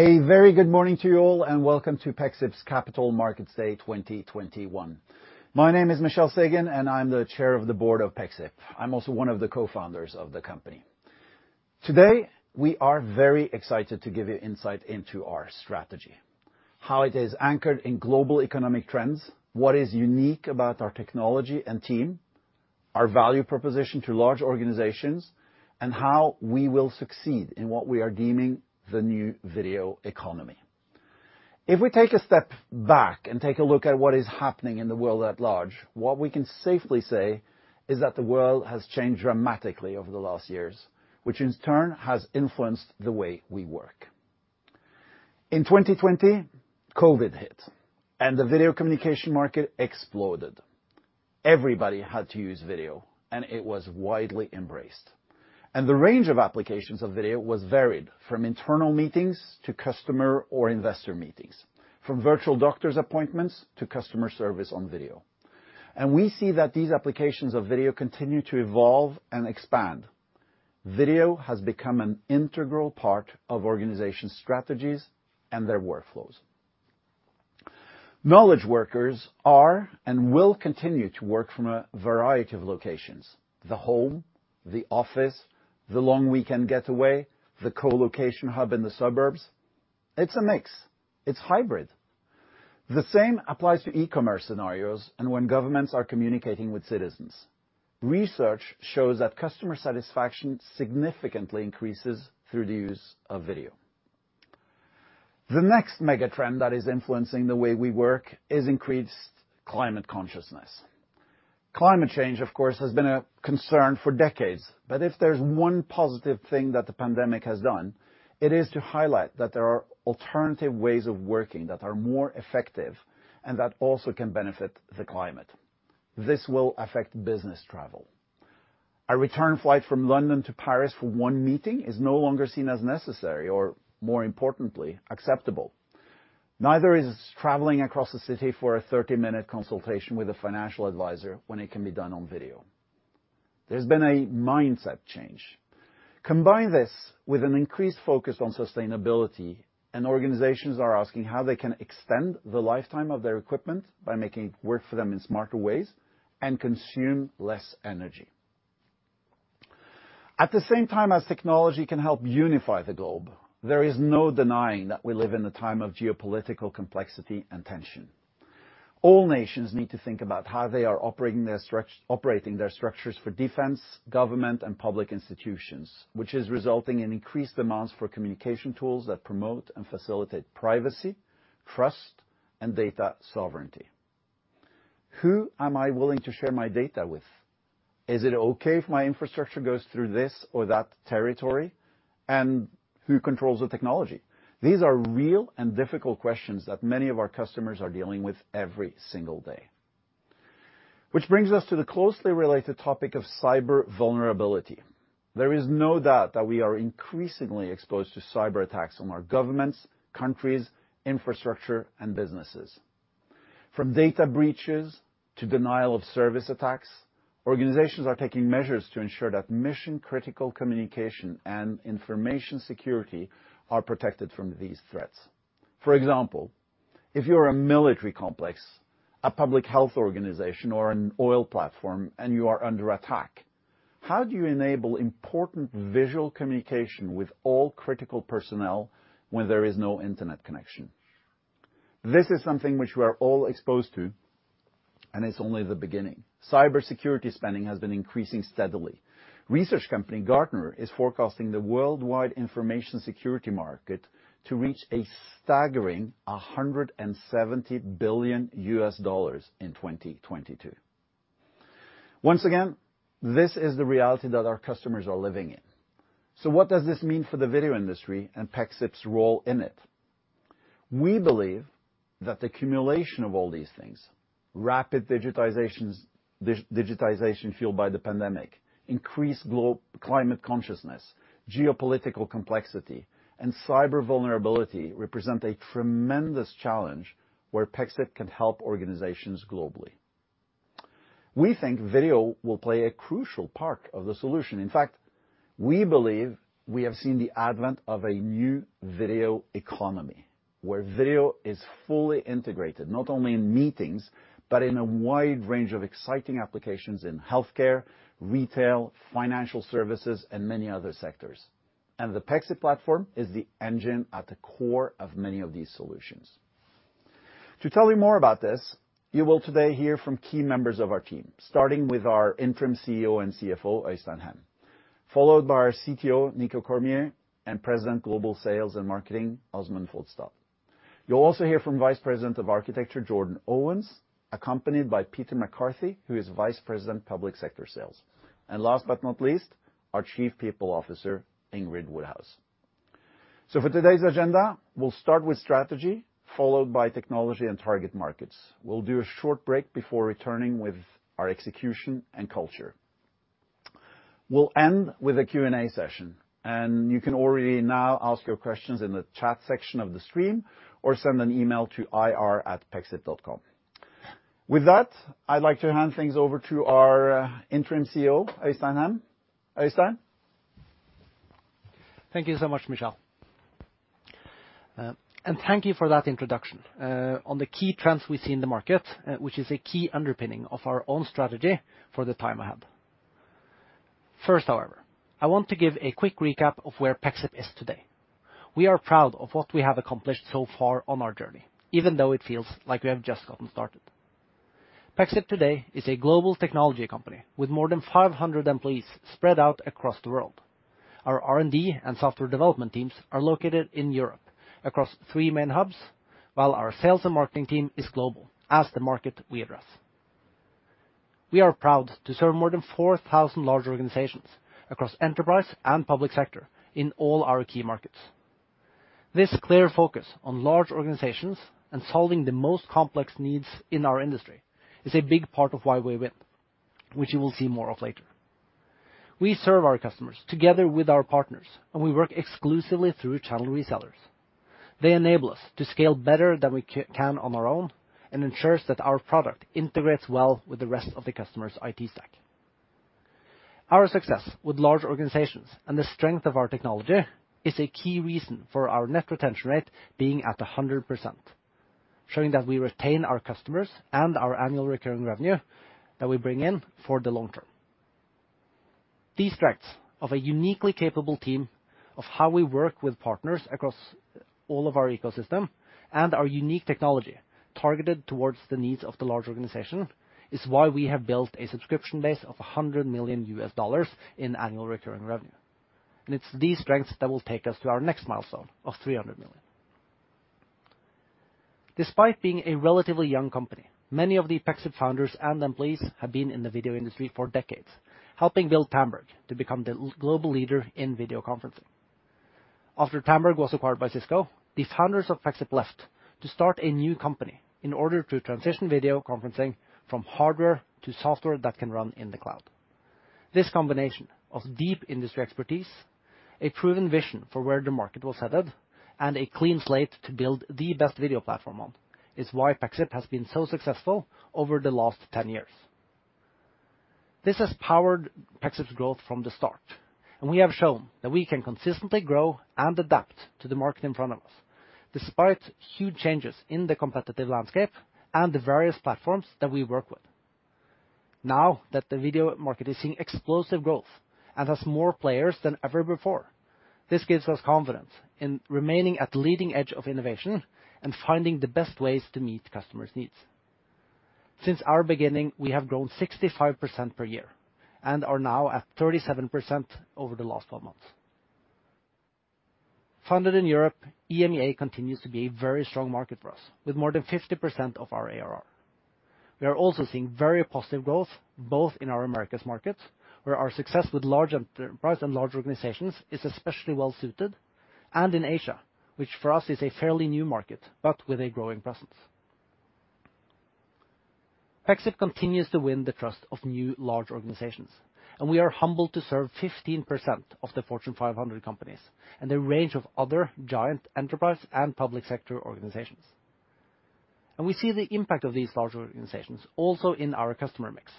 A very good morning to you all, and welcome to Pexip's Capital Markets Day 2021. My name is Michel Sagen, and I'm the Chair of the Board of Pexip. I'm also one of the co-founders of the company. Today, we are very excited to give you insight into our strategy, how it is anchored in global economic trends, what is unique about our technology and team, our value proposition to large organizations, and how we will succeed in what we are deeming the new video economy. If we take a step back and take a look at what is happening in the world at large, what we can safely say is that the world has changed dramatically over the last years, which in turn has influenced the way we work. In 2020, COVID hit, and the video communication market exploded. Everybody had to use video, and it was widely embraced. The range of applications of video was varied, from internal meetings to customer or investor meetings, from virtual doctor's appointments to customer service on video. We see that these applications of video continue to evolve and expand. Video has become an integral part of organizations' strategies and their workflows. Knowledge workers are and will continue to work from a variety of locations. The home, the office, the long weekend getaway, the co-location hub in the suburbs. It's a mix. It's hybrid. The same applies to e-commerce scenarios and when governments are communicating with citizens. Research shows that customer satisfaction significantly increases through the use of video. The next mega-trend that is influencing the way we work is increased climate consciousness. Climate change, of course, has been a concern for decades, but if there's one positive thing that the pandemic has done, it is to highlight that there are alternative ways of working that are more effective and that also can benefit the climate. This will affect business travel. A return flight from London to Paris for one meeting is no longer seen as necessary or, more importantly, acceptable. Neither is traveling across the city for a 30-minute consultation with a financial advisor when it can be done on video. There's been a mindset change. Combine this with an increased focus on sustainability, and organizations are asking how they can extend the lifetime of their equipment by making it work for them in smarter ways and consume less energy. At the same time as technology can help unify the globe, there is no denying that we live in a time of geopolitical complexity and tension. All nations need to think about how they are operating their structures for defense, government, and public institutions, which is resulting in increased demands for communication tools that promote and facilitate privacy, trust, and data sovereignty. Who am I willing to share my data with? Is it okay if my infrastructure goes through this or that territory? And who controls the technology? These are real and difficult questions that many of our customers are dealing with every single day. Which brings us to the closely related topic of cyber vulnerability. There is no doubt that we are increasingly exposed to cyberattacks on our governments, countries, infrastructure, and businesses. From data breaches to denial-of-service attacks, organizations are taking measures to ensure that mission-critical communication and information security are protected from these threats. For example, if you're a military complex, a public health organization, or an oil platform, and you are under attack, how do you enable important visual communication with all critical personnel when there is no internet connection? This is something which we are all exposed to, and it's only the beginning. Cybersecurity spending has been increasing steadily. Research company Gartner is forecasting the worldwide information security market to reach a staggering $170 billion in 2022. Once again, this is the reality that our customers are living in. What does this mean for the video industry and Pexip's role in it? We believe that the accumulation of all these things, rapid digitization fueled by the pandemic, increased global climate consciousness, geopolitical complexity, and cyber vulnerability represent a tremendous challenge where Pexip can help organizations globally. We think video will play a crucial part of the solution. In fact, we believe we have seen the advent of a new video economy, where video is fully integrated, not only in meetings, but in a wide range of exciting applications in healthcare, retail, financial services, and many other sectors. The Pexip platform is the engine at the core of many of these solutions. To tell you more about this, you will today hear from key members of our team, starting with our Interim CEO and CFO, Øystein Hem, followed by our CTO, Nicolas Cormier, and President Global Sales and Marketing, Åsmund Fodstad. You'll also hear from Vice President of Architecture, Jordan Owens, accompanied by Peter McCarthy, who is Vice President Public Sector Sales. Last but not least, our Chief People Officer, Ingrid Woodhouse. For today's agenda, we'll start with strategy, followed by technology and target markets. We'll do a short break before returning with our execution and culture. We'll end with a Q&A session, and you can already now ask your questions in the chat section of the stream or send an email to ir@pexip.com. With that, I'd like to hand things over to our interim CEO, Øystein Hem. Øystein? Thank you so much, Michel. Thank you for that introduction on the key trends we see in the market, which is a key underpinning of our own strategy for the time ahead. First, however, I want to give a quick recap of where Pexip is today. We are proud of what we have accomplished so far on our journey, even though it feels like we have just gotten started. Pexip today is a global technology company with more than 500 employees spread out across the world. Our R&D and software development teams are located in Europe across three main hubs, while our sales and marketing team is global, as the market we address. We are proud to serve more than 4,000 large organizations across enterprise and public sector in all our key markets. This clear focus on large organizations and solving the most complex needs in our industry is a big part of why we win, which you will see more of later. We serve our customers together with our partners, and we work exclusively through channel resellers. They enable us to scale better than we can on our own and ensures that our product integrates well with the rest of the customer's IT stack. Our success with large organizations and the strength of our technology is a key reason for our net retention rate being at 100%, showing that we retain our customers and our annual recurring revenue that we bring in for the long term. These strengths of a uniquely capable team of how we work with partners across all of our ecosystem and our unique technology targeted toward the needs of the large organization is why we have built a subscription base of $100 million in annual recurring revenue. It's these strengths that will take us to our next milestone of $300 million. Despite being a relatively young company, many of the Pexip founders and employees have been in the video industry for decades, helping build Tandberg to become the global leader in video conferencing. After Tandberg was acquired by Cisco, the founders of Pexip left to start a new company in order to transition video conferencing from hardware to software that can run in the cloud. This combination of deep industry expertise, a proven vision for where the market was headed, and a clean slate to build the best video platform on is why Pexip has been so successful over the last 10 years. This has powered Pexip's growth from the start, and we have shown that we can consistently grow and adapt to the market in front of us, despite huge changes in the competitive landscape and the various platforms that we work with. Now that the video market is seeing explosive growth and has more players than ever before, this gives us confidence in remaining at leading edge of innovation and finding the best ways to meet customers' needs. Since our beginning, we have grown 65% per year and are now at 37% over the last 12 months. Founded in Europe, EMEA continues to be a very strong market for us with more than 50% of our ARR. We are also seeing very positive growth, both in our Americas markets, where our success with large enterprise and large organizations is especially well suited, and in Asia, which for us is a fairly new market, but with a growing presence. Pexip continues to win the trust of new large organizations, and we are humbled to serve 15% of the Fortune 500 companies and a range of other giant enterprise and public sector organizations. We see the impact of these large organizations also in our customer mix,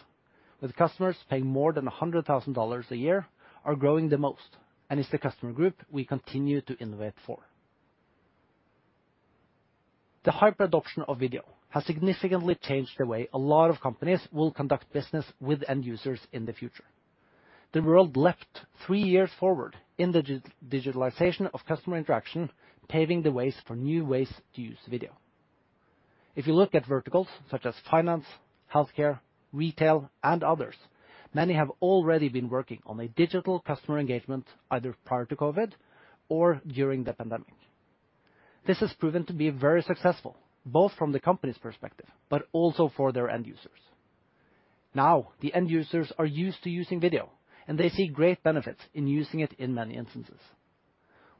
with customers paying more than $100,000 a year are growing the most, and it's the customer group we continue to innovate for. The hyper adoption of video has significantly changed the way a lot of companies will conduct business with end users in the future. The world leapt three years forward in the digitalization of customer interaction, paving the ways for new ways to use video. If you look at verticals such as finance, healthcare, retail, and others, many have already been working on a digital customer engagement either prior to COVID or during the pandemic. This has proven to be very successful, both from the company's perspective, but also for their end users. Now, the end users are used to using video, and they see great benefits in using it in many instances.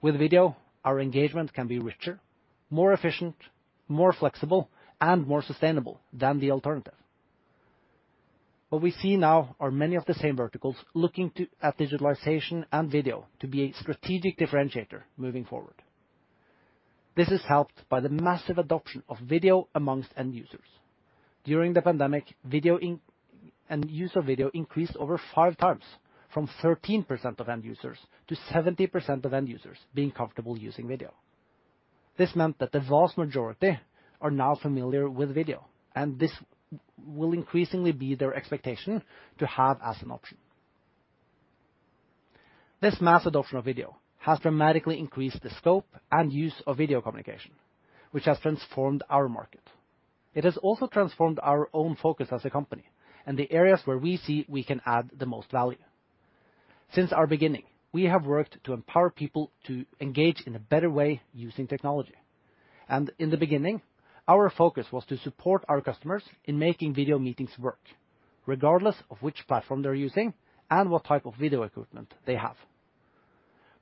With video, our engagement can be richer, more efficient, more flexible, and more sustainable than the alternative. What we see now are many of the same verticals looking to digitalization and video to be a strategic differentiator moving forward. This is helped by the massive adoption of video among end users. During the pandemic, end user video increased over 5x from 13% of end users to 70% of end users being comfortable using video. This meant that the vast majority are now familiar with video, and this will increasingly be their expectation to have as an option. This mass adoption of video has dramatically increased the scope and use of video communication, which has transformed our market. It has also transformed our own focus as a company and the areas where we see we can add the most value. Since our beginning, we have worked to empower people to engage in a better way using technology. In the beginning, our focus was to support our customers in making video meetings work, regardless of which platform they're using and what type of video equipment they have.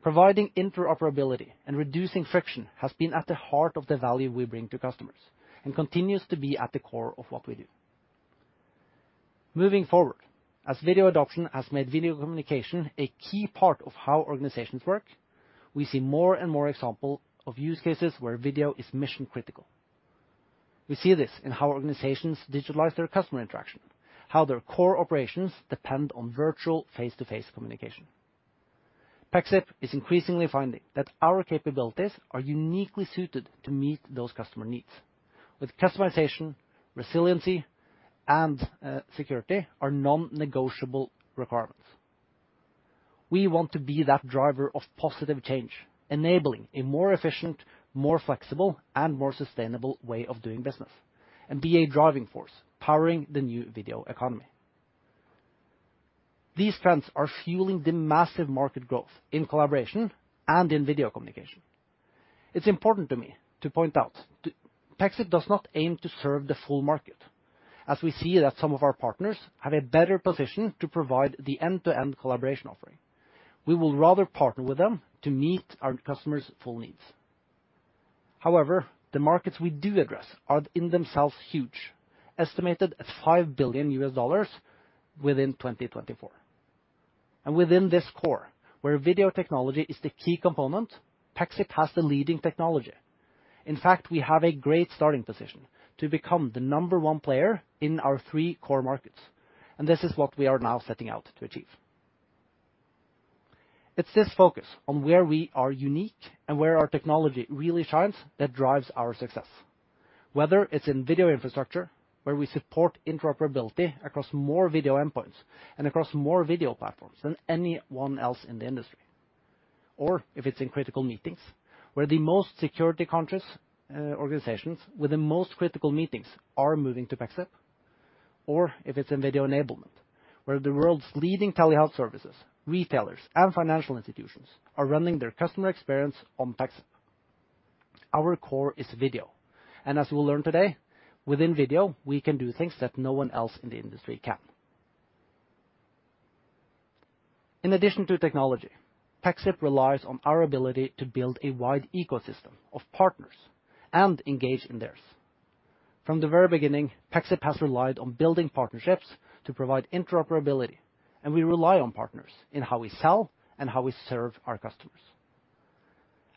Providing interoperability and reducing friction has been at the heart of the value we bring to customers and continues to be at the core of what we do. Moving forward, as video adoption has made video communication a key part of how organizations work, we see more and more example of use cases where video is mission-critical. We see this in how organizations digitalize their customer interaction, how their core operations depend on virtual face-to-face communication. Pexip is increasingly finding that our capabilities are uniquely suited to meet those customer needs, with customization, resiliency and security are non-negotiable requirements. We want to be that driver of positive change, enabling a more efficient, more flexible, and more sustainable way of doing business, and be a driving force powering the new video economy. These trends are fueling the massive market growth in collaboration and in video communication. It's important to me to point out that Pexip does not aim to serve the full market, as we see that some of our partners have a better position to provide the end-to-end collaboration offering. We will rather partner with them to meet our customers' full needs. However, the markets we do address are in themselves huge, estimated at $5 billion within 2024. Within this core, where video technology is the key component, Pexip has the leading technology. In fact, we have a great starting position to become the number one player in our three core markets, and this is what we are now setting out to achieve. It's this focus on where we are unique and where our technology really shines that drives our success. Whether it's in video infrastructure, where we support interoperability across more video endpoints and across more video platforms than anyone else in the industry, or if it's in critical meetings, where the most security-conscious organizations with the most critical meetings are moving to Pexip, or if it's in video enablement, where the world's leading telehealth services, retailers, and financial institutions are running their customer experience on Pexip. Our core is video, and as we'll learn today, within video, we can do things that no one else in the industry can. In addition to technology, Pexip relies on our ability to build a wide ecosystem of partners and engage in theirs. From the very beginning, Pexip has relied on building partnerships to provide interoperability, and we rely on partners in how we sell and how we serve our customers.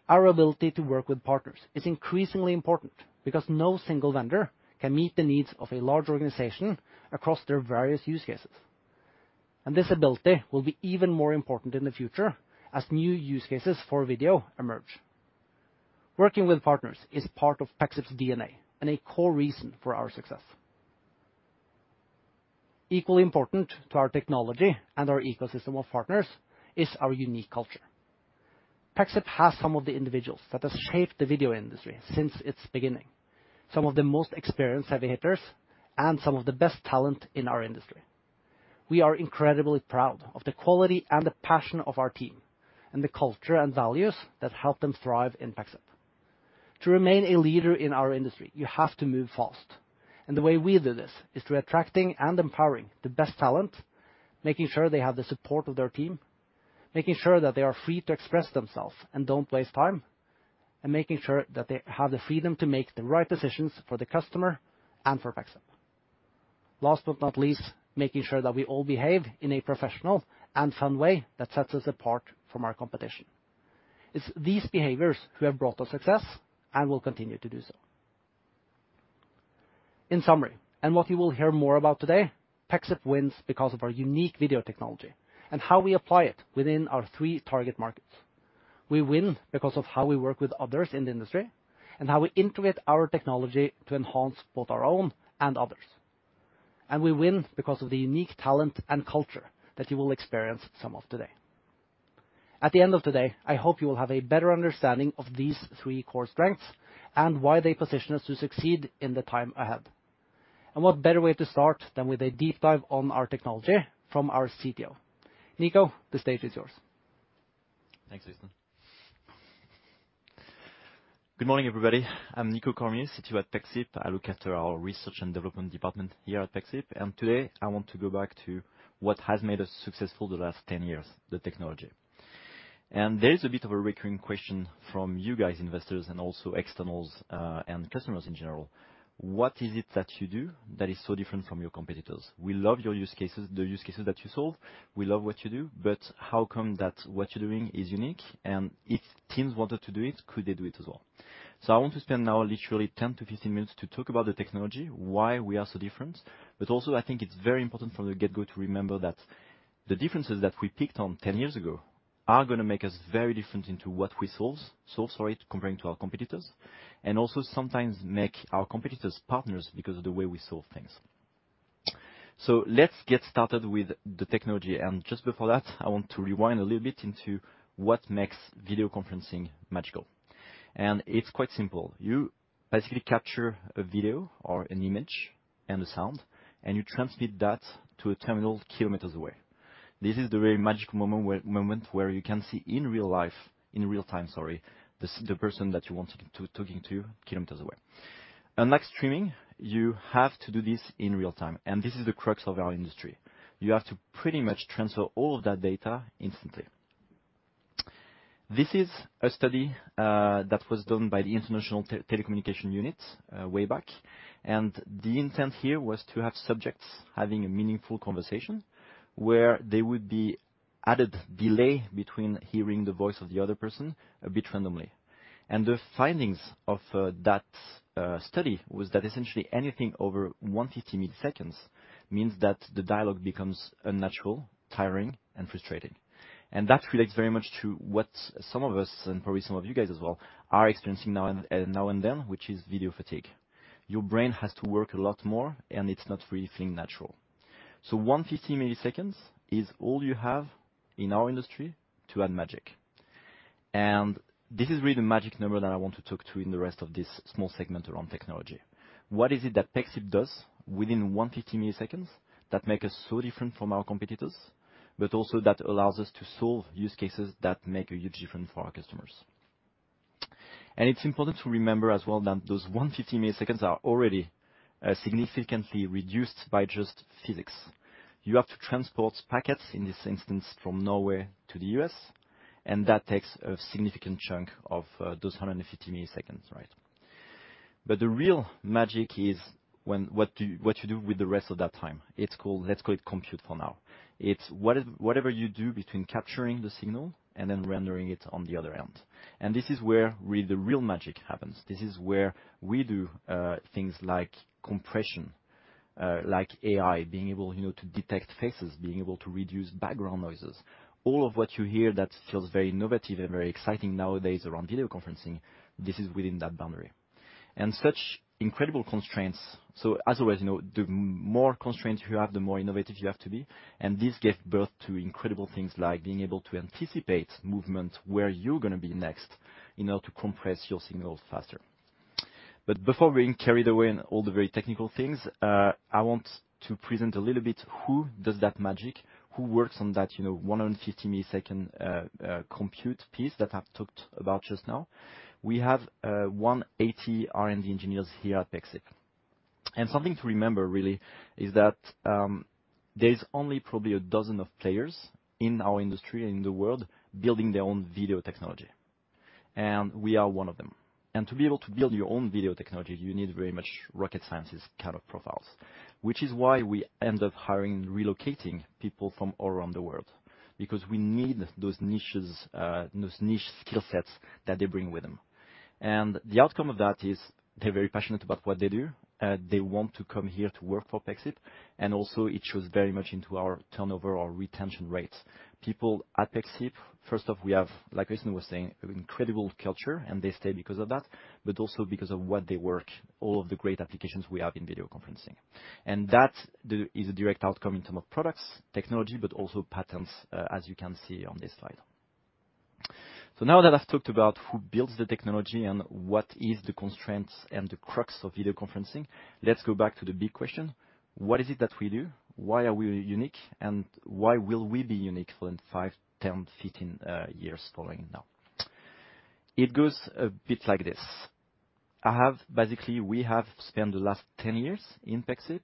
Our ability to work with partners is increasingly important because no single vendor can meet the needs of a large organization across their various use cases. This ability will be even more important in the future as new use cases for video emerge. Working with partners is part of Pexip's DNA and a core reason for our success. Equally important to our technology and our ecosystem of partners is our unique culture. Pexip has some of the individuals that have shaped the video industry since its beginning, some of the most experienced heavy hitters, and some of the best talent in our industry. We are incredibly proud of the quality and the passion of our team, and the culture and values that help them thrive in Pexip. To remain a leader in our industry, you have to move fast, and the way we do this is through attracting and empowering the best talent, making sure they have the support of their team, making sure that they are free to express themselves and don't waste time, and making sure that they have the freedom to make the right decisions for the customer and for Pexip. Last but not least, making sure that we all behave in a professional and fun way that sets us apart from our competition. It's these behaviors who have brought us success and will continue to do so. In summary, and what you will hear more about today, Pexip wins because of our unique video technology and how we apply it within our three target markets. We win because of how we work with others in the industry and how we integrate our technology to enhance both our own and others. We win because of the unique talent and culture that you will experience some of today. At the end of today, I hope you will have a better understanding of these three core strengths and why they position us to succeed in the time ahead. What better way to start than with a deep dive on our technology from our CTO. Nico, the stage is yours. Thanks, Øystein. Good morning, everybody. I'm Nicolas Cormier, CTO at Pexip. I look after our research and development department here at Pexip. Today, I want to go back to what has made us successful the last 10 years, the technology. There is a bit of a recurring question from you guys, investors, and also externals, and customers in general. What is it that you do that is so different from your competitors? We love your use cases, the use cases that you solve. We love what you do, but how come that what you're doing is unique? If teams wanted to do it, could they do it as well? I want to spend now literally 10-15 minutes to talk about the technology, why we are so different. I think it's very important from the get-go to remember that the differences that we picked on ten years ago are gonna make us very different into what we solve, so sorry, comparing to our competitors, and also sometimes make our competitors partners because of the way we solve things. Let's get started with the technology. Just before that, I want to rewind a little bit into what makes video conferencing magical. It's quite simple. You basically capture a video or an image and a sound, and you transmit that to a terminal kilometers away. This is the very magic moment where you can see in real-time the person that you wanted to talk to kilometers away. Unlike streaming, you have to do this in real-time, and this is the crux of our industry. You have to pretty much transfer all of that data instantly. This is a study that was done by the International Telecommunication Union way back. The intent here was to have subjects having a meaningful conversation where there would be added delay between hearing the voice of the other person a bit randomly. The findings of that study was that essentially anything over 150 milliseconds means that the dialogue becomes unnatural, tiring, and frustrating. That relates very much to what some of us, and probably some of you guys as well, are experiencing now and then, which is video fatigue. Your brain has to work a lot more, and it's not really feeling natural. 150 milliseconds is all you have in our industry to add magic. This is really the magic number that I want to talk to in the rest of this small segment around technology. What is it that Pexip does within 150 milliseconds that make us so different from our competitors, but also that allows us to solve use cases that make a huge difference for our customers? It's important to remember as well that those 150 milliseconds are already significantly reduced by just physics. You have to transport packets, in this instance, from Norway to the US, and that takes a significant chunk of those 150 milliseconds, right? The real magic is when what you do with the rest of that time. It's called, let's call it compute for now. It's whatever you do between capturing the signal and then rendering it on the other end. This is where, really, the real magic happens. This is where we do things like compression, like AI, being able, you know, to detect faces, being able to reduce background noises. All of what you hear that feels very innovative and very exciting nowadays around video conferencing, this is within that boundary. Such incredible constraints. As always, you know, the more constraints you have, the more innovative you have to be. This gave birth to incredible things like being able to anticipate movement where you're gonna be next in order to compress your signal faster. Before being carried away in all the very technical things, I want to present a little bit who does that magic, who works on that, you know, 150-millisecond compute piece that I've talked about just now. We have 180 R&D engineers here at Pexip. Something to remember really is that there's only probably a dozen of players in our industry, in the world, building their own video technology, and we are one of them. To be able to build your own video technology, you need very much rocket science kind of profiles. Which is why we end up hiring, relocating people from all around the world, because we need those niches, those niche skill sets that they bring with them. The outcome of that is they're very passionate about what they do, they want to come here to work for Pexip, and also it shows very much into our turnover or retention rates. People at Pexip, first off, we have, like Christina was saying, incredible culture, and they stay because of that, but also because of what they work, all of the great applications we have in video conferencing. That is a direct outcome in terms of products, technology, but also patents, as you can see on this slide. Now that I've talked about who builds the technology and what is the constraints and the crux of video conferencing, let's go back to the big question: What is it that we do? Why are we unique, and why will we be unique for in five, 10, 15 years following now? It goes a bit like this. We have spent the last 10 years in Pexip,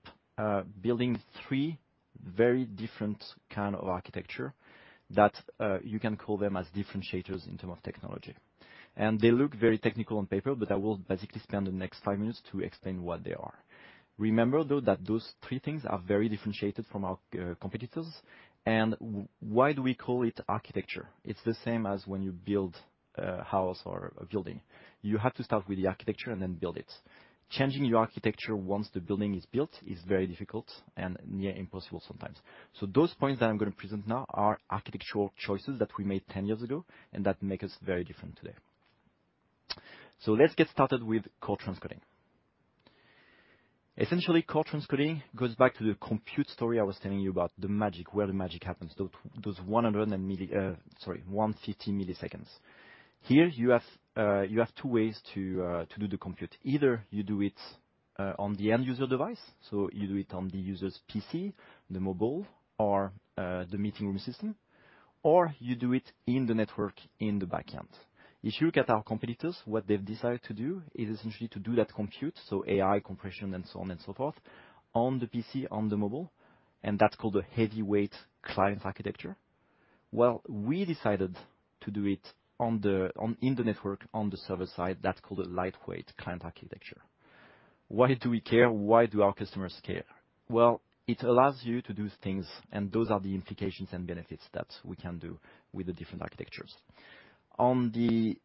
building three very different kind of architecture that you can call them as differentiators in terms of technology. They look very technical on paper, but I will basically spend the next five minutes to explain what they are. Remember though, that those three things are very differentiated from our competitors. Why do we call it architecture? It's the same as when you build a house or a building. You have to start with the architecture and then build it. Changing your architecture once the building is built is very difficult and near impossible sometimes. Those points that I'm gonna present now are architectural choices that we made 10 years ago, and that make us very different today. Let's get started with core transcoding. Essentially, core transcoding goes back to the compute story I was telling you about, the magic, where the magic happens, those 150 milliseconds. Here you have two ways to do the compute. Either you do it on the end user device, so you do it on the user's PC, the mobile, or the meeting room system. Or you do it in the network in the background. If you look at our competitors, what they've decided to do is essentially to do that compute, so AI compression and so on and so forth, on the PC, on the mobile, and that's called a heavyweight client architecture. Well, we decided to do it in the network, on the server side. That's called a lightweight client architecture. Why do we care? Why do our customers care? Well, it allows you to do things, and those are the implications and benefits that we can do with the different architectures. On the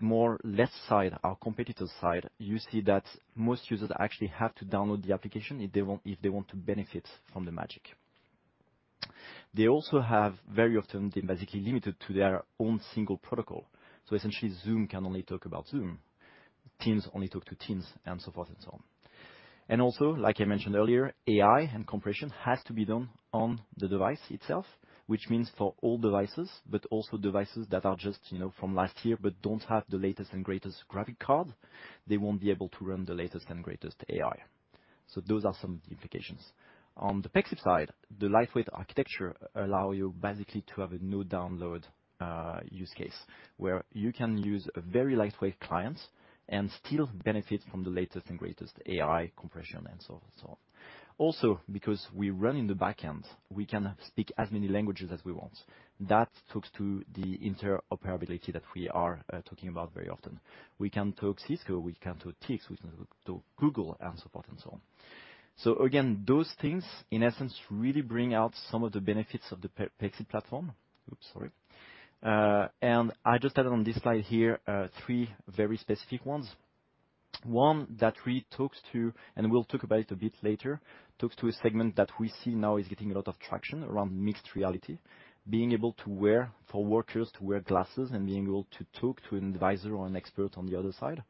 more left side, our competitor side, you see that most users actually have to download the application if they want to benefit from the magic. They also have very often been basically limited to their own single protocol. Essentially, Zoom can only talk about Zoom. Teams only talk to Teams, and so forth and so on. Also, like I mentioned earlier, AI and compression has to be done on the device itself, which means for all devices, but also devices that are just, you know, from last year, but don't have the latest and greatest graphics card, they won't be able to run the latest and greatest AI. Those are some of the implications. On the Pexip side, the lightweight architecture allow you basically to have a no download use case where you can use a very lightweight client and still benefit from the latest and greatest AI compression and so and so on. Also, because we run in the back end, we can speak as many languages as we want. That talks to the interoperability that we are talking about very often. We can talk Cisco, we can talk Tix, we can talk Google and so forth and so on. Again, those things in essence really bring out some of the benefits of the Pexip platform. Oops, sorry. I just added on this slide here three very specific ones. One that really talks to, and we'll talk about it a bit later, a segment that we see now is getting a lot of traction around mixed reality for workers to wear glasses and being able to talk to an advisor or an expert on the other side.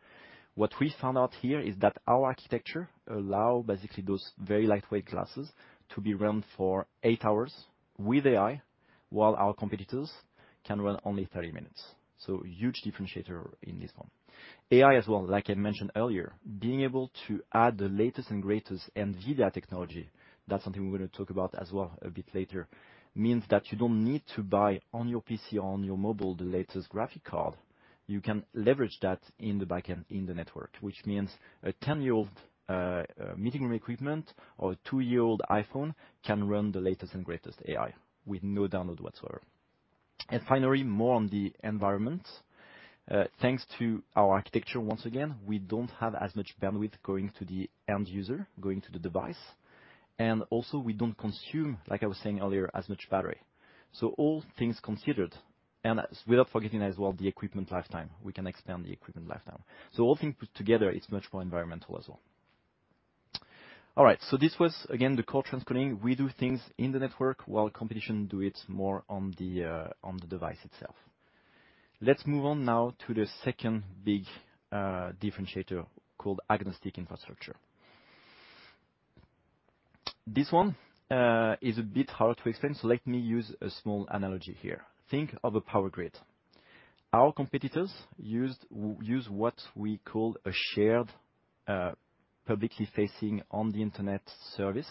What we found out here is that our architecture allow basically those very lightweight glasses to be run for eight hours with AI while our competitors can run only 30 minutes. Huge differentiator in this one. AI as well, like I mentioned earlier, being able to add the latest and greatest NVIDIA technology, that's something we're gonna talk about as well a bit later, means that you don't need to buy on your PC or on your mobile the latest graphics card. You can leverage that in the back end in the network, which means a 10-year-old meeting room equipment or a 2-year-old iPhone can run the latest and greatest AI with no download whatsoever. Finally, more on the environment. Thanks to our architecture once again, we don't have as much bandwidth going to the end user, going to the device, and also we don't consume, like I was saying earlier, as much battery. All things considered, and without forgetting as well, the equipment lifetime, we can extend the equipment lifetime. All things put together, it's much more environmental as well. All right, so this was again, the core transcoding. We do things in the network while competition do it more on the device itself. Let's move on now to the second big differentiator called agnostic infrastructure. This one is a bit hard to explain, so let me use a small analogy here. Think of a power grid. Our competitors use what we call a shared, publicly facing on the internet service,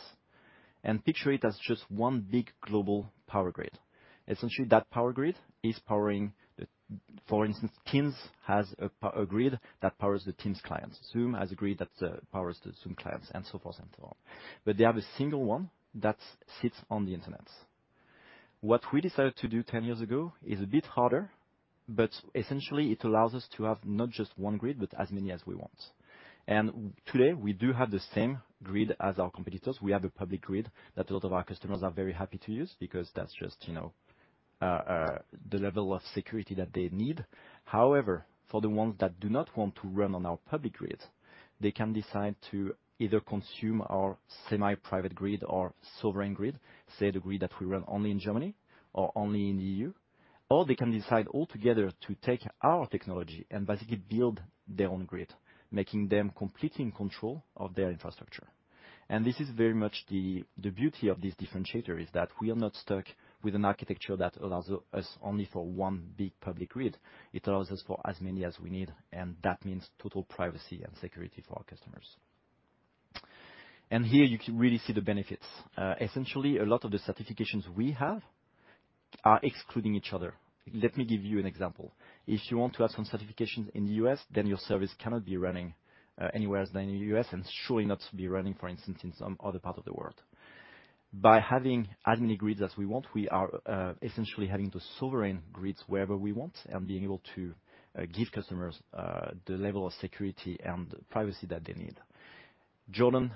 and picture it as just one big global power grid. Essentially, that power grid is powering the. For instance, Teams has a power grid that powers the Teams clients. Zoom has a grid that powers the Zoom clients and so forth and so on. But they have a single one that sits on the internet. What we decided to do 10 years ago is a bit harder, but essentially it allows us to have not just one grid, but as many as we want. Today we do have the same grid as our competitors. We have a public grid that a lot of our customers are very happy to use because that's just, you know, the level of security that they need. However, for the ones that do not want to run on our public grid, they can decide to either consume our semi-private grid or sovereign grid, say the grid that we run only in Germany or only in the EU. Or they can decide altogether to take our technology and basically build their own grid, making them completely in control of their infrastructure. This is very much the beauty of this differentiator, is that we are not stuck with an architecture that allows us only for one big public grid. It allows us for as many as we need, and that means total privacy and security for our customers. Here you can really see the benefits. Essentially, a lot of the certifications we have are excluding each other. Let me give you an example. If you want to have some certifications in the U.S., then your service cannot be running anywhere than in the U.S. and surely not be running, for instance, in some other part of the world. By having as many grids as we want, we are essentially having the sovereign grids wherever we want and being able to give customers the level of security and privacy that they need. Jordan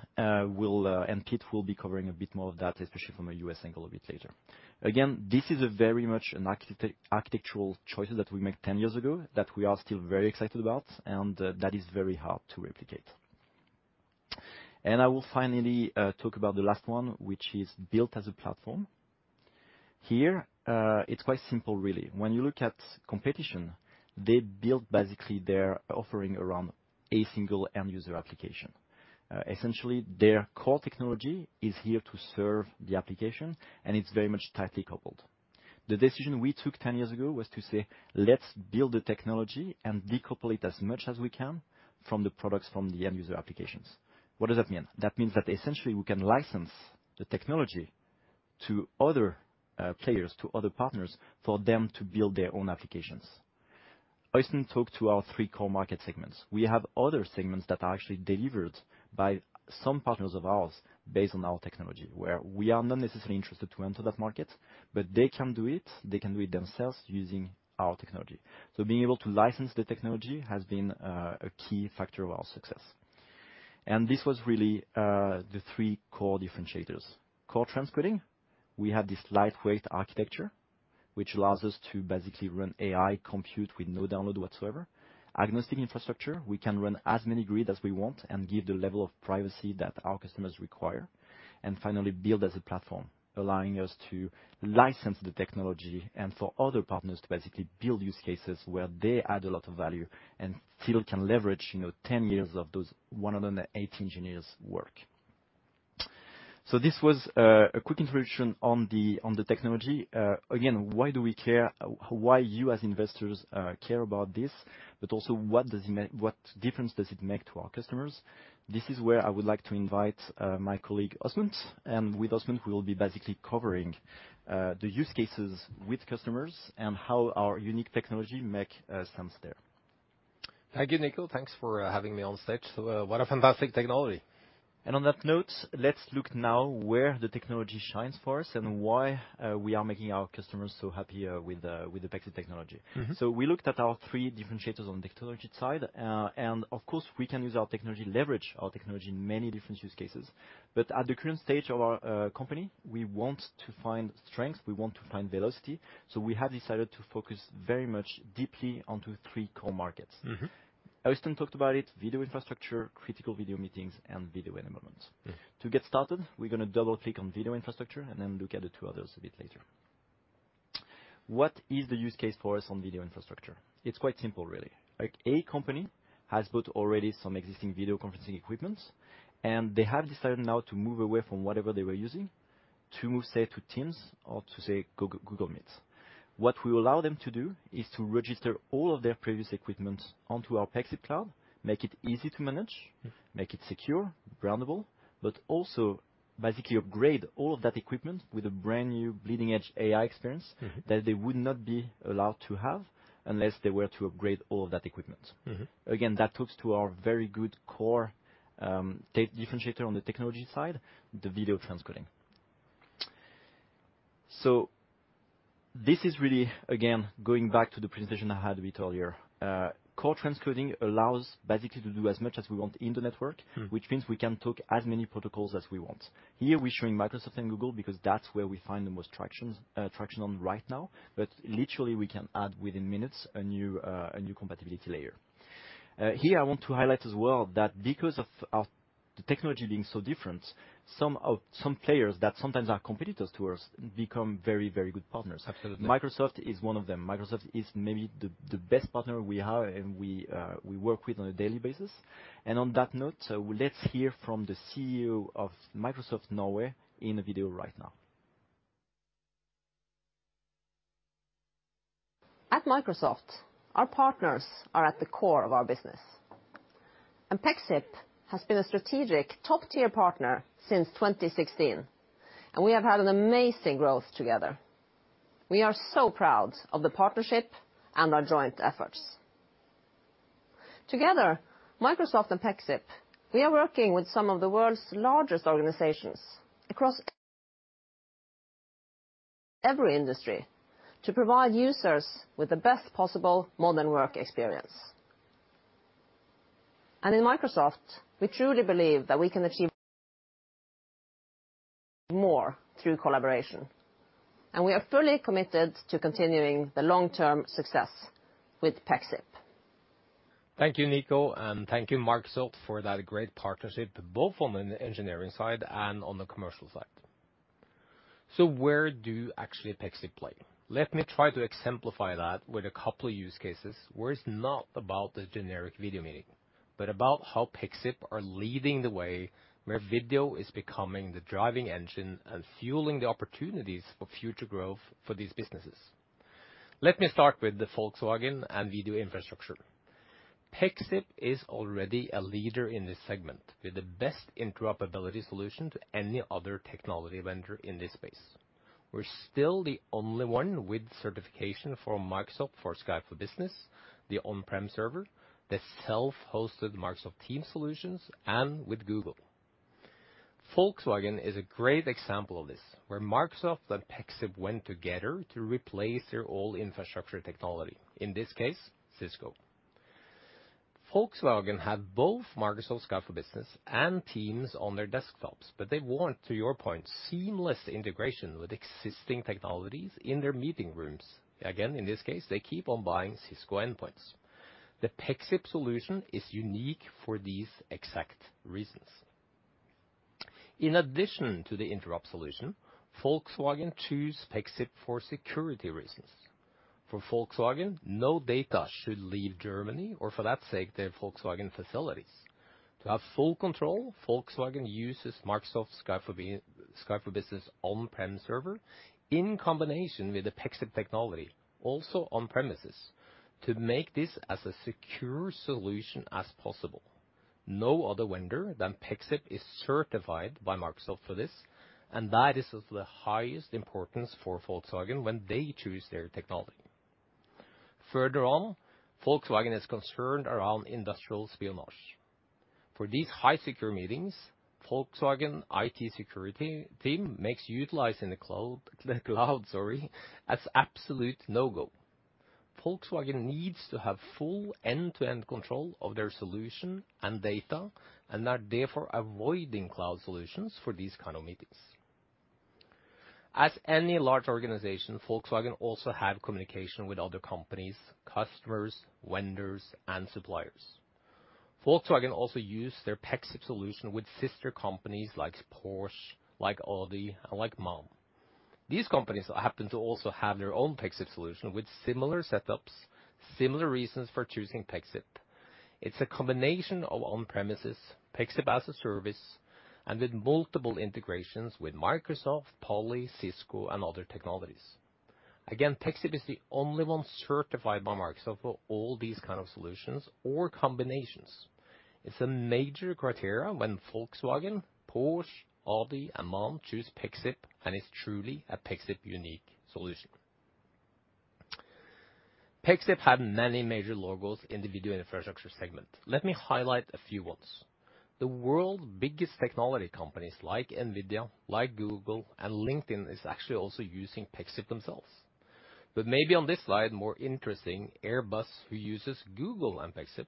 will and Kit will be covering a bit more of that, especially from a U.S. angle a bit later. Again, this is a very much an architectural choices that we made 10 years ago that we are still very excited about, and that is very hard to replicate. I will finally talk about the last one, which is built as a platform. Here, it's quite simple really. When you look at competition, they build basically their offering around a single end user application. Essentially, their core technology is here to serve the application, and it's very much tightly coupled. The decision we took 10 years ago was to say, "Let's build the technology and decouple it as much as we can from the products from the end user applications." What does that mean? That means that essentially we can license the technology to other players, to other partners, for them to build their own applications. I recently talked to our three core market segments. We have other segments that are actually delivered by some partners of ours based on our technology, where we are not necessarily interested to enter that market, but they can do it, they can do it themselves using our technology. Being able to license the technology has been a key factor of our success. This was really the three core differentiators. Core transcoding, we have this lightweight architecture, which allows us to basically run AI compute with no download whatsoever. Agnostic infrastructure, we can run as many grid as we want and give the level of privacy that our customers require. Finally, build as a platform, allowing us to license the technology and for other partners to basically build use cases where they add a lot of value and still can leverage, you know, 10 years of those 108 engineers work. This was a quick introduction on the technology. Again, why do we care? Why you, as investors, care about this, but also what difference does it make to our customers? This is where I would like to invite my colleague, Åsmund. With Åsmund, we will be basically covering the use cases with customers and how our unique technology make sense there. Thank you, Nico. Thanks for having me on stage. What a fantastic technology. On that note, let's look now where the technology shines for us and why we are making our customers so happy with the Pexip technology. Mm-hmm. We looked at our three differentiators on the technology side. Of course, we can use our technology, leverage our technology in many different use cases. At the current stage of our company, we want to find strength, we want to find velocity, so we have decided to focus very much deeply onto three core markets. Mm-hmm. Åsmund talked about it, video infrastructure, critical video meetings, and video enablement. Yeah. To get started, we're gonna double-click on video infrastructure and then look at the two others a bit later. What is the use case for us on video infrastructure? It's quite simple, really. Like, a company has built already some existing video conferencing equipment, and they have decided now to move away from whatever they were using to move, say, to Teams or to, say, Google Meet. What we allow them to do is to register all of their previous equipment onto our Pexip cloud, make it easy to manage. Mm. Make it secure, groundable, but also basically upgrade all of that equipment with a brand-new bleeding-edge AI experience. Mm-hmm that they would not be allowed to have unless they were to upgrade all of that equipment. Mm-hmm. Again, that talks to our very good core differentiator on the technology side, the video transcoding. This is really, again, going back to the presentation I had a bit earlier. Core transcoding allows basically to do as much as we want in the network. Mm. Which means we can take as many protocols as we want. Here, we're showing Microsoft and Google because that's where we find the most traction right now. But literally, we can add within minutes a new compatibility layer. Here I want to highlight as well that because of our technology being so different, some players that sometimes are competitors to us become very, very good partners. Absolutely. Microsoft is one of them. Microsoft is maybe the best partner we have and we work with on a daily basis. On that note, let's hear from the CEO of Microsoft Norway in a video right now. At Microsoft, our partners are at the core of our business, and Pexip has been a strategic top-tier partner since 2016, and we have had an amazing growth together. We are so proud of the partnership and our joint efforts. Together, Microsoft and Pexip, we are working with some of the world's largest organizations across every industry to provide users with the best possible modern work experience. In Microsoft, we truly believe that we can achieve more through collaboration, and we are fully committed to continuing the long-term success with Pexip. Thank you, Nico, and thank you, Microsoft, for that great partnership, both on the engineering side and on the commercial side. Where do actually Pexip play? Let me try to exemplify that with a couple use cases where it's not about the generic video meeting, but about how Pexip are leading the way, where video is becoming the driving engine and fueling the opportunities for future growth for these businesses. Let me start with the Volkswagen and video infrastructure. Pexip is already a leader in this segment with the best interoperability solution to any other technology vendor in this space. We're still the only one with certification for Microsoft for Skype for Business, the on-prem server, the self-hosted Microsoft Teams solutions, and with Google. Volkswagen is a great example of this, where Microsoft and Pexip went together to replace their old infrastructure technology, in this case, Cisco. Volkswagen had both Microsoft Skype for Business and Teams on their desktops, but they want, to your point, seamless integration with existing technologies in their meeting rooms. In this case, they keep on buying Cisco endpoints. The Pexip solution is unique for these exact reasons. In addition to the interop solution, Volkswagen choose Pexip for security reasons. For Volkswagen, no data should leave Germany or for that sake, their Volkswagen facilities. To have full control, Volkswagen uses Microsoft Skype for Business on-prem server in combination with the Pexip technology, also on premises, to make this as a secure solution as possible. No other vendor than Pexip is certified by Microsoft for this, and that is of the highest importance for Volkswagen when they choose their technology. Further on, Volkswagen is concerned around industrial espionage. For these highly secure meetings, Volkswagen IT security team makes utilizing the cloud an absolute no-go. Volkswagen needs to have full end-to-end control of their solution and data, and are therefore avoiding cloud solutions for this kind of meetings. As any large organization, Volkswagen also have communication with other companies, customers, vendors, and suppliers. Volkswagen also use their Pexip solution with sister companies like Porsche, like Audi, and like MAN. These companies happen to also have their own Pexip solution with similar setups, similar reasons for choosing Pexip. It's a combination of on-premises, Pexip-as-a-service, and with multiple integrations with Microsoft, Poly, Cisco, and other technologies. Again, Pexip is the only one certified by Microsoft for all this kind of solutions or combinations. It's a major criteria when Volkswagen, Porsche, Audi, and MAN choose Pexip, and it's truly a Pexip unique solution. Pexip had many major logos in the video infrastructure segment. Let me highlight a few ones. The world's biggest technology companies like NVIDIA, like Google, and LinkedIn is actually also using Pexip themselves. Maybe on this slide, more interesting, Airbus, who uses Google and Pexip,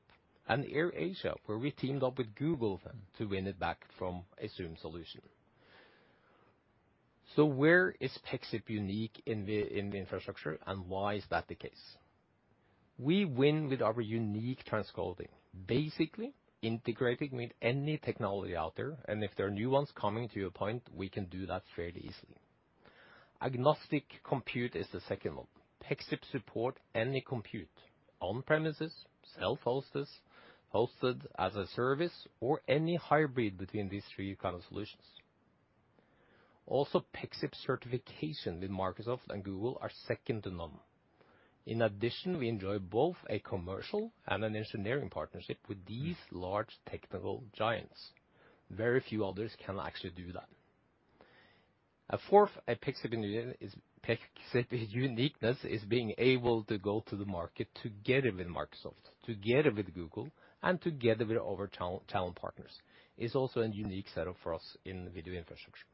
and AirAsia, where we teamed up with Google then to win it back from a Zoom solution. Where is Pexip unique in the infrastructure, and why is that the case? We win with our unique transcoding, basically integrating with any technology out there, and if there are new ones coming to your point, we can do that fairly easily. Agnostic compute is the second one. Pexip support any compute on-premises, self-hosted, hosted as a service, or any hybrid between these three kind of solutions. Also, Pexip certification with Microsoft and Google are second to none. In addition, we enjoy both a commercial and an engineering partnership with these large technical giants. Very few others can actually do that. A fourth Pexip uniqueness is being able to go to the market together with Microsoft, together with Google, and together with our channel partners. It's also a unique setup for us in video infrastructure.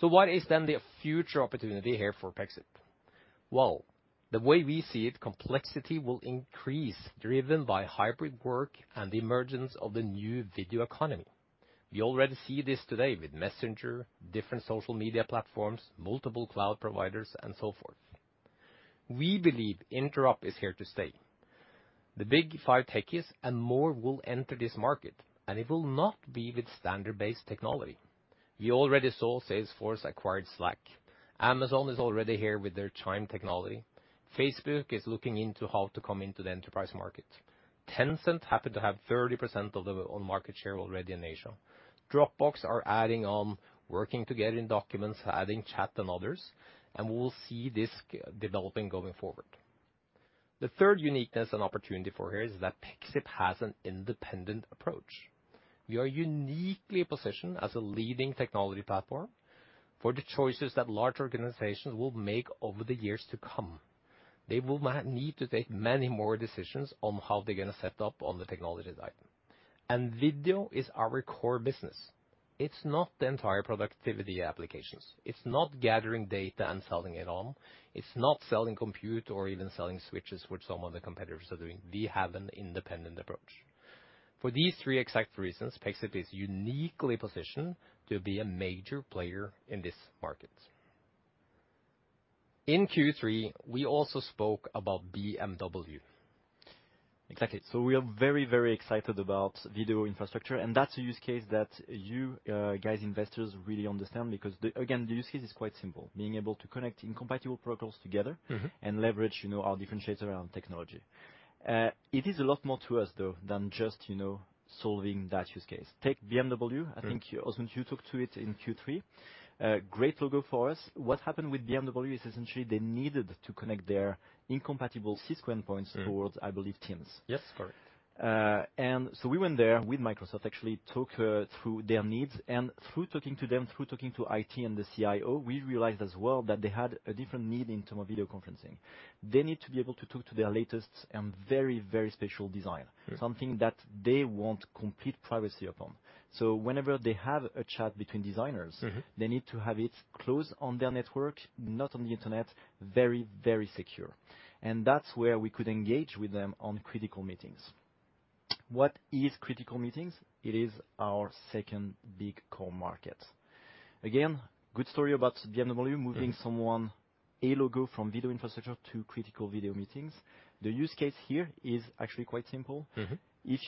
What is then the future opportunity here for Pexip? Well, the way we see it, complexity will increase, driven by hybrid work and the emergence of the new video economy. We already see this today with Messenger, different social media platforms, multiple cloud providers, and so forth. We believe interop is here to stay. The big five techies and more will enter this market, and it will not be with standards-based technology. You already saw Salesforce acquired Slack. Amazon is already here with their Chime technology. Facebook is looking into how to come into the enterprise market. Tencent happened to have 30% on market share already in Asia. Dropbox are adding on working together in documents, adding chat and others, and we'll see this developing going forward. The third uniqueness and opportunity for here is that Pexip has an independent approach. We are uniquely positioned as a leading technology platform for the choices that large organizations will make over the years to come. They will need to take many more decisions on how they're gonna set up all the technologies item. Video is our core business. It's not the entire productivity applications. It's not gathering data and selling it on. It's not selling compute or even selling switches, which some of the competitors are doing. We have an independent approach. For these three exact reasons, Pexip is uniquely positioned to be a major player in this market. In Q3, we also spoke about BMW. Exactly. We are very, very excited about video infrastructure, and that's a use case that you, guys, investors really understand because the, again, the use case is quite simple. Being able to connect incompatible protocols together. Mm-hmm. Leverage, you know, our differentiator around technology. It is a lot more to us, though, than just, you know, solving that use case. Take BMW, I think, Åsmund, you talked to it in Q3. Great logo for us. What happened with BMW is essentially they needed to connect their incompatible Cisco endpoints towards, I believe, Teams. Yes, correct. We went there with Microsoft, actually talked through their needs. Through talking to them, through talking to IT and the CIO, we realized as well that they had a different need in terms of video conferencing. They need to be able to talk to their latest and very, very special design. Sure. Something that they want complete privacy upon. Whenever they have a chat between designers. Mm-hmm. They need to have it closed on their network, not on the internet, very, very secure. That's where we could engage with them on critical meetings. What is critical meetings? It is our second big core market. Again, good story about BMW, moving someone, a logo from video infrastructure to critical video meetings. The use case here is actually quite simple. Mm-hmm. If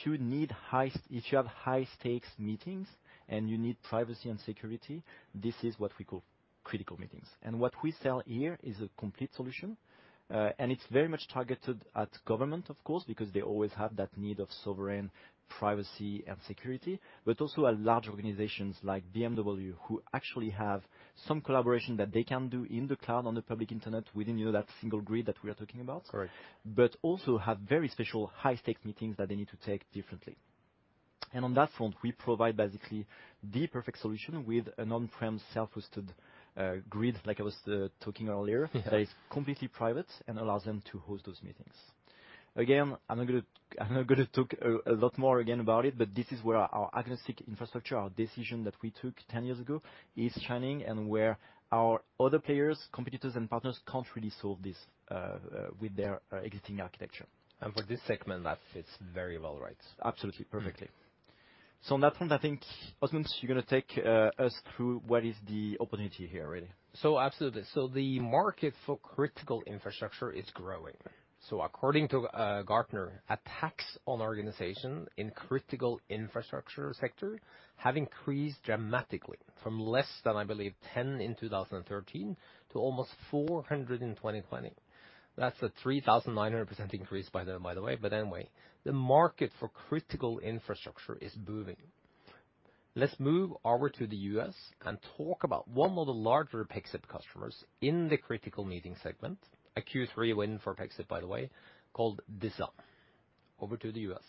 you have high-stakes meetings, and you need privacy and security, this is what we call critical meetings. What we sell here is a complete solution. It's very much targeted at government, of course, because they always have that need of sovereign privacy and security, but also at large organizations like BMW, who actually have some collaboration that they can do in the cloud on the public internet within, you know, that single grid that we are talking about. Correct. They also have very special high-stakes meetings that they need to take differently. On that front, we provide basically the perfect solution with an on-prem self-hosted grid like I was talking earlier- Yeah. That is completely private and allows them to host those meetings. Again, I'm not gonna talk a lot more again about it, but this is where our agnostic infrastructure, our decision that we took 10 years ago is shining and where our other players, competitors and partners can't really solve this with their existing architecture. For this segment, that fits very well, right? Absolutely. Perfectly. On that front, I think, Åsmund, you're gonna take us through what is the opportunity here really. Absolutely. The market for critical infrastructure is growing. According to Gartner, attacks on organization in critical infrastructure sector have increased dramatically from less than, I believe, 10 in 2013 to almost 400 in 2020. That's a 3,900% increase by the way, but anyway. The market for critical infrastructure is moving. Let's move over to the U.S. and talk about one of the larger Pexip customers in the critical meeting segment, a Q3 win for Pexip, by the way, called DISA. Over to the U.S.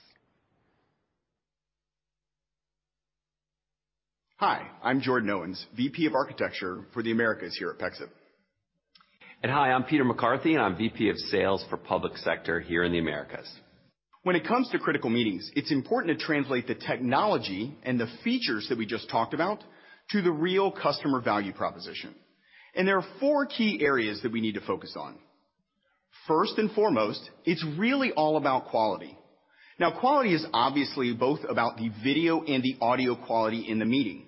Hi, I'm Jordan Owens, VP of Architecture for the Americas here at Pexip. Hi, I'm Peter McCarthy, and I'm VP of Sales for Public Sector here in the Americas. When it comes to critical meetings, it's important to translate the technology and the features that we just talked about to the real customer value proposition, and there are four key areas that we need to focus on. First and foremost, it's really all about quality. Now, quality is obviously both about the video and the audio quality in the meeting.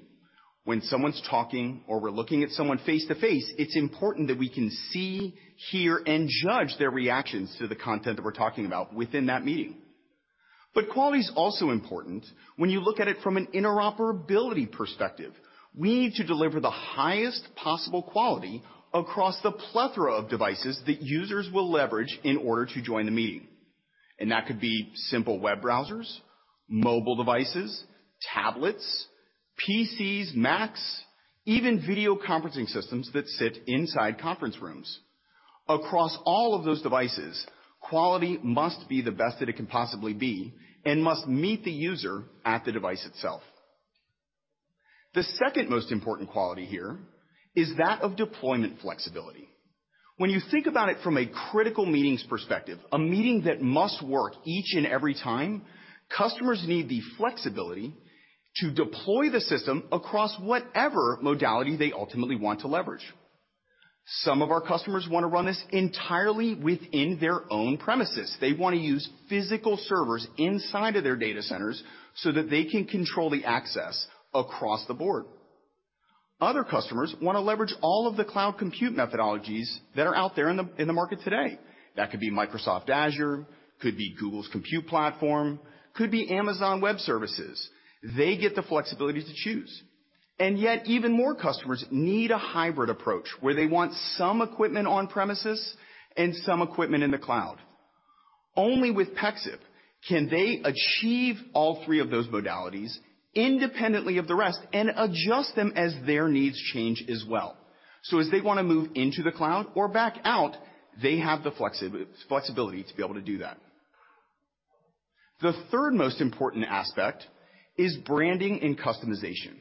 When someone's talking or we're looking at someone face-to-face, it's important that we can see, hear, and judge their reactions to the content that we're talking about within that meeting. But quality is also important when you look at it from an interoperability perspective. We need to deliver the highest possible quality across the plethora of devices that users will leverage in order to join the meeting. That could be simple web browsers, mobile devices, tablets, PCs, Macs, even video conferencing systems that sit inside conference rooms. Across all of those devices, quality must be the best that it can possibly be and must meet the user at the device itself. The second most important quality here is that of deployment flexibility. When you think about it from a critical meetings perspective, a meeting that must work each and every time, customers need the flexibility to deploy the system across whatever modality they ultimately want to leverage. Some of our customers wanna run this entirely within their own premises. They wanna use physical servers inside of their data centers so that they can control the access across the board. Other customers wanna leverage all of the cloud compute methodologies that are out there in the market today. That could be Microsoft Azure, could be Google's compute platform, could be Amazon Web Services. They get the flexibility to choose. Yet even more customers need a hybrid approach where they want some equipment on premises and some equipment in the cloud. Only with Pexip can they achieve all three of those modalities independently of the rest and adjust them as their needs change as well. As they wanna move into the cloud or back out, they have the flexibility to be able to do that. The third most important aspect is branding and customization.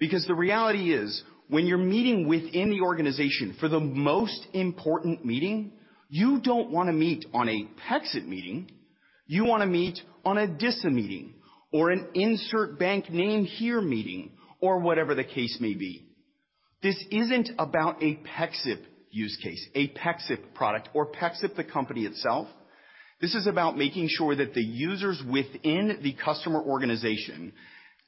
Because the reality is when you're meeting within the organization for the most important meeting, you don't wanna meet on a Pexip meeting, you wanna meet on a DISA meeting or an insert bank name here meeting or whatever the case may be. This isn't about a Pexip use case, a Pexip product or Pexip the company itself. This is about making sure that the users within the customer organization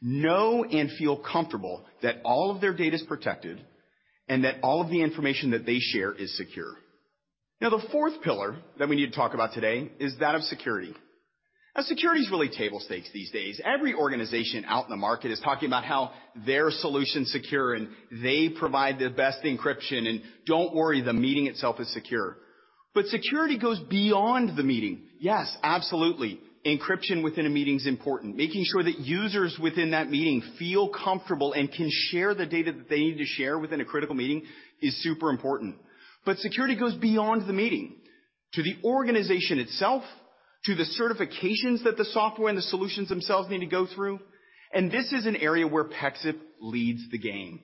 know and feel comfortable that all of their data is protected and that all of the information that they share is secure. Now, the fourth pillar that we need to talk about today is that of security. Now, security is really table stakes these days. Every organization out in the market is talking about how their solution's secure, and they provide the best encryption, and don't worry, the meeting itself is secure. Security goes beyond the meeting. Yes, absolutely, encryption within a meeting is important. Making sure that users within that meeting feel comfortable and can share the data that they need to share within a critical meeting is super important. Security goes beyond the meeting to the organization itself, to the certifications that the software and the solutions themselves need to go through. This is an area where Pexip leads the game.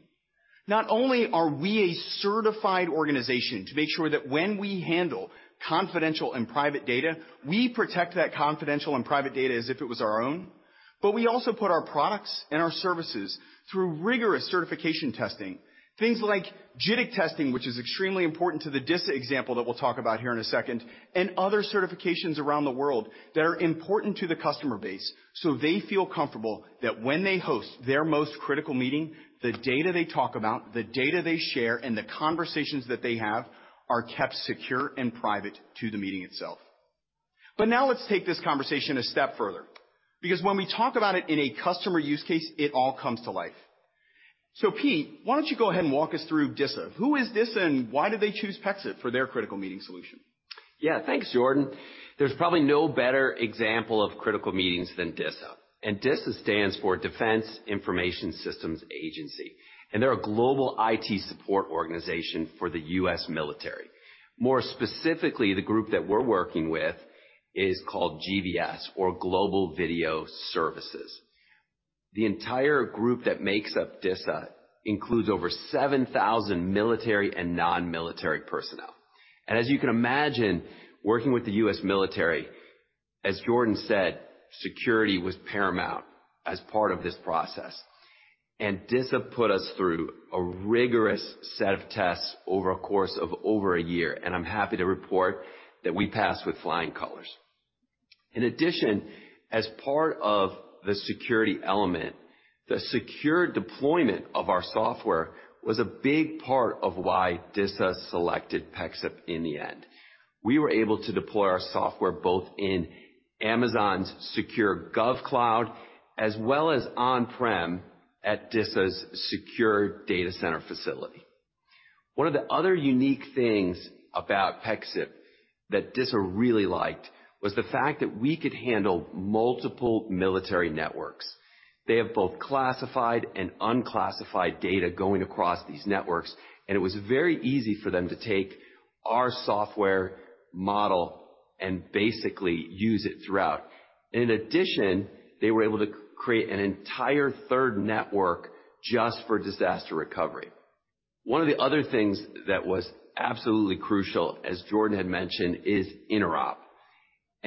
Not only are we a certified organization to make sure that when we handle confidential and private data, we protect that confidential and private data as if it was our own, but we also put our products and our services through rigorous certification testing. Things like JITC testing, which is extremely important to the DISA example that we'll talk about here in a second, and other certifications around the world that are important to the customer base, so they feel comfortable that when they host their most critical meeting, the data they talk about, the data they share, and the conversations that they have are kept secure and private to the meeting itself. Now let's take this conversation a step further, because when we talk about it in a customer use case, it all comes to life. Peter, why don't you go ahead and walk us through DISA? Who is DISA, and why did they choose Pexip for their critical meeting solution? Yeah. Thanks, Jordan. There's probably no better example of critical meetings than DISA, and DISA stands for Defense Information Systems Agency, and they're a global IT support organization for the U.S. military. More specifically, the group that we're working with is called GVS or Global Video Services. The entire group that makes up DISA includes over 7,000 military and non-military personnel. As you can imagine, working with the U.S. military, as Jordan said, security was paramount as part of this process. DISA put us through a rigorous set of tests over a course of over a year, and I'm happy to report that we passed with flying colors. In addition, as part of the security element, the secure deployment of our software was a big part of why DISA selected Pexip in the end. We were able to deploy our software both in Amazon's secure gov cloud as well as on-prem at DISA's secure data center facility. One of the other unique things about Pexip that DISA really liked was the fact that we could handle multiple military networks. They have both classified and unclassified data going across these networks, and it was very easy for them to take our software model and basically use it throughout. In addition, they were able to create an entire third network just for disaster recovery. One of the other things that was absolutely crucial, as Jordan had mentioned, is interop.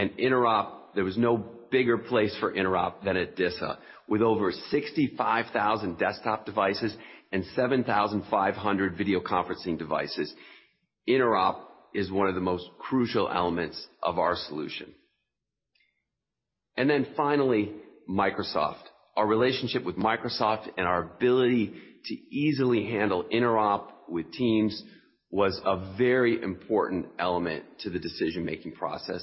Interop, there was no bigger place for interop than at DISA. With over 65,000 desktop devices and 7,500 video conferencing devices, interop is one of the most crucial elements of our solution. Finally, Microsoft. Our relationship with Microsoft and our ability to easily handle interop with Teams was a very important element to the decision-making process,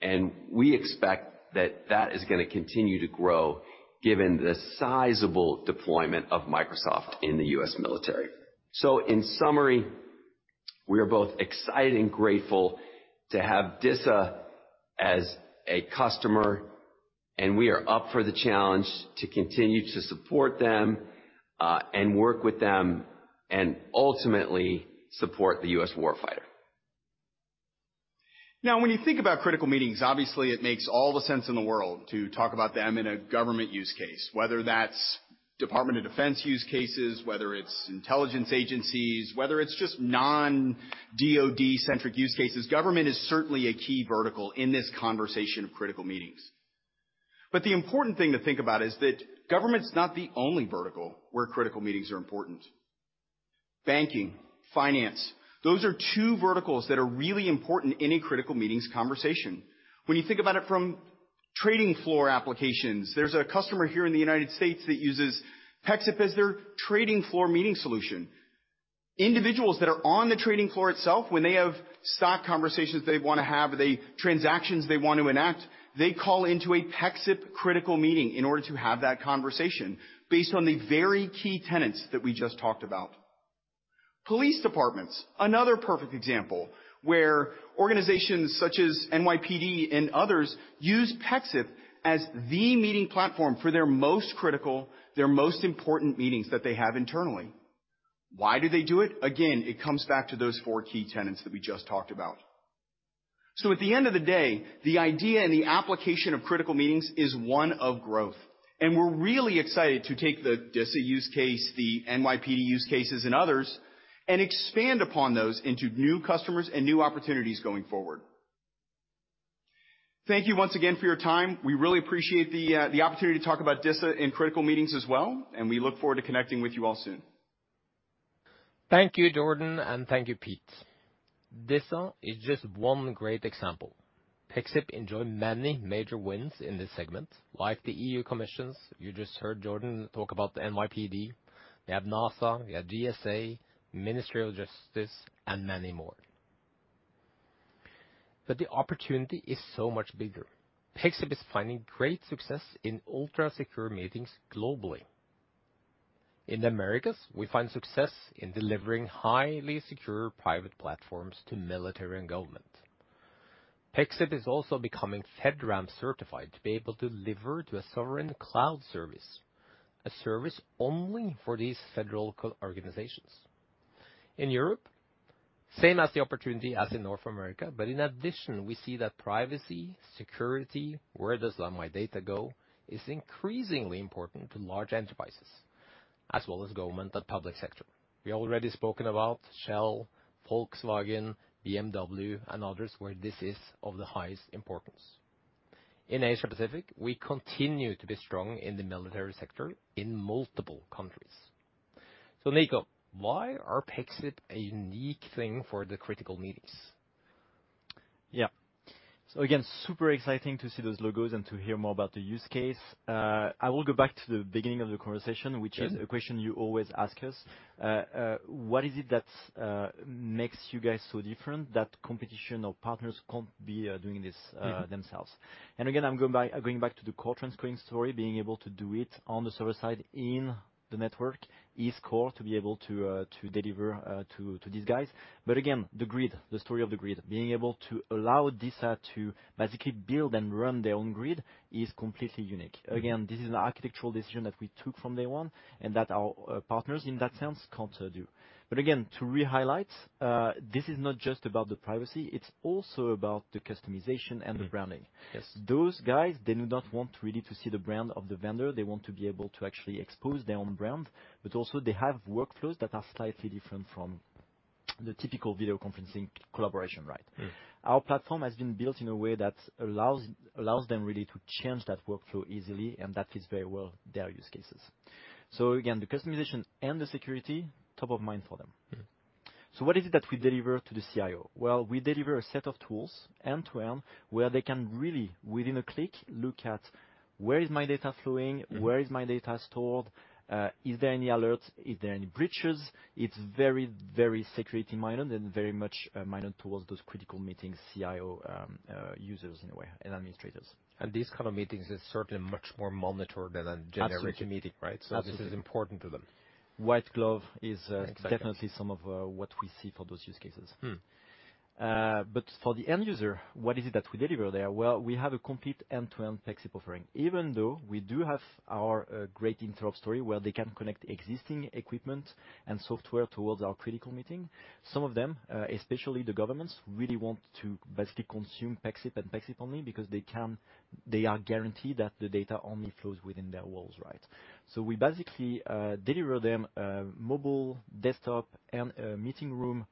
and we expect that is gonna continue to grow given the sizable deployment of Microsoft in the U.S. military. In summary, we are both excited and grateful to have DISA as a customer, and we are up for the challenge to continue to support them, and work with them and ultimately support the U.S. war fighter. Now, when you think about critical meetings, obviously it makes all the sense in the world to talk about them in a government use case, whether that's Department of Defense use cases, whether it's intelligence agencies, whether it's just non-DoD-centric use cases. Government is certainly a key vertical in this conversation of critical meetings. The important thing to think about is that government's not the only vertical where critical meetings are important. Banking, finance, those are two verticals that are really important in a critical meetings conversation. When you think about it from trading floor applications, there's a customer here in the United States that uses Pexip as their trading floor meeting solution. Individuals that are on the trading floor itself, when they have stock conversations they wanna have, the transactions they want to enact, they call into a Pexip critical meeting in order to have that conversation based on the very key tenets that we just talked about. Police departments, another perfect example, where organizations such as NYPD and others use Pexip as the meeting platform for their most critical, their most important meetings that they have internally. Why do they do it? Again, it comes back to those four key tenets that we just talked about. At the end of the day, the idea and the application of critical meetings is one of growth, and we're really excited to take the DISA use case, the NYPD use cases and others, and expand upon those into new customers and new opportunities going forward. Thank you once again for your time. We really appreciate the the opportunity to talk about DISA and critical meetings as well, and we look forward to connecting with you all soon. Thank you, Jordan, and thank you, Pete. DISA is just one great example. Pexip enjoyed many major wins in this segment, like the European Commission. You just heard Jordan talk about the NYPD. We have NASA, we have GSA, Ministry of Justice, and many more. The opportunity is so much bigger. Pexip is finding great success in ultra-secure meetings globally. In the Americas, we find success in delivering highly secure private platforms to military and government. Pexip is also becoming FedRAMP certified to be able to deliver to a sovereign cloud service, a service only for these federal government organizations. In Europe, the same opportunity as in North America, but in addition, we see that privacy, security, where does my data go, is increasingly important to large enterprises, as well as government and public sector. We already spoken about Shell, Volkswagen, BMW and others, where this is of the highest importance. In Asia-Pacific, we continue to be strong in the military sector in multiple countries. Nico, why are Pexip a unique thing for the critical meetings? Yeah. Again, super exciting to see those logos and to hear more about the use case. I will go back to the beginning of the conversation. Yeah which is a question you always ask us. What is it that's makes you guys so different that competition or partners can't be doing this themselves? Again, I'm going back to the core transcoding story, being able to do it on the server side in the network is core to be able to to deliver to these guys. Again, the grid, the story of the grid, being able to allow DISA to basically build and run their own grid is completely unique. Again, this is an architectural decision that we took from day one and that our partners in that sense can't do. Again, to re-highlight, this is not just about the privacy, it's also about the customization and the branding. Yes. Those guys, they do not want really to see the brand of the vendor. They want to be able to actually expose their own brand, but also they have workflows that are slightly different from the typical video conferencing collaboration, right? Mm-hmm. Our platform has been built in a way that allows them really to change that workflow easily, and that fits very well their use cases. Again, the customization and the security, top of mind for them. Mm-hmm. What is it that we deliver to the CIO? Well, we deliver a set of tools end-to-end, where they can really, within a click, look at where is my data flowing. Mm-hmm. Where is my data stored, is there any alerts, is there any breaches? It's very, very security-minded and very much minded towards those critical meetings, CIO, users in a way, and administrators. These kind of meetings is certainly much more monitored than a generic. Absolutely. meeting, right? Absolutely. This is important to them. White glove is- Exactly. Definitely some of what we see for those use cases. Mm-hmm. For the end user, what is it that we deliver there? Well, we have a complete end-to-end Pexip offering. Even though we do have our great interop story, where they can connect existing equipment and software towards our critical meeting, some of them, especially the governments, really want to basically consume Pexip and Pexip only because they can they are guaranteed that the data only flows within their walls, right? We basically deliver them mobile, desktop, and meeting room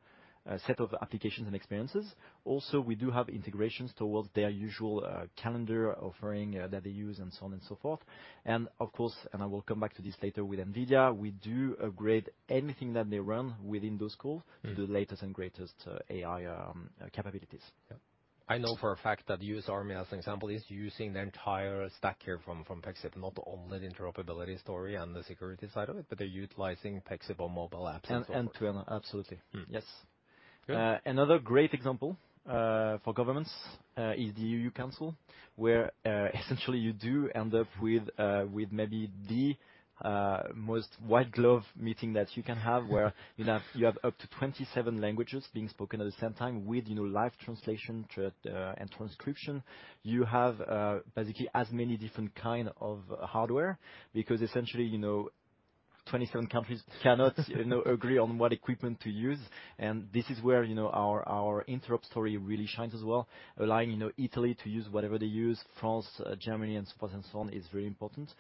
set of applications and experiences. Also, we do have integrations towards their usual calendar offering that they use and so on and so forth. Of course, and I will come back to this later with NVIDIA, we do upgrade anything that they run within those calls. Mm-hmm. to the latest and greatest AI capabilities. Yeah. I know for a fact that the U.S. Army, as an example, is using the entire stack here from Pexip, not only the interoperability story and the security side of it, but they're utilizing Pexip on mobile apps and so forth. End-to-end. Absolutely. Mm-hmm. Yes. Good. Another great example for governments is the Council of the EU, where essentially you do end up with maybe the most white glove meeting that you can have. You have up to 27 languages being spoken at the same time with, you know, live translation and transcription. You have basically as many different kind of hardware, because essentially, you know, 27 countries cannot agree on what equipment to use. This is where, you know, our interop story really shines as well. Allowing, you know, Italy to use whatever they use, France, Germany, and so forth and so on, is very important.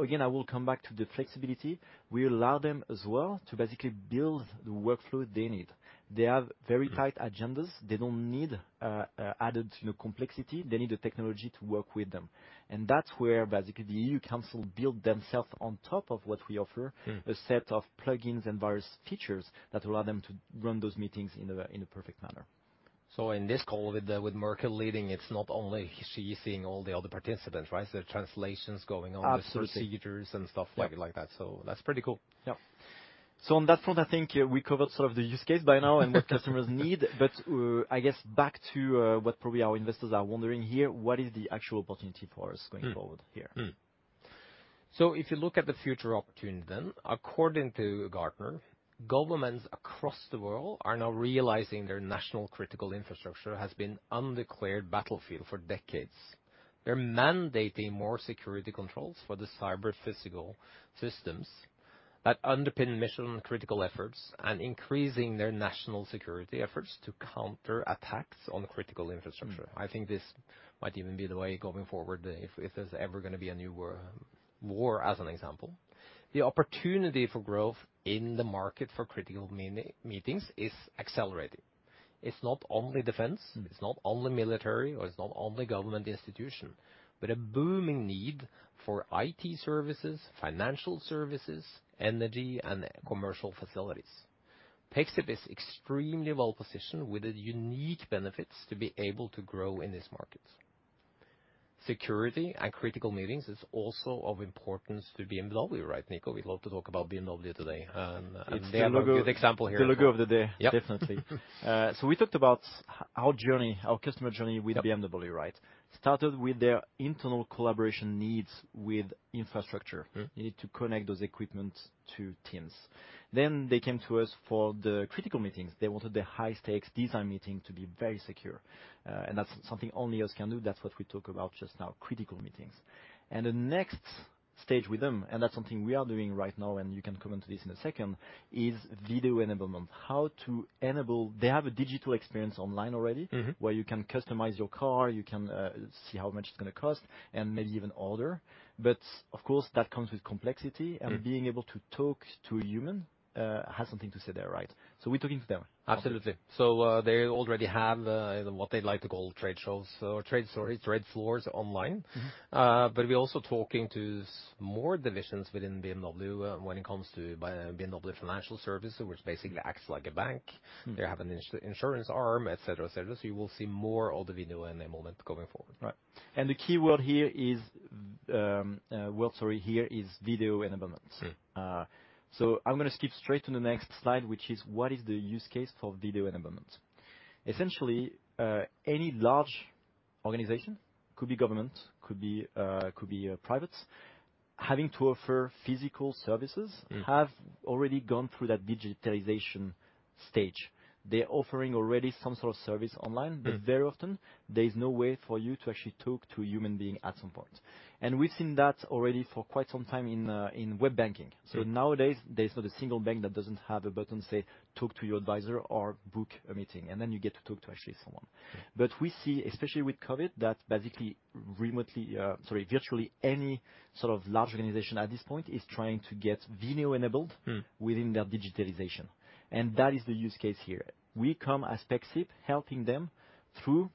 Again, I will come back to the flexibility. We allow them as well to basically build the workflow they need. They have very tight. Mm-hmm. Agendas. They don't need added, you know, complexity. They need the technology to work with them. That's where basically the Council of the EU built themselves on top of what we offer. Mm-hmm. A set of plugins and various features that allow them to run those meetings in a perfect manner. In this call with Merkel leading, it's not only she is seeing all the other participants, right? Translations going on- Absolutely. with procedures and stuff like that. Yeah. That's pretty cool. Yeah. On that front, I think we covered sort of the use case by now and what customers need. I guess back to what probably our investors are wondering here, what is the actual opportunity for us going forward here? If you look at the future opportunity, according to Gartner, governments across the world are now realizing their national critical infrastructure has been an undeclared battlefield for decades. They're mandating more security controls for the cyber-physical systems that underpin mission-critical efforts and increasing their national security efforts to counter attacks on critical infrastructure. Mm-hmm. I think this might even be the way going forward if there's ever gonna be a new war as an example. The opportunity for growth in the market for critical meetings is accelerating. It's not only defense. Mm-hmm. It's not only military, or it's not only government institution, but a booming need for IT services, financial services, energy, and commercial facilities. Pexip is extremely well-positioned with the unique benefits to be able to grow in this market. Security and critical meetings is also of importance to BMW, right, Nico? We'd love to talk about BMW today. They have a good example here. It's the logo of the day. Yeah. Definitely. We talked about how customer journey with BMW, right? Yeah. Started with their internal collaboration needs with infrastructure. Mm-hmm. They need to connect those equipment to Teams. They came to us for the critical meetings. They wanted their high-stakes design meeting to be very secure. That's something only us can do. That's what we talk about just now, critical meetings. The next stage with them, and that's something we are doing right now, and you can come into this in a second, is video enablement. How to enable. They have a digital experience online already. Mm-hmm. Where you can customize your car, you can see how much it's gonna cost, and maybe even order. Of course, that comes with complexity. Mm-hmm. Being able to talk to a human has to say there, right? We're talking to them. Absolutely. They already have what they like to call trade shows or trade stories, trade floors online. Mm-hmm. We're also talking to more divisions within BMW when it comes to BMW financial service, which basically acts like a bank. Mm-hmm. They have an insurance arm, et cetera. You will see more of the video enablement going forward. Right. The keyword here is Video Enablement. Mm-hmm. I'm gonna skip straight to the next slide, which is what is the use case for Video Enablement. Essentially, any large organization, could be government, could be private, having to offer physical services. Mm-hmm. They have already gone through that digitalization stage. They're offering already some sort of service online. Mm-hmm. Very often, there's no way for you to actually talk to a human being at some point. We've seen that already for quite some time in web banking. Mm-hmm. Nowadays, there's not a single bank that doesn't have a button say, "Talk to your advisor or book a meeting," and then you get to talk to actually someone. We see, especially with COVID, that virtually any sort of large organization at this point is trying to get video enabled. Mm-hmm. within their digitization. That is the use case here. We come as Pexip helping them through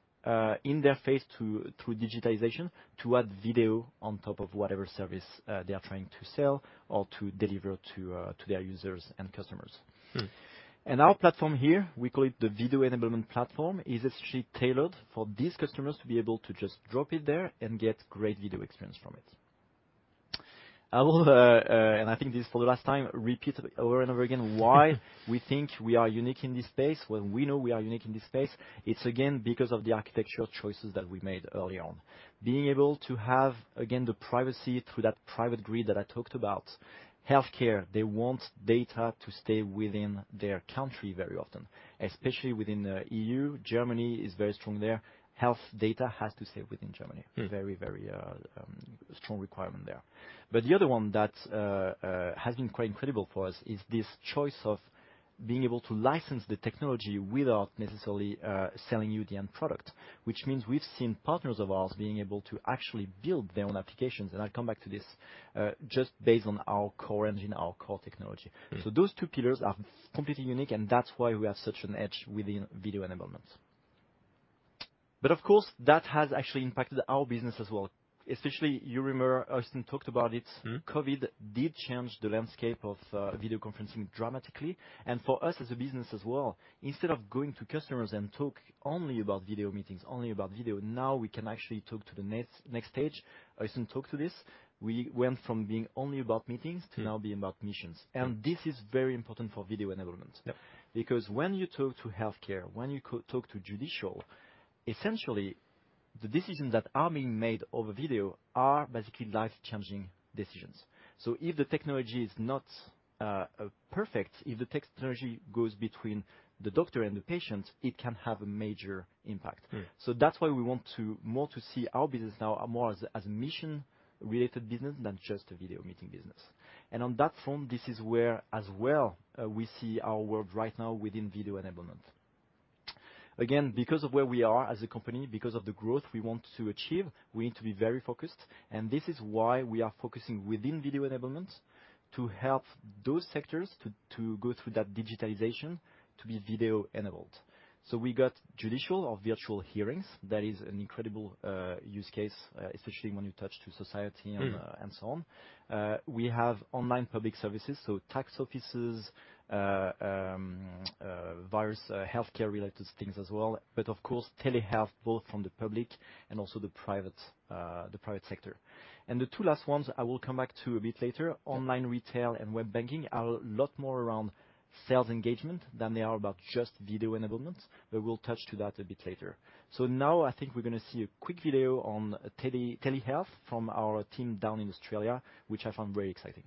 digitization to add video on top of whatever service they are trying to sell or to deliver to their users and customers. Mm-hmm. Our platform here, we call it the Video Enablement Platform, is actually tailored for these customers to be able to just drop it there and get great video experience from it. I will, and I think this is for the last time, repeat over and over again why we think we are unique in this space, when we know we are unique in this space. It's again, because of the architectural choices that we made early on. Being able to have, again, the privacy through that private grid that I talked about. Healthcare, they want data to stay within their country very often. Especially within the EU, Germany is very strong there. Health data has to stay within Germany. Mm-hmm. Very strong requirement there. The other one that has been quite incredible for us is this choice of being able to license the technology without necessarily selling you the end product. Which means we've seen partners of ours being able to actually build their own applications, and I'll come back to this just based on our core engine, our core technology. Mm-hmm. Those two pillars are completely unique, and that's why we have such an edge within video enablement. Of course, that has actually impacted our business as well. Especially, you remember, Øystein talked about it. Mm-hmm. COVID did change the landscape of video conferencing dramatically. For us as a business as well, instead of going to customers and talk only about video meetings, only about video, now we can actually talk to the next stage. Øystein talked to this. We went from being only about meetings to now being about missions. Mm-hmm. This is very important for video enablement. Yep. Because when you talk to healthcare, talk to judicial, essentially, the decisions that are being made over video are basically life-changing decisions. If the technology is not perfect, if the technology goes between the doctor and the patient, it can have a major impact. Mm-hmm. That's why we want to see our business now more as a mission-related business than just a video meeting business. On that front, this is where we see our world right now within video enablement. Because of where we are as a company, because of the growth we want to achieve, we need to be very focused. This is why we are focusing within video enablement to help those sectors go through that digitalization to be video enabled. We got judicial or virtual hearings. That is an incredible use case, especially when you touch on society. We have online public services, tax offices, various healthcare related things as well. Of course, telehealth, both from the public and also the private sector. The two last ones I will come back to a bit later. Yeah. Online retail and web banking are a lot more around sales engagement than they are about just video enablement, but we'll touch to that a bit later. Now I think we're gonna see a quick video on telehealth from our team down in Australia, which I find very exciting.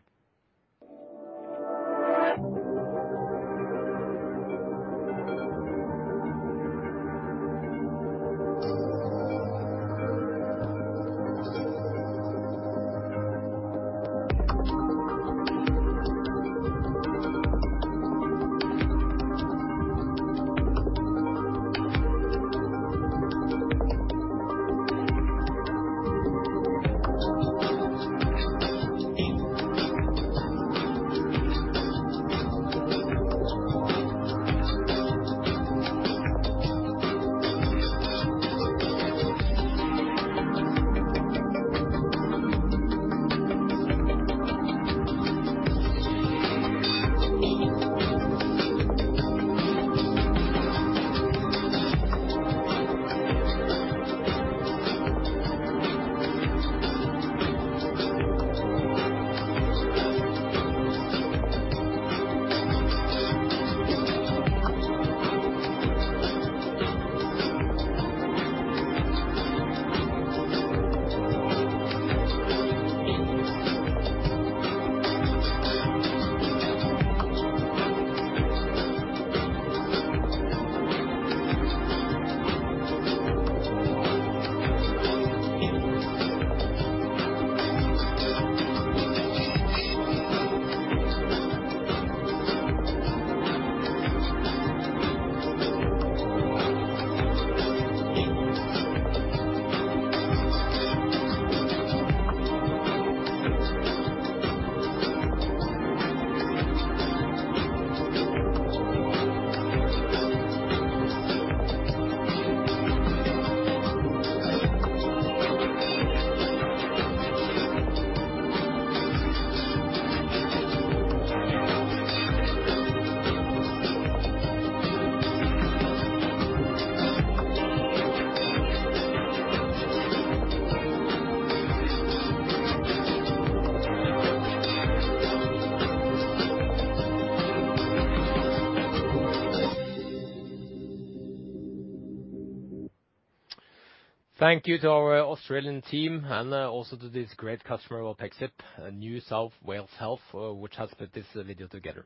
Thank you to our Australian team and also to this great customer of Pexip, NSW Health, which has put this video together.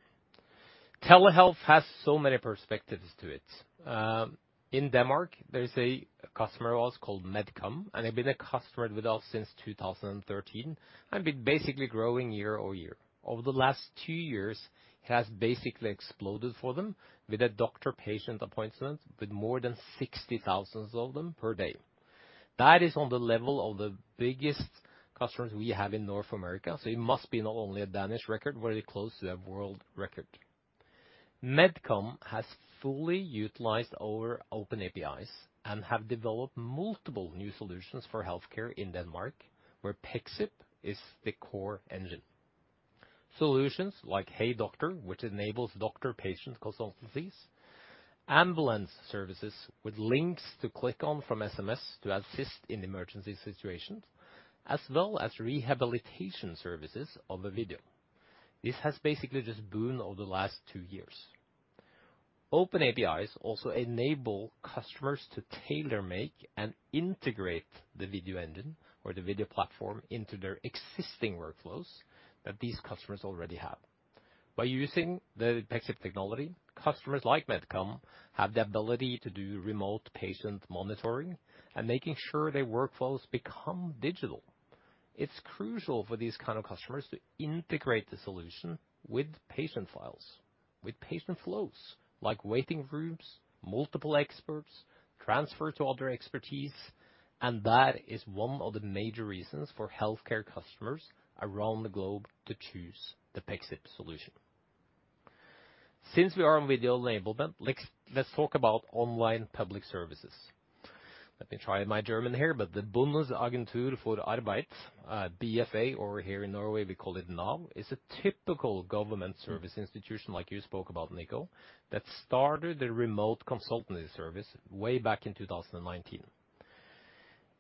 Telehealth has so many perspectives to it. In Denmark, there is a customer of ours called MedCom, and they've been a customer with us since 2013, and been basically growing year-over-year. Over the last two years, it has basically exploded for them with a doctor-patient appointment with more than 60,000 of them per day. That is on the level of the biggest customers we have in North America, so it must be not only a Danish record, very close to a world record. MedCom has fully utilized our open APIs and have developed multiple new solutions for healthcare in Denmark, where Pexip is the core engine. Solutions like Hey Doctor, which enables doctor-patient consultations, ambulance services with links to click on from SMS to assist in emergency situations, as well as rehabilitation services over video. This has basically just boomed over the last two years. Open APIs also enable customers to tailor-make and integrate the video engine or the video platform into their existing workflows that these customers already have. By using the Pexip technology, customers like MedCom have the ability to do remote patient monitoring and making sure their workflows become digital. It's crucial for these kind of customers to integrate the solution with patient files, with patient flows, like waiting rooms, multiple experts, transfer to other expertise, and that is one of the major reasons for healthcare customers around the globe to choose the Pexip solution. Since we are on video enablement, let's talk about online public services. Let me try my German here, but the Bundesagentur für Arbeit, BFA, or here in Norway we call it Nav, is a typical government service institution, like you spoke about, Nico, that started the remote consultancy service way back in 2019.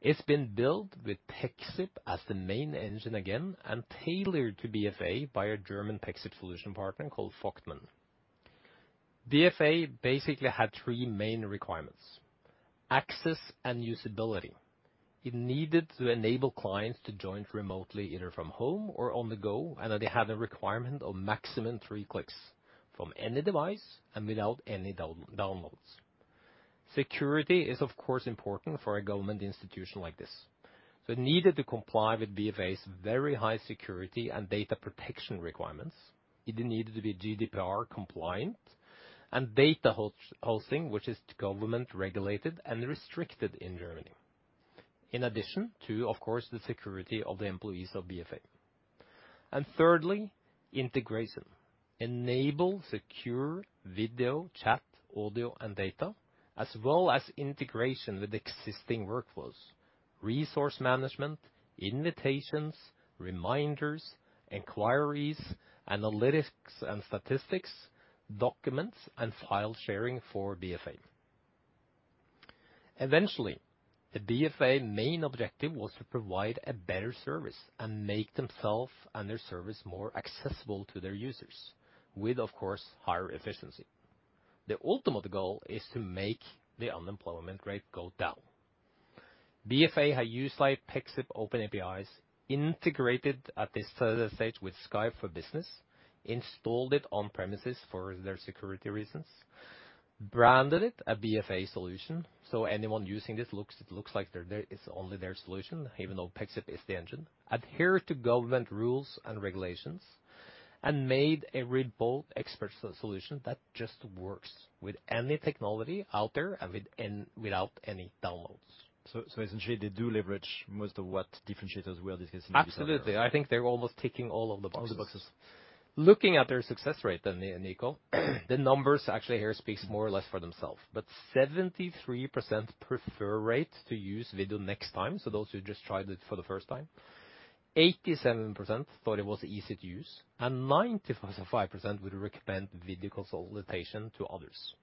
It's been built with Pexip as the main engine again and tailored to BFA by a German Pexip solution partner called Voigtmann. BFA basically had three main requirements. Access and usability. It needed to enable clients to join remotely, either from home or on the go, and that they had a requirement of maximum three clicks from any device and without any downloads. Security is of course important for a government institution like this. It needed to comply with BFA's very high security and data protection requirements. It needed to be GDPR compliant and data hosting, which is government regulated and restricted in Germany. In addition to, of course, the security of the employees of BFA. Thirdly, integration. Enable secure video, chat, audio and data, as well as integration with existing workflows, resource management, invitations, reminders, inquiries, analytics and statistics, documents and file sharing for BFA. Eventually, the BFA main objective was to provide a better service and make themselves and their service more accessible to their users with, of course, higher efficiency. The ultimate goal is to make the unemployment rate go down. BFA had used Pexip open APIs, integrated at this third stage with Skype for Business, installed it on-premises for their security reasons, branded it a BFA solution, so anyone using this looks like it's only their solution, even though Pexip is the engine. Adhere to government rules and regulations, and made a remote expert solution that just works with any technology out there and without any downloads. Essentially they do leverage most of what differentiators we are discussing so far. Absolutely. I think they're almost ticking all of the boxes. All the boxes. Looking at their success rate then, Nico, the numbers actually here speak more or less for themselves. 73% preference rate to use video next time, those who just tried it for the first time. 87% thought it was easy to use, and 95% would recommend video consultation to others.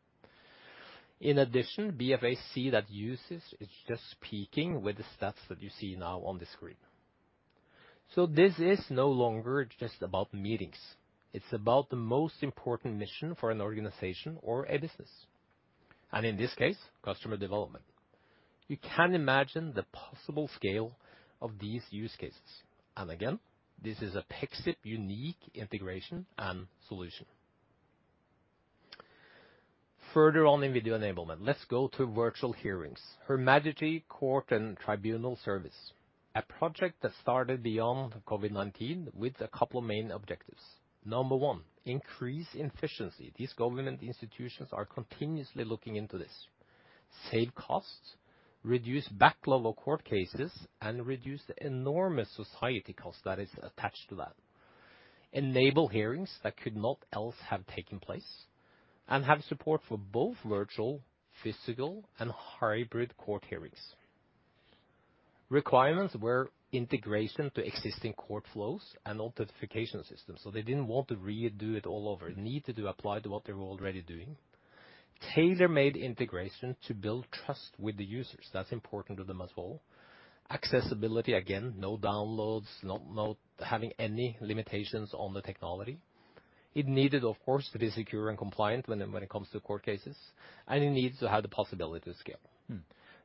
In addition, BA see that usage is just peaking with the stats that you see now on the screen. This is no longer just about meetings. It's about the most important mission for an organization or a business. In this case, customer development. You can imagine the possible scale of these use cases. Again, this is a Pexip unique integration and solution. Further on in video enablement, let's go to virtual hearings. Her Majesty's Courts and Tribunals Service, a project that started before COVID-19 with a couple of main objectives. Number one, increase efficiency. These government institutions are continuously looking into this. Save costs, reduce backlog of court cases, and reduce the enormous society cost that is attached to that. Enable hearings that could not else have taken place, and have support for both virtual, physical, and hybrid court hearings. Requirements were integration to existing court flows and authentication systems, so they didn't want to redo it all over. Needed to apply to what they were already doing. Tailor-made integration to build trust with the users. That's important to them as well. Accessibility, again, no downloads, not having any limitations on the technology. It needed, of course, to be secure and compliant when it comes to court cases, and it needs to have the possibility to scale.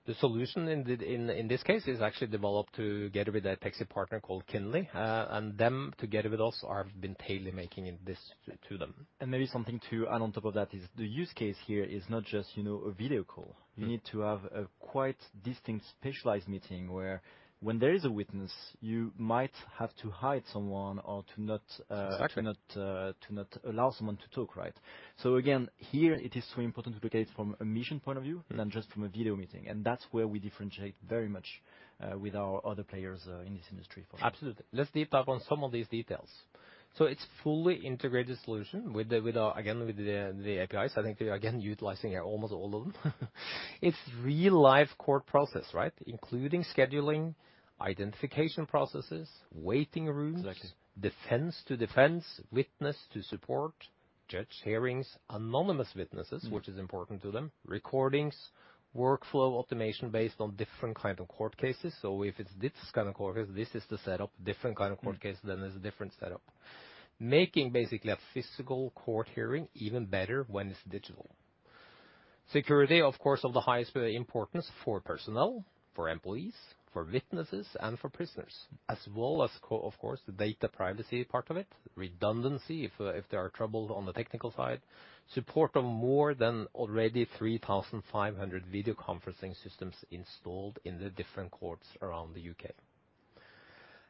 Mm. The solution in this case is actually developed together with a Pexip partner called Kinly. Them together with us have been tailor-making this to them. Maybe something to add on top of that is the use case here is not just, you know, a video call. Mm. You need to have a quite distinct specialized meeting where when there is a witness, you might have to hide someone or to not. Exactly. To not allow someone to talk, right? Again, here it is so important to look at it from a mission point of view. Mm. More than just from a video meeting. That's where we differentiate very much with our other players in this industry for sure. Absolutely. Let's deep dive on some of these details. It's fully integrated solution with our APIs. I think they're again utilizing almost all of them. It's real live court process, right? Including scheduling, identification processes, waiting rooms. Exactly. defense to defense, witness to support, judge hearings, anonymous witnesses Mm. which is important to them, recordings, workflow automation based on different kind of court cases. If it's this kind of court case, this is the setup. Different kind of court case. Mm. There's a different setup. Making basically a physical court hearing even better when it's digital. Security, of course, of the highest importance for personnel, for employees, for witnesses, and for prisoners, as well as, of course, the data privacy part of it. Redundancy, if there are trouble on the technical side. Support of more than 3,500 video conferencing systems installed in the different courts around the U.K.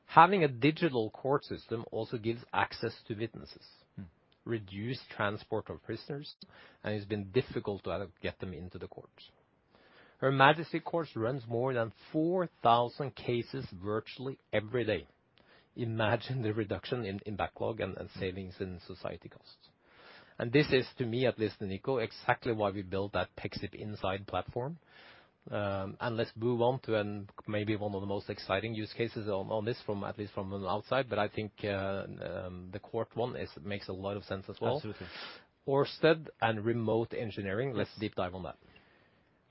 Having a digital court system gives access to witnesses. Mm. Reduce transport of prisoners, and it's been difficult to get them into the courts. Her Majesty's Courts runs more than 4,000 cases virtually every day. Imagine the reduction in backlog and savings in society costs. This is, to me at least, Nico, exactly why we built that Pexip Inside platform. Let's move on to maybe one of the most exciting use cases on this from at least an outside, but I think the court one makes a lot of sense as well. Absolutely. Heerema and remote engineering. Yes. Let's deep dive on that.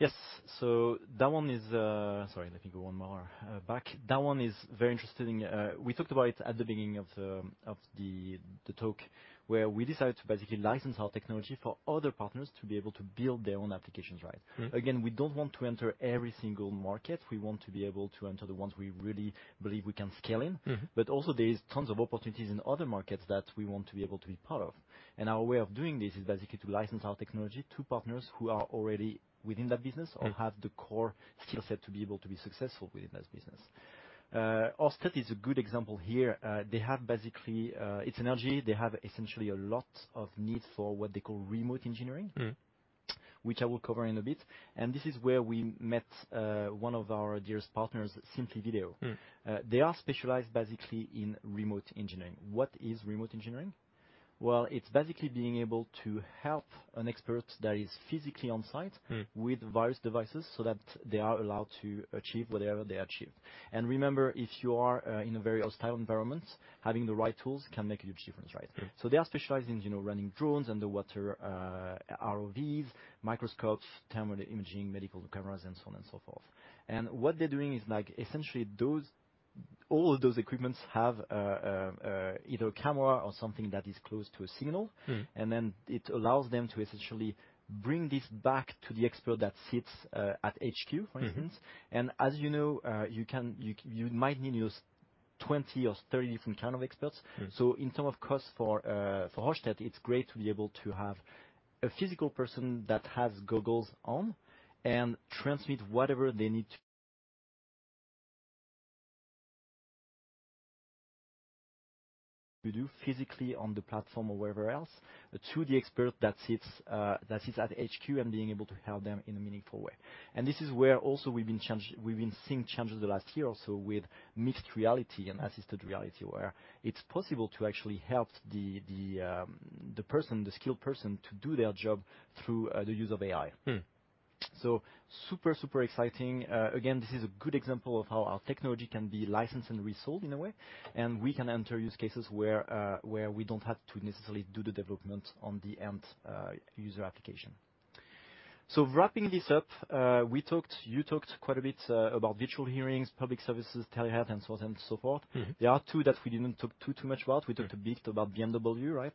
Yes. Sorry, let me go one more back. That one is very interesting. We talked about it at the beginning of the talk, where we decided to basically license our technology for other partners to be able to build their own applications, right? Mm. Again, we don't want to enter every single market. We want to be able to enter the ones we really believe we can scale in. Mm-hmm. there is tons of opportunities in other markets that we want to be able to be part of. Our way of doing this is basically to license our technology to partners who are already within that business- Mm. or have the core skill set to be able to be successful within this business. Heerema is a good example here. They have basically, It's energy. They have essentially a lot of need for what they call remote engineering. Mm. Which I will cover in a bit. This is where we met, one of our dearest partners, SimplyVideo. Mm. They are specialized basically in remote engineering. What is remote engineering? Well, it's basically being able to help an expert that is physically on site. Mm. with various devices so that they are allowed to achieve whatever they achieve. Remember, if you are in a very hostile environment, having the right tools can make a huge difference, right? Mm. They are specialized in, you know, running drones, underwater, ROVs, microscopes, thermal imaging, medical cameras, and so on and so forth. What they're doing is, like, essentially all of those equipment have either a camera or something that is close to a signal. Mm. It allows them to essentially bring this back to the expert that sits at HQ, for instance. Mm-hmm. As you know, you might need to use 20 or 30 different kind of experts. Mm. In terms of cost for Heerema, it's great to be able to have a physical person that has goggles on and transmit whatever they need to do physically on the platform or wherever else to the expert that sits at HQ and being able to help them in a meaningful way. This is where also we've been seeing changes the last year also with mixed reality and assisted reality, where it's possible to actually help the skilled person to do their job through the use of AI. Mm. Super exciting. Again, this is a good example of how our technology can be licensed and resold in a way, and we can enter use cases where we don't have to necessarily do the development on the end user application. Wrapping this up, we talked, you talked quite a bit about virtual hearings, public services, telehealth, and so on and so forth. Mm-hmm. There are two that we didn't talk too much about. Mm. We talked a bit about BMW, right?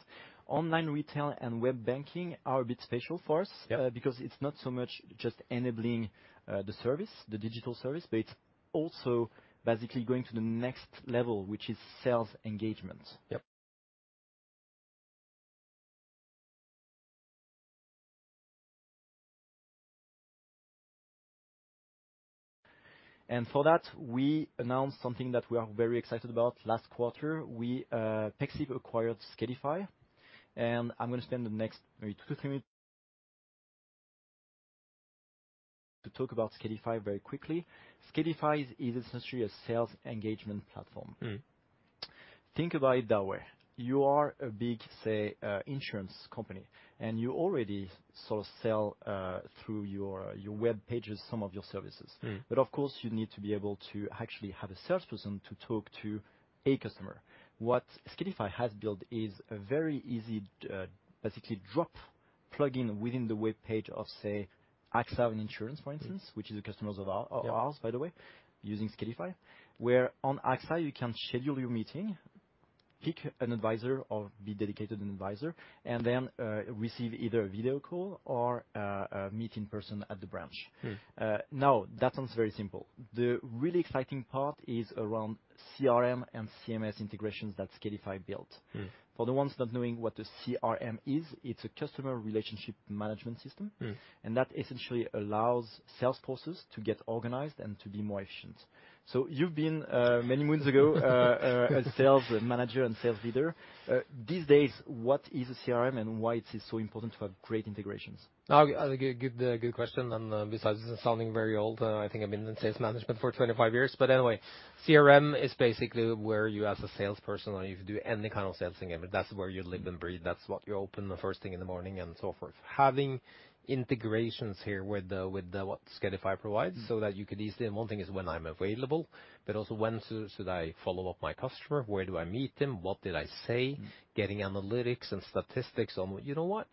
Online retail and web banking are a bit special for us. Yep. Because it's not so much just enabling the service, the digital service, but it's also basically going to the next level, which is sales engagement. Yep. For that, we announced something that we are very excited about. Last quarter, Pexip acquired Skedify, and I'm gonna spend the next maybe two or three minutes to talk about Skedify very quickly. Skedify is essentially a sales engagement platform. Mm. Think about it that way. You are a big, say, insurance company, and you already sort of sell through your web pages some of your services. Mm. Of course, you need to be able to actually have a salesperson to talk to a customer. What Skedify has built is a very easy, basically drop-in plug-in within the webpage of, say, AXA in insurance, for instance- Mm-hmm. -which is a customers of our- Yeah. one of ours, by the way, using Skedify. Where on AXA you can schedule your meeting, pick an advisor or be dedicated an advisor, and then receive either a video call or a meet in person at the branch. Mm-hmm. Now, that sounds very simple. The really exciting part is around CRM and CMS integrations that Skedify built. Mm-hmm. For the ones not knowing what a CRM is, it's a customer relationship management system. Mm-hmm. That essentially allows sales forces to get organized and to be more efficient. You've been, many moons ago, a sales manager and sales leader. These days, what is a CRM and why it is so important to have great integrations? Good question. Besides sounding very old, I think I've been in sales management for 25 years. Anyway, CRM is basically where you as a salesperson or you do any kind of sales thing, that's where you live and breathe. That's what you open the first thing in the morning and so forth. Having integrations here with the what Skedify provides- Mm-hmm. so that you could easily. One thing is when I'm available, but also when should I follow up my customer, where do I meet them? What did I say? Mm-hmm. Getting analytics and statistics on you know what?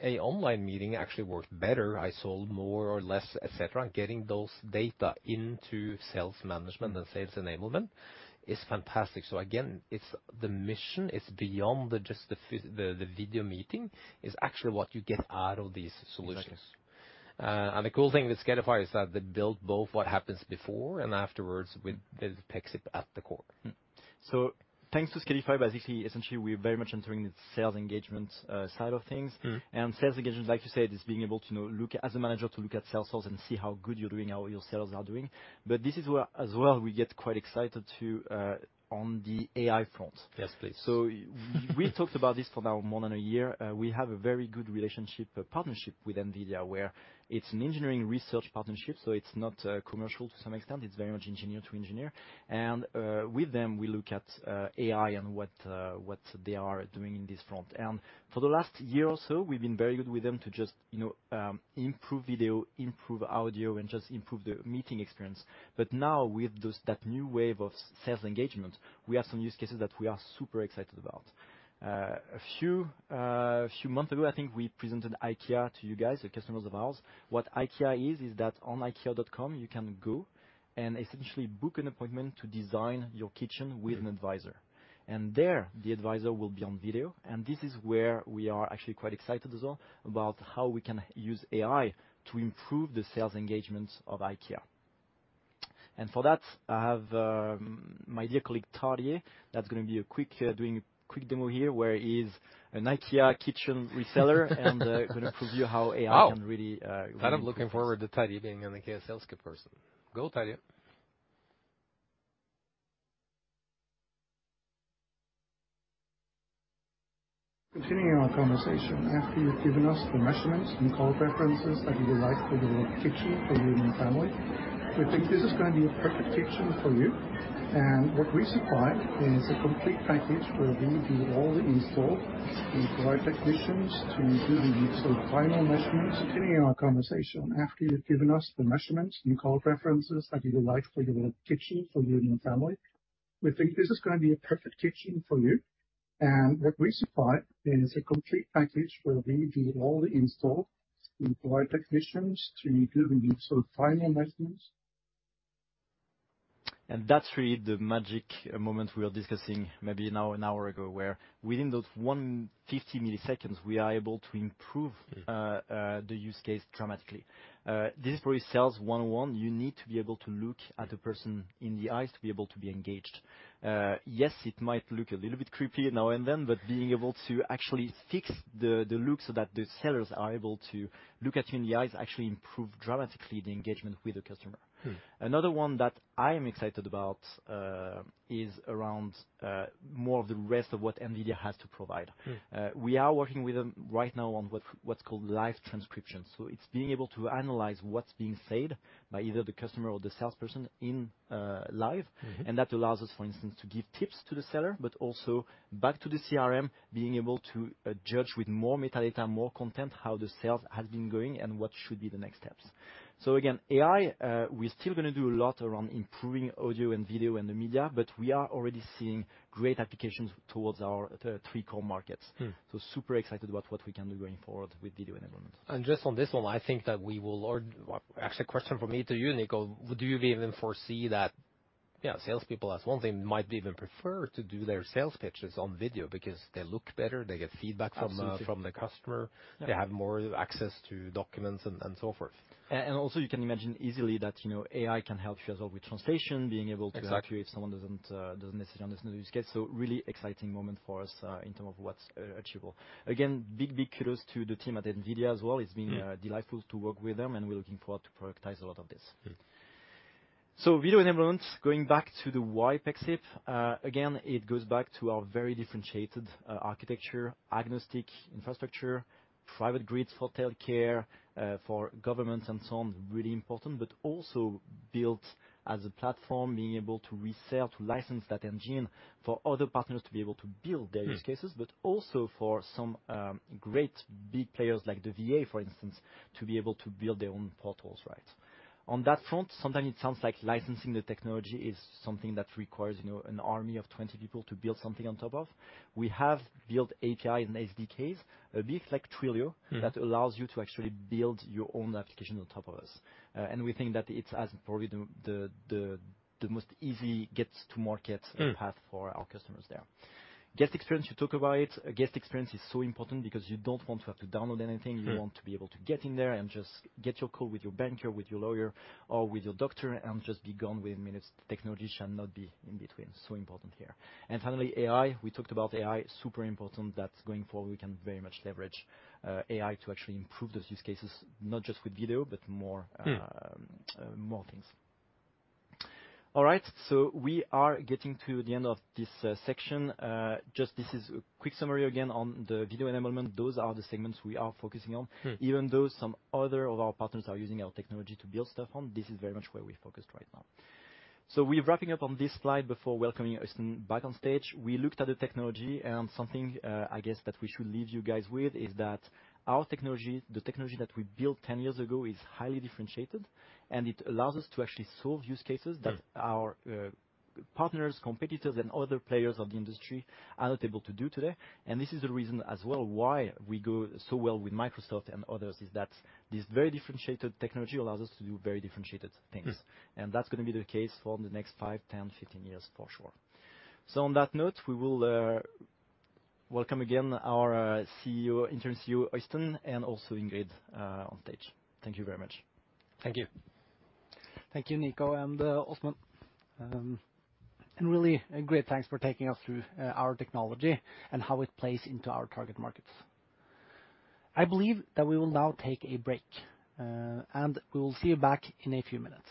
An online meeting actually worked better. I sold more or less, et cetera. Getting those data into sales management and sales enablement is fantastic. Again, it's the mission. It's beyond just the video meeting. It's actually what you get out of these solutions. Exactly. The cool thing with Skedify is that they built both what happens before and afterwards with the Pexip at the core. Thanks to Skedify, basically, essentially, we're very much entering the sales engagement side of things. Mm-hmm. Sales engagement, like you said, is being able to, you know, look at as a manager, to look at Salesforce and see how good you're doing, how your sales are doing. This is where as well we get quite excited too, on the AI front. Yes, please. We talked about this for now more than a year. We have a very good relationship, partnership with NVIDIA, where it's an engineering research partnership, so it's not commercial to some extent. It's very much engineer to engineer. With them, we look at AI and what they are doing in this front. For the last year or so, we've been very good with them to just, you know, improve video, improve audio, and just improve the meeting experience. But now with that new wave of sales engagement, we have some use cases that we are super excited about. A few months ago, I think we presented IKEA to you guys, a customer of ours. What IKEA is that on ikea.com, you can go and essentially book an appointment to design your kitchen with an advisor. Mm-hmm. There, the advisor will be on video, and this is where we are actually quite excited as well about how we can use AI to improve the sales engagements of IKEA. For that, I have my dear colleague, Tadier, that's gonna be a quick demo here, where he's an IKEA kitchen reseller and gonna prove you how AI- Wow. can really I'm looking forward to Tadier being an IKEA salesperson. Go, Tadier. Continuing our conversation after you've given us the measurements and color preferences that you would like for your kitchen for you and your family. We think this is gonna be a perfect kitchen for you. What we supply is a complete package where we do all the install. We provide technicians to do the sort of final measurements. That's really the magic moment we are discussing maybe now an hour ago, where within those 150 milliseconds, we are able to improve. Mm-hmm. The use case dramatically. This is probably sales one-on-one. You need to be able to look at a person in the eyes to be able to be engaged. Yes, it might look a little bit creepy now and then, but being able to actually fix the look so that the sellers are able to look at you in the eyes actually improve dramatically the engagement with the customer. Mm-hmm. Another one that I am excited about is around more of the rest of what NVIDIA has to provide. Mm-hmm. We are working with them right now on what's called live transcription. It's being able to analyze what's being said by either the customer or the salesperson in live. Mm-hmm. That allows us, for instance, to give tips to the seller, but also back to the CRM, being able to judge with more metadata, more content, how the sales has been going and what should be the next steps. Again, AI, we're still gonna do a lot around improving audio and video and the media, but we are already seeing great applications towards our three core markets. Mm-hmm. Super excited about what we can do going forward with video enablement. Just on this one, I think that actually a question from me to you, Nico. Do you even foresee that, yeah, salespeople as one thing might even prefer to do their sales pitches on video because they look better, they get feedback from- Absolutely. from the customer. Yeah. They have more access to documents and so forth. You can imagine easily that you know AI can help you as well with translation, being able to. Exactly. Help you if someone doesn't necessarily understand use case. Really exciting moment for us in terms of what's achievable. Again, big kudos to the team at NVIDIA as well. Mm-hmm. It's been delightful to work with them, and we're looking forward to productize a lot of this. Mm-hmm. Video enablement, going back to the why Pexip, again, it goes back to our very differentiated, architecture, agnostic infrastructure, private grids for telcare, for governments and so on, really important, but also built as a platform, being able to resell, to license that engine for other partners to be able to build their use cases, but also for some, great big players like the VA, for instance, to be able to build their own portals, right? On that front, sometimes it sounds like licensing the technology is something that requires, you know, an army of 20 people to build something on top of. We have built API and SDKs, a bit like Twilio. Mm. that allows you to actually build your own application on top of us. We think that it's probably the most easy get to market- Mm. Guest experience, you talk about it. Guest experience is so important because you don't want to have to download anything. Mm. You want to be able to get in there and just get your call with your banker, with your lawyer, or with your doctor and just be gone within minutes. Technology shall not be in between. Important here. Finally, AI. We talked about AI. Super important that going forward, we can very much leverage, AI to actually improve those use cases, not just with video, but more. Mm. More things. All right, we are getting to the end of this section. Just this is a quick summary again on the Video Enablement. Those are the segments we are focusing on. Mm. Even though some other of our partners are using our technology to build stuff on, this is very much where we're focused right now. We're wrapping up on this slide before welcoming Øystein back on stage. We looked at the technology and something, I guess that we should leave you guys with is that our technology, the technology that we built 10 years ago, is highly differentiated, and it allows us to actually solve use cases. Mm. That our partners, competitors, and other players in the industry are not able to do today. This is the reason as well why we go so well with Microsoft and others, is that this very differentiated technology allows us to do very differentiated things. Mm. That's gonna be the case for the next five, 10, 15 years for sure. On that note, we will welcome again our CEO, Interim CEO, Øystein, and also Ingrid on stage. Thank you very much. Thank you. Thank you, Nico and Åsmund. Really a great thanks for taking us through our technology and how it plays into our target markets. I believe that we will now take a break, and we will see you back in a few minutes.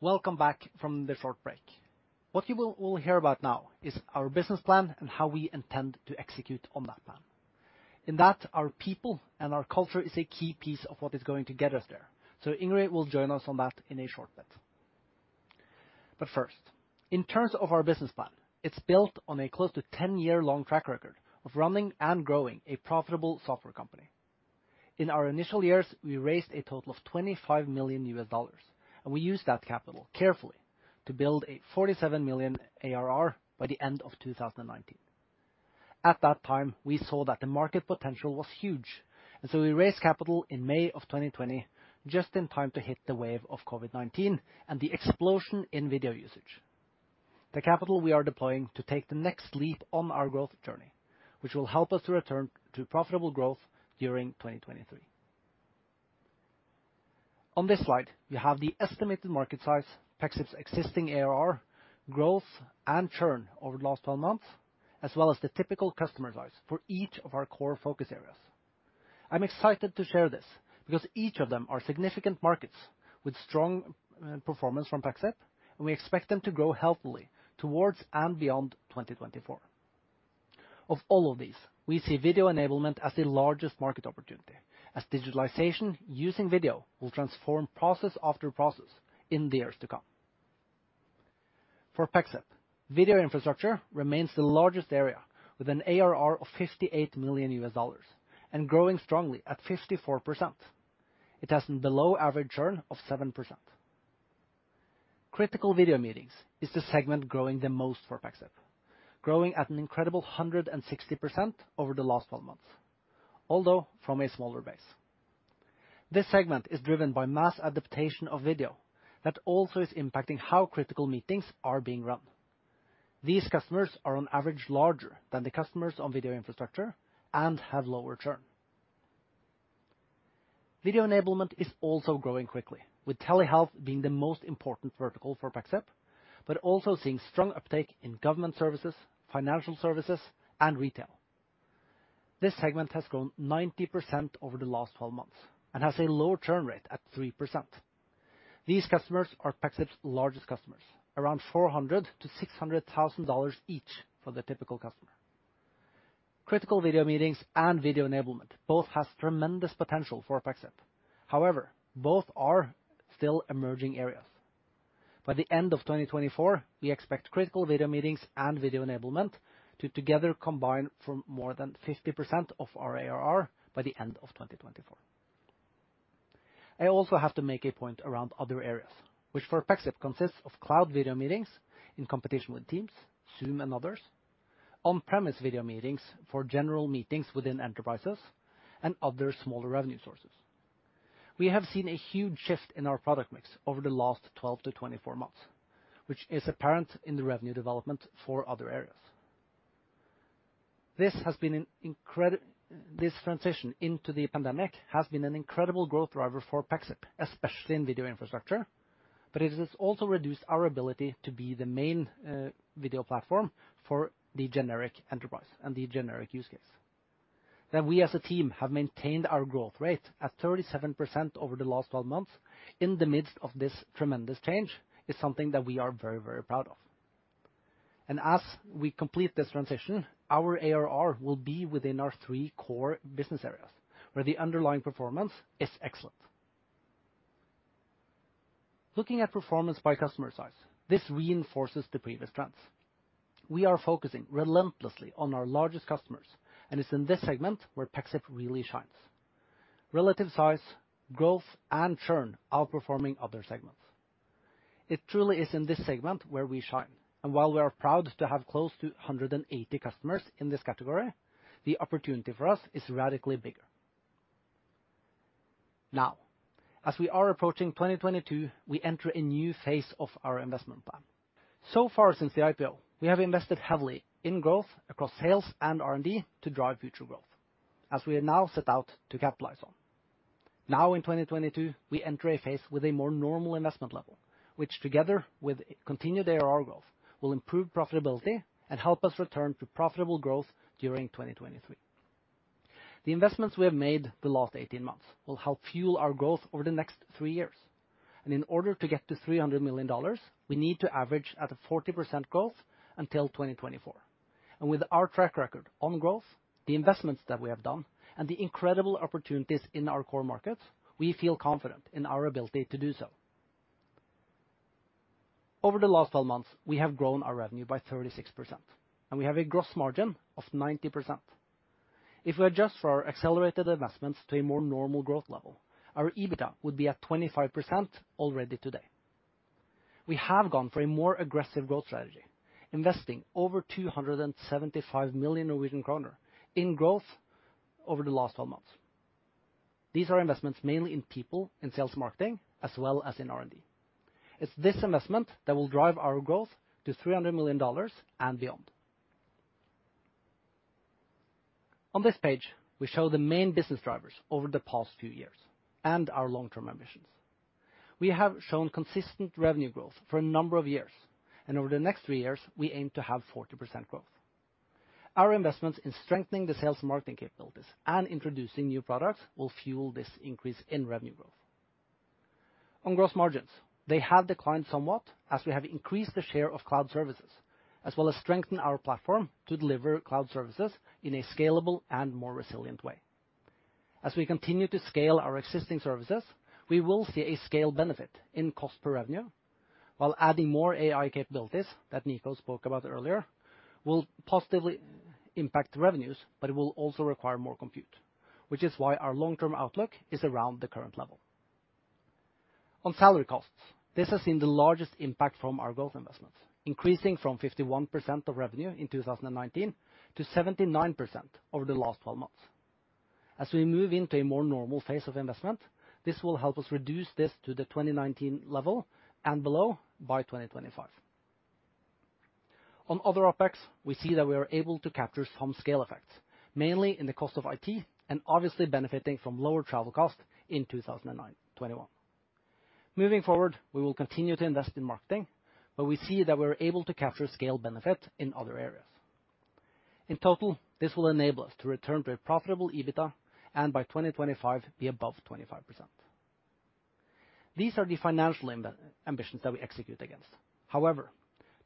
Welcome back from the short break. What you will all hear about now is our business plan and how we intend to execute on that plan. In that, our people and our culture is a key piece of what is going to get us there. Ingrid will join us on that in a short bit. First, in terms of our business plan, it's built on a close to 10-year-long track record of running and growing a profitable software company. In our initial years, we raised a total of $25 million, and we used that capital carefully to build 47 million ARR by the end of 2019. At that time, we saw that the market potential was huge, and so we raised capital in May of 2020, just in time to hit the wave of COVID-19 and the explosion in video usage. The capital we are deploying to take the next leap on our growth journey, which will help us to return to profitable growth during 2023. On this slide, you have the estimated market size, Pexip's existing ARR, growth and churn over the last 12 months, as well as the typical customer size for each of our core focus areas. I'm excited to share this because each of them are significant markets with strong performance from Pexip, and we expect them to grow healthily towards and beyond 2024. Of all of these, we see video enablement as the largest market opportunity, as digitalization using video will transform process after process in the years to come. For Pexip, video infrastructure remains the largest area with an ARR of $58 million and growing strongly at 54%. It has below average churn of 7%. Critical video meetings is the segment growing the most for Pexip, growing at an incredible 160% over the last 12 months, although from a smaller base. This is driven by mass adoption of video that also is impacting how critical meetings are being run. These customers are on average larger than the customers on video infrastructure and have lower churn. Video enablement is also growing quickly, with telehealth being the most important vertical for Pexip, but also seeing strong uptake in government services, financial services, and retail. This segment has grown 90% over the last 12 months and has a low churn rate at 3%. These customers are Pexip's largest customers, around $400,000-$600,000 each for the typical customer. Critical video meetings and video enablement both has tremendous potential for Pexip. However, both are still emerging areas. By the end of 2024, we expect critical video meetings and video enablement to together combine for more than 50% of our ARR by the end of 2024. I also have to make a point around other areas which for Pexip consists of cloud video meetings in competition with Teams, Zoom, and others, on-premise video meetings for general meetings within enterprises, and other smaller revenue sources. We have seen a huge shift in our product mix over the last 12-24 months, which is apparent in the revenue development for other areas. This transition into the pandemic has been an incredible growth driver for Pexip, especially in video infrastructure, but it has also reduced our ability to be the main, video platform for the generic enterprise and the generic use case. That we as a team have maintained our growth rate at 37% over the last 12 months in the midst of this tremendous change is something that we are very, very proud of. As we complete this transition, our ARR will be within our three core business areas, where the underlying performance is excellent. Looking at performance by customer size, this reinforces the previous trends. We are focusing relentlessly on our largest customers, and it's in this segment where Pexip really shines, relative size, growth, and churn outperforming other segments. It truly is in this segment where we shine, and while we are proud to have close to 180 customers in this category, the opportunity for us is radically bigger. Now, as we are approaching 2022, we enter a new phase of our investment plan. So far since the IPO, we have invested heavily in growth across sales and R&D to drive future growth, as we have now set out to capitalize on. Now in 2022, we enter a phase with a more normal investment level, which together with continued ARR growth, will improve profitability and help us return to profitable growth during 2023. The investments we have made the last 18 months will help fuel our growth over the next three years. In order to get to $300 million, we need to average at a 40% growth until 2024. With our track record on growth, the investments that we have done, and the incredible opportunities in our core markets, we feel confident in our ability to do so. Over the last 12 months, we have grown our revenue by 36%, and we have a gross margin of 90%. If we adjust for our accelerated investments to a more normal growth level, our EBITDA would be at 25% already today. We have gone for a more aggressive growth strategy, investing over 275 million Norwegian kroner in growth over the last 12 months. These are investments mainly in people in sales marketing as well as in R&D. It's this investment that will drive our growth to $300 million and beyond. On this page, we show the main business drivers over the past few years and our long-term ambitions. We have shown consistent revenue growth for a number of years, and over the next three years, we aim to have 40% growth. Our investments in strengthening the sales and marketing capabilities and introducing new products will fuel this increase in revenue growth. On gross margins, they have declined somewhat as we have increased the share of cloud services, as well as strengthened our platform to deliver cloud services in a scalable and more resilient way. As we continue to scale our existing services, we will see a scale benefit in cost per revenue while adding more AI capabilities that Nico spoke about earlier will positively impact revenues, but it will also require more compute, which is why our long-term outlook is around the current level. On salary costs, this has seen the largest impact from our growth investments, increasing from 51% of revenue in 2019 to 79% over the last 12 months. As we move into a more normal phase of investment, this will help us reduce this to the 2019 level and below by 2025. On other OPEX, we see that we are able to capture some scale effects, mainly in the cost of IT and obviously benefiting from lower travel costs in 2021. Moving forward, we will continue to invest in marketing, but we see that we're able to capture scale benefit in other areas. In total, this will enable us to return to a profitable EBITDA and by 2025, be above 25%. These are the financial ambitions that we execute against. However,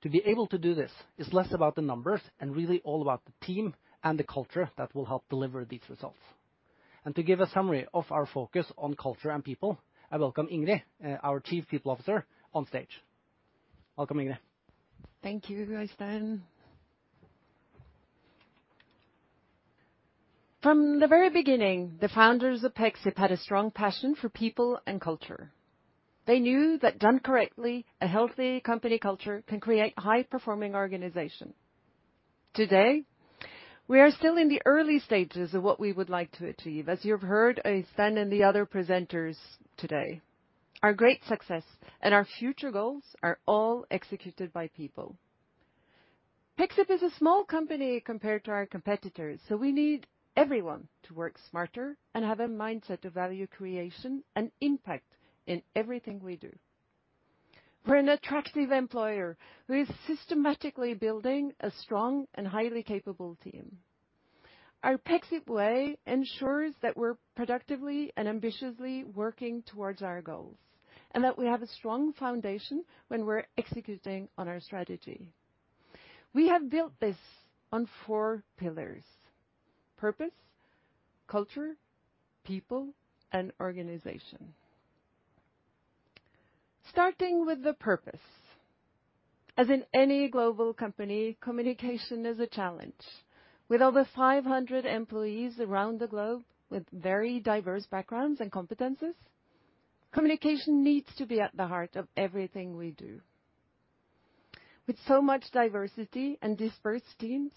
to be able to do this is less about the numbers and really all about the team and the culture that will help deliver these results. To give a summary of our focus on culture and people, I welcome Ingrid, our Chief People Officer, on stage. Welcome, Ingrid. Thank you, Øystein. From the very beginning, the founders of Pexip had a strong passion for people and culture. They knew that done correctly, a healthy company culture can create high-performing organization. Today, we are still in the early stages of what we would like to achieve, as you've heard Øystein and the other presenters today. Our great success and our future goals are all executed by people. Pexip is a small company compared to our competitors, so we need everyone to work smarter and have a mindset of value creation and impact in everything we do. We're an attractive employer who is systematically building a strong and highly capable team. Our Pexip Way ensures that we're productively and ambitiously working towards our goals, and that we have a strong foundation when we're executing on our strategy. We have built this on four pillars, purpose, culture, people, and organization. Starting with the purpose. As in any global company, communication is a challenge. With over 500 employees around the globe with very diverse backgrounds and competencies, communication needs to be at the heart of everything we do. With so much diversity and dispersed teams,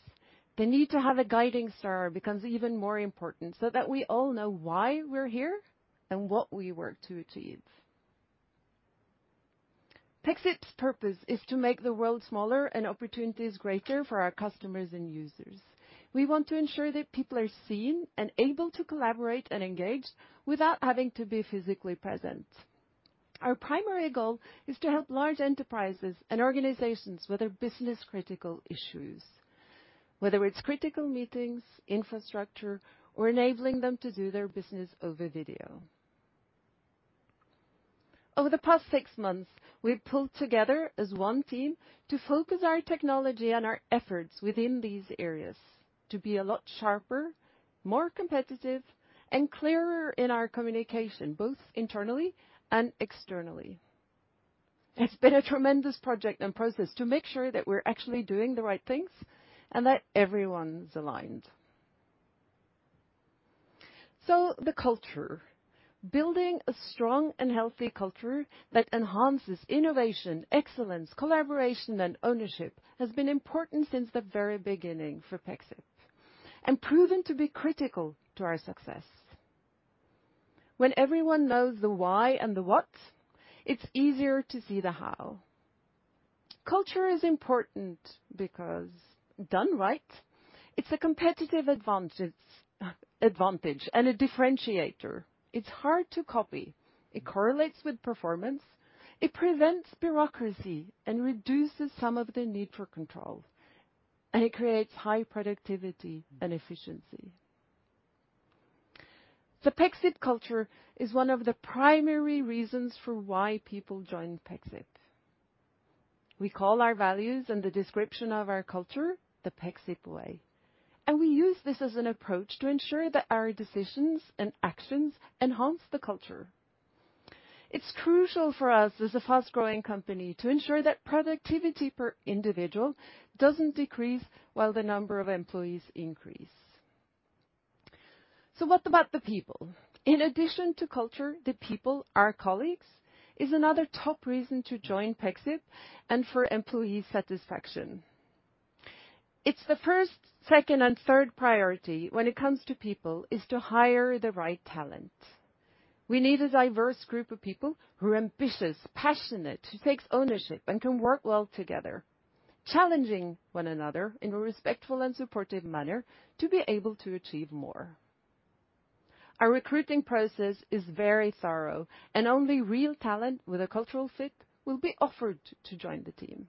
the need to have a guiding star becomes even more important so that we all know why we're here and what we work to achieve. Pexip's purpose is to make the world smaller and opportunities greater for our customers and users. We want to ensure that people are seen and able to collaborate and engage without having to be physically present. Our primary goal is to help large enterprises and organizations with their business-critical issues, whether it's critical meetings, infrastructure, or enabling them to do their business over video. Over the past six months, we've pulled together as one team to focus our technology and our efforts within these areas to be a lot sharper, more competitive, and clearer in our communication, both internally and externally. It's been a tremendous project and process to make sure that we're actually doing the right things and that everyone's aligned. The culture. Building a strong and healthy culture that enhances innovation, excellence, collaboration, and ownership has been important since the very beginning for Pexip and proven to be critical to our success. When everyone knows the why and the what, it's easier to see the how. Culture is important because done right, it's a competitive advantage and a differentiator. It's hard to copy. It correlates with performance. It prevents bureaucracy and reduces some of the need for control, and it creates high productivity and efficiency. The Pexip culture is one of the primary reasons for why people join Pexip. We call our values and the description of our culture the Pexip Way, and we use this as an approach to ensure that our decisions and actions enhance the culture. It's crucial for us as a fast-growing company to ensure that productivity per individual doesn't decrease while the number of employees increase. What about the people? In addition to culture, the people, our colleagues, is another top reason to join Pexip and for employee satisfaction. It's the first, second, and third priority when it comes to people is to hire the right talent. We need a diverse group of people who are ambitious, passionate, who takes ownership and can work well together, challenging one another in a respectful and supportive manner to be able to achieve more. Our recruiting process is very thorough, and only real talent with a cultural fit will be offered to join the team.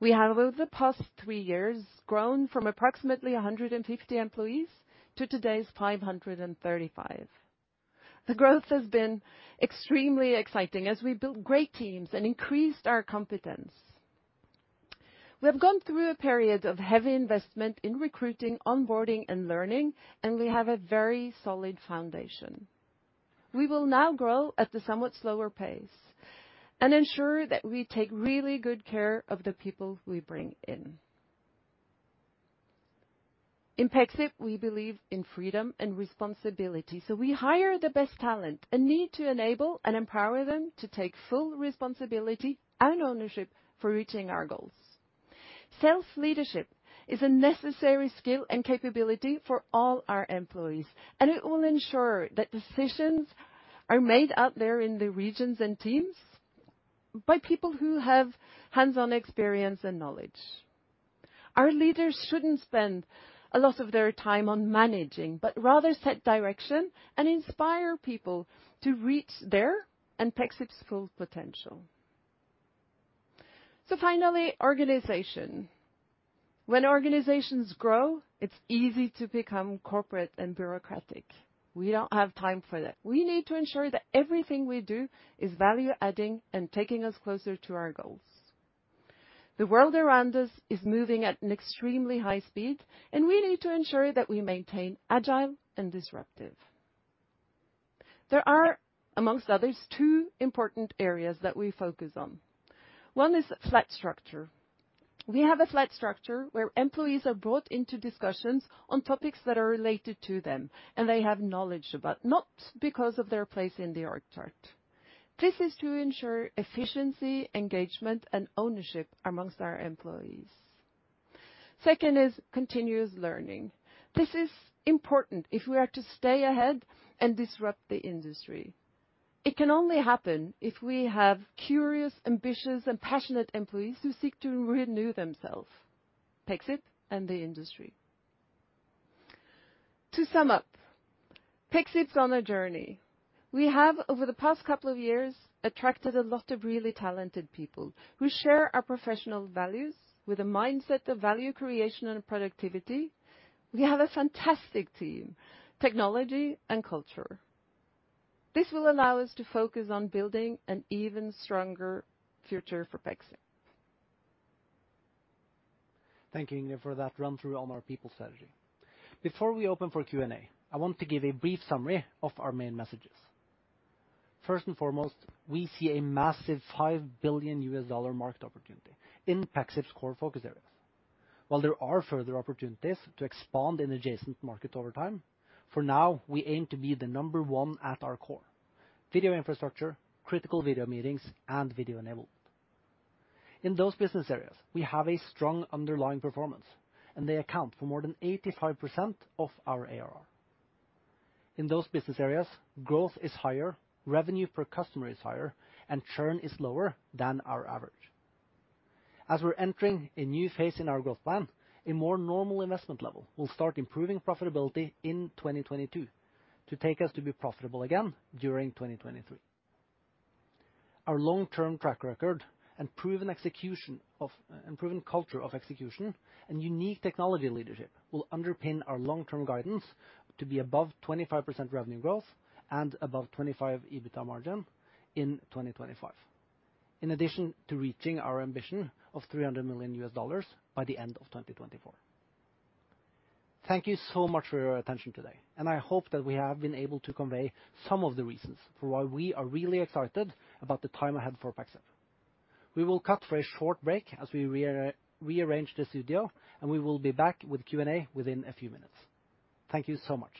We have over the past three years grown from approximately 150 employees to today's 535. The growth has been extremely exciting as we built great teams and increased our competence. We have gone through a period of heavy investment in recruiting, onboarding, and learning, and we have a very solid foundation. We will now grow at a somewhat slower pace and ensure that we take really good care of the people we bring in. In Pexip, we believe in freedom and responsibility, so we hire the best talent and need to enable and empower them to take full responsibility and ownership for reaching our goals. Self-leadership is a necessary skill and capability for all our employees, and it will ensure that decisions are made out there in the regions and teams by people who have hands-on experience and knowledge. Our leaders shouldn't spend a lot of their time on managing, but rather set direction and inspire people to reach their and Pexip's full potential. Finally, organization. When organizations grow, it's easy to become corporate and bureaucratic. We don't have time for that. We need to ensure that everything we do is value-adding and taking us closer to our goals. The world around us is moving at an extremely high speed, and we need to ensure that we maintain agile and disruptive. There are, among others, two important areas that we focus on. One is flat structure. We have a flat structure where employees are brought into discussions on topics that are related to them, and they have knowledge about, not because of their place in the org chart. This is to ensure efficiency, engagement, and ownership among our employees. Second is continuous learning. This is important if we are to stay ahead and disrupt the industry. It can only happen if we have curious, ambitious, and passionate employees who seek to renew themselves, Pexip, and the industry. To sum up, Pexip's on a journey. We have, over the past couple of years, attracted a lot of really talented people. We share our professional values with a mindset of value creation and productivity. We have a fantastic team, technology, and culture. This will allow us to focus on building an even stronger future for Pexip. Thank you, Ingrid, for that run-through on our people strategy. Before we open for Q&A, I want to give a brief summary of our main messages. First and foremost, we see a massive $5 billion market opportunity in Pexip's core focus areas. While there are further opportunities to expand in adjacent markets over time, for now, we aim to be the number one at our core, video infrastructure, critical video meetings, and video enablement. In those business areas, we have a strong underlying performance, and they account for more than 85% of our ARR. In those business areas, growth is higher, revenue per customer is higher, and churn is lower than our average. As we're entering a new phase in our growth plan, a more normal investment level will start improving profitability in 2022 to take us to be profitable again during 2023. Our long-term track record and proven execution and proven culture of execution and unique technology leadership will underpin our long-term guidance to be above 25% revenue growth and above 25% EBITDA margin in 2025. In addition to reaching our ambition of $300 million by the end of 2024. Thank you so much for your attention today, and I hope that we have been able to convey some of the reasons for why we are really excited about the time ahead for Pexip. We will cut for a short break as we rearrange the studio, and we will be back with Q&A within a few minutes. Thank you so much.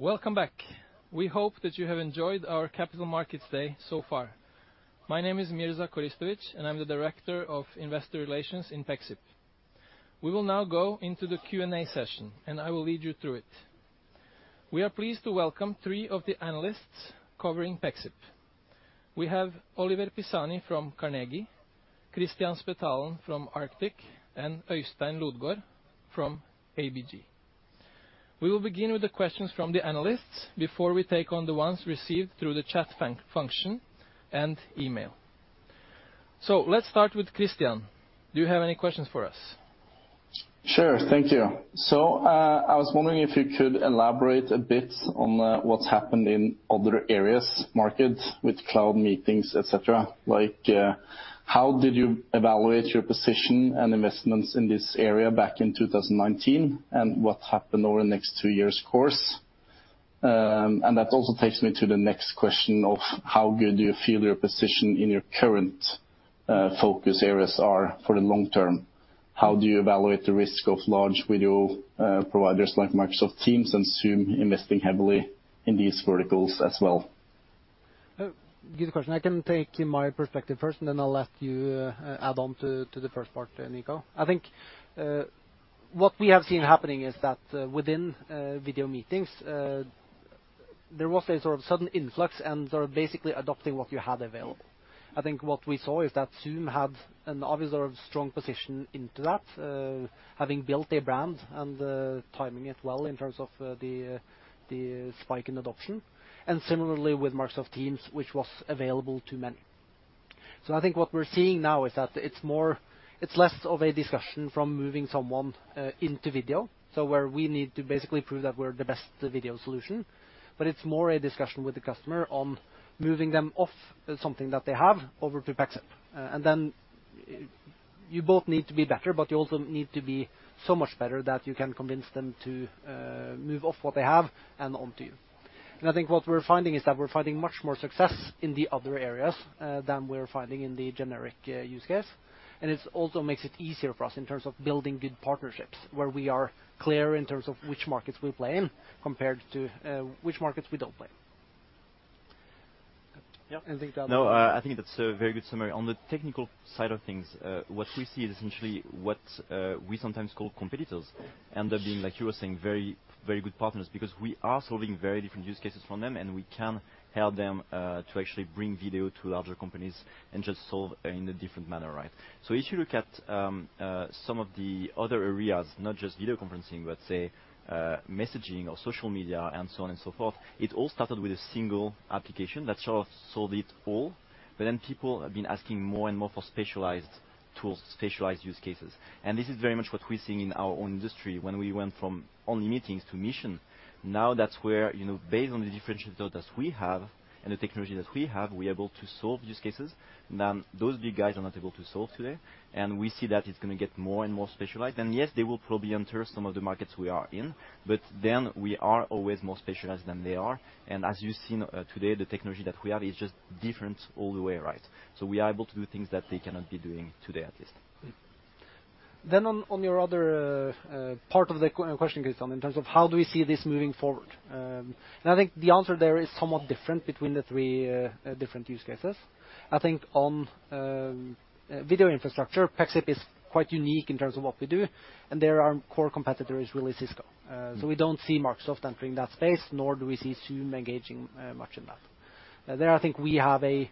Welcome back. We hope that you have enjoyed our capital markets day so far. My name is Mirza Koristovic, and I'm the Director of Investor Relations in Pexip. We will now go into the Q&A session, and I will lead you through it. We are pleased to welcome three of the analysts covering Pexip. We have Oliver Pisani from Carnegie, Kristian Spetalen from Arctic, and Øystein Lodgaard from ABG. We will begin with the questions from the analysts before we take on the ones received through the chat function and email. Let's start with Kristian. Do you have any questions for us? Sure. Thank you. I was wondering if you could elaborate a bit on what's happened in other areas, markets with cloud meetings, et cetera. Like, how did you evaluate your position and investments in this area back in 2019? What happened over the next two years' course? That also takes me to the next question of how good do you feel your position in your current focus areas are for the long term? How do you evaluate the risk of large video providers like Microsoft Teams and Zoom investing heavily in these verticals as well? Good question. I can take my perspective first, and then I'll let you add on to the first part, Nico. I think what we have seen happening is that within video meetings there was a sort of sudden influx and sort of basically adopting what you had available. I think what we saw is that Zoom had an obvious or strong position into that, having built a brand and timing it well in terms of the spike in adoption, and similarly with Microsoft Teams, which was available to many. I think what we're seeing now is that it's less of a discussion from moving someone into video, where we need to basically prove that we're the best video solution, but it's more a discussion with the customer on moving them off something that they have over to Pexip. Then you both need to be better, but you also need to be so much better that you can convince them to move off what they have and on to you. I think what we're finding is that we're finding much more success in the other areas than we're finding in the generic use case. It also makes it easier for us in terms of building good partnerships where we are clear in terms of which markets we play in compared to which markets we don't play in. Yeah. No, I think that's a very good summary. On the technical side of things, what we see is essentially what, we sometimes call competitors end up being, like you were saying, very, very good partners because we are solving very different use cases from them, and we can help them, to actually bring video to larger companies and just solve in a different manner, right? If you look at, some of the other areas, not just video conferencing, but say, messaging or social media and so on and so forth, it all started with a single application that sort of solved it all. Then people have been asking more and more for specialized tools, specialized use cases. This is very much what we're seeing in our own industry when we went from only meetings to mission. Now that's where, you know, based on the differentiators that we have and the technology that we have, we are able to solve use cases that those big guys are not able to solve today. We see that it's gonna get more and more specialized. Yes, they will probably enter some of the markets we are in, but then we are always more specialized than they are. As you've seen, today, the technology that we have is just different all the way, right? We are able to do things that they cannot be doing today at least. Your other part of the question, Kristian, in terms of how do we see this moving forward? I think the answer there is somewhat different between the three different use cases. I think on video infrastructure, Pexip is quite unique in terms of what we do, and there our core competitor is really Cisco. We don't see Microsoft entering that space, nor do we see Zoom engaging much in that. There, I think we have a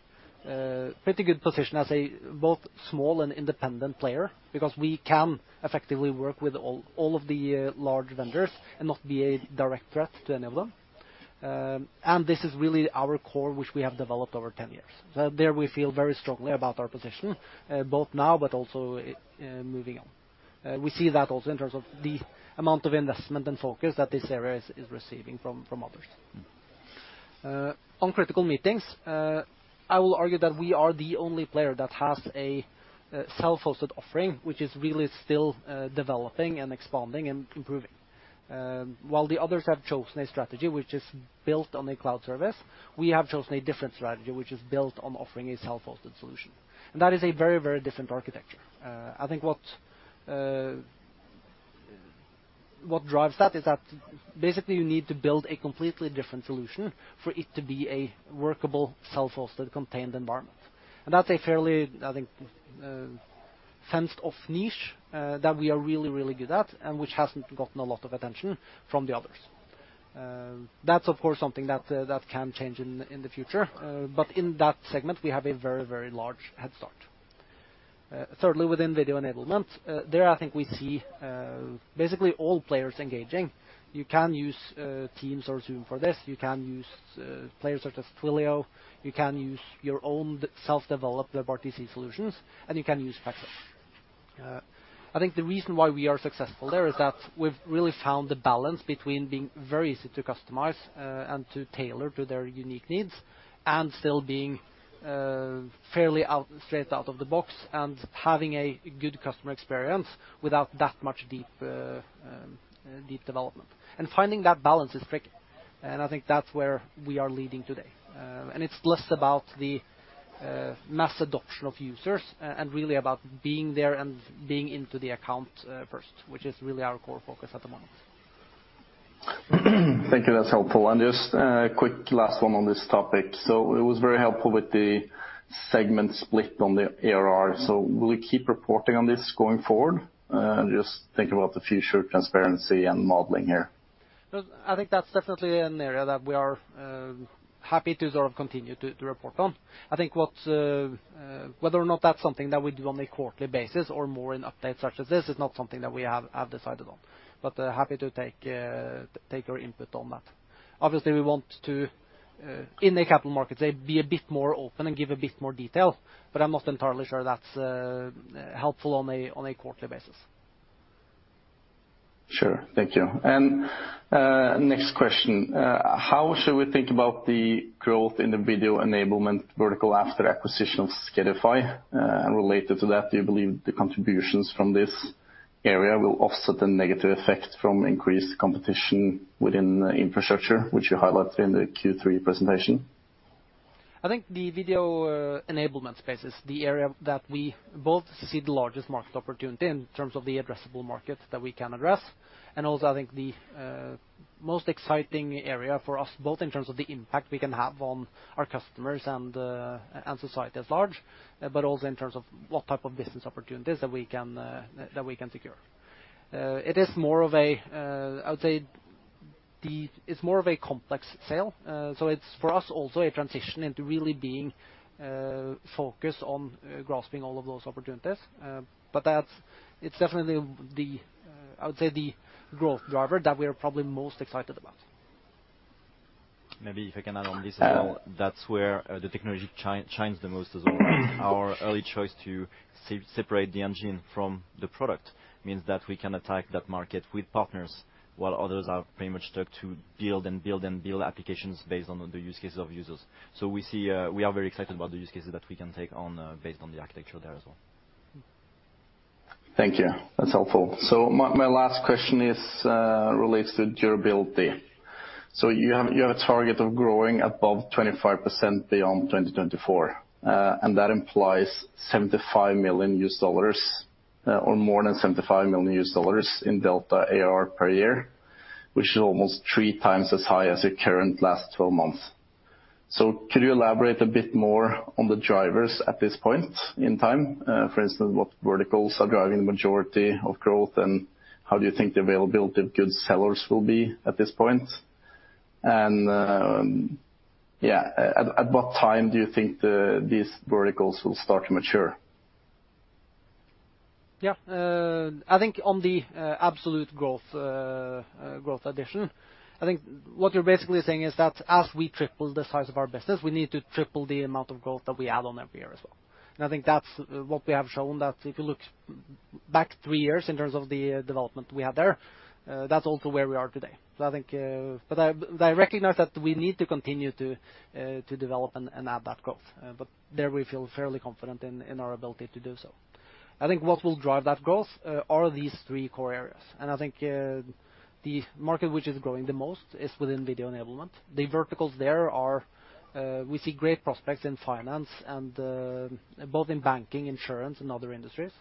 pretty good position as a both small and independent player because we can effectively work with all of the large vendors and not be a direct threat to any of them. This is really our core, which we have developed over 10 years. There we feel very strongly about our position, both now but also, moving on. We see that also in terms of the amount of investment and focus that this area is receiving from others. On critical meetings, I will argue that we are the only player that has a self-hosted offering, which is really still developing and expanding and improving. While the others have chosen a strategy which is built on a cloud service, we have chosen a different strategy, which is built on offering a self-hosted solution. That is a very, very different architecture. I think what drives that is that basically you need to build a completely different solution for it to be a workable self-hosted, contained environment. That's a fairly, I think, fenced off niche that we are really good at, and which hasn't gotten a lot of attention from the others. That's of course something that can change in the future. In that segment, we have a very large head start. Thirdly, within video enablement, there, I think we see basically all players engaging. You can use Teams or Zoom for this. You can use players such as Twilio. You can use your own self-developed WebRTC solutions, and you can use Pexip. I think the reason why we are successful there is that we've really found the balance between being very easy to customize and to tailor to their unique needs, and still being fairly straightforward out of the box and having a good customer experience without that much deep development. Finding that balance is tricky, and I think that's where we are leading today. It's less about the mass adoption of users and really about being there and being in the account first, which is really our core focus at the moment. Thank you. That's helpful. Just a quick last one on this topic. It was very helpful with the segment split on the ARR. Will you keep reporting on this going forward? Just thinking about the future transparency and modeling here. I think that's definitely an area that we are happy to sort of continue to report on. I think whether or not that's something that we do on a quarterly basis or more in updates such as this is not something that we have decided on. Happy to take your input on that. Obviously, we want to in the capital markets be a bit more open and give a bit more detail, but I'm not entirely sure that's helpful on a quarterly basis. Sure. Thank you. Next question. How should we think about the growth in the video enablement vertical after acquisition of Skedify? Related to that, do you believe the contributions from this area will offset the negative effect from increased competition within infrastructure, which you highlighted in the Q3 presentation? I think the video enablement space is the area that we both see the largest market opportunity in terms of the addressable market that we can address, and also I think the most exciting area for us, both in terms of the impact we can have on our customers and society at large, but also in terms of what type of business opportunities that we can secure. It is more of a complex sale, I would say. It's for us also a transition into really being focused on grasping all of those opportunities. It's definitely the growth driver that we are probably most excited about, I would say. Maybe if I can add on this as well, that's where the technology shines the most as well. Our early choice to separate the engine from the product means that we can attack that market with partners, while others are pretty much stuck to build applications based on the use cases of users. We see we are very excited about the use cases that we can take on based on the architecture there as well. Thank you. That's helpful. My last question relates to durability. You have a target of growing above 25% beyond 2024, and that implies $75 million or more than $75 million in delta ARR per year, which is almost 3x as high as your current last 12 months. Could you elaborate a bit more on the drivers at this point in time? For instance, what verticals are driving the majority of growth, and how do you think the availability of good sellers will be at this point? At what time do you think these verticals will start to mature? Yeah. I think on the absolute growth addition, I think what you're basically saying is that as we triple the size of our business, we need to triple the amount of growth that we add on every year as well. I think that's what we have shown, that if you look back three years in terms of the development we had there, that's also where we are today. I recognize that we need to continue to develop and add that growth. But there we feel fairly confident in our ability to do so. I think what will drive that growth are these three core areas. I think the market which is growing the most is within video enablement. The verticals there are, we see great prospects in finance and both in banking, insurance and other industries.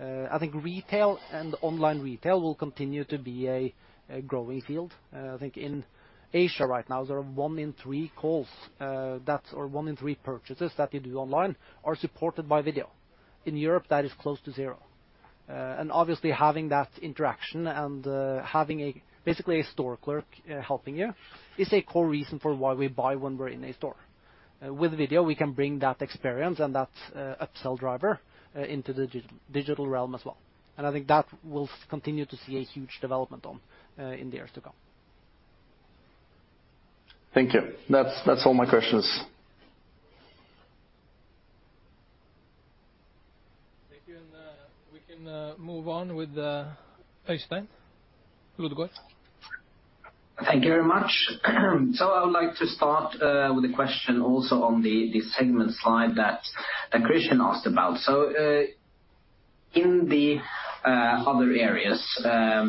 I think retail and online retail will continue to be a growing field. I think in Asia right now, there are 1/3 calls or 1/3 purchases that you do online are supported by video. In Europe, that is close to zero. Obviously, having that interaction and having basically a store clerk helping you is a core reason for why we buy when we're in a store. With video, we can bring that experience and that upsell driver into the digital realm as well. I think that we'll continue to see a huge development in the years to come. Thank you. That's all my questions. Thank you. We can move on with Øystein Lodgaard. Thank you very much. I would like to start with a question also on the segment slide that Kristian asked about. In the other areas where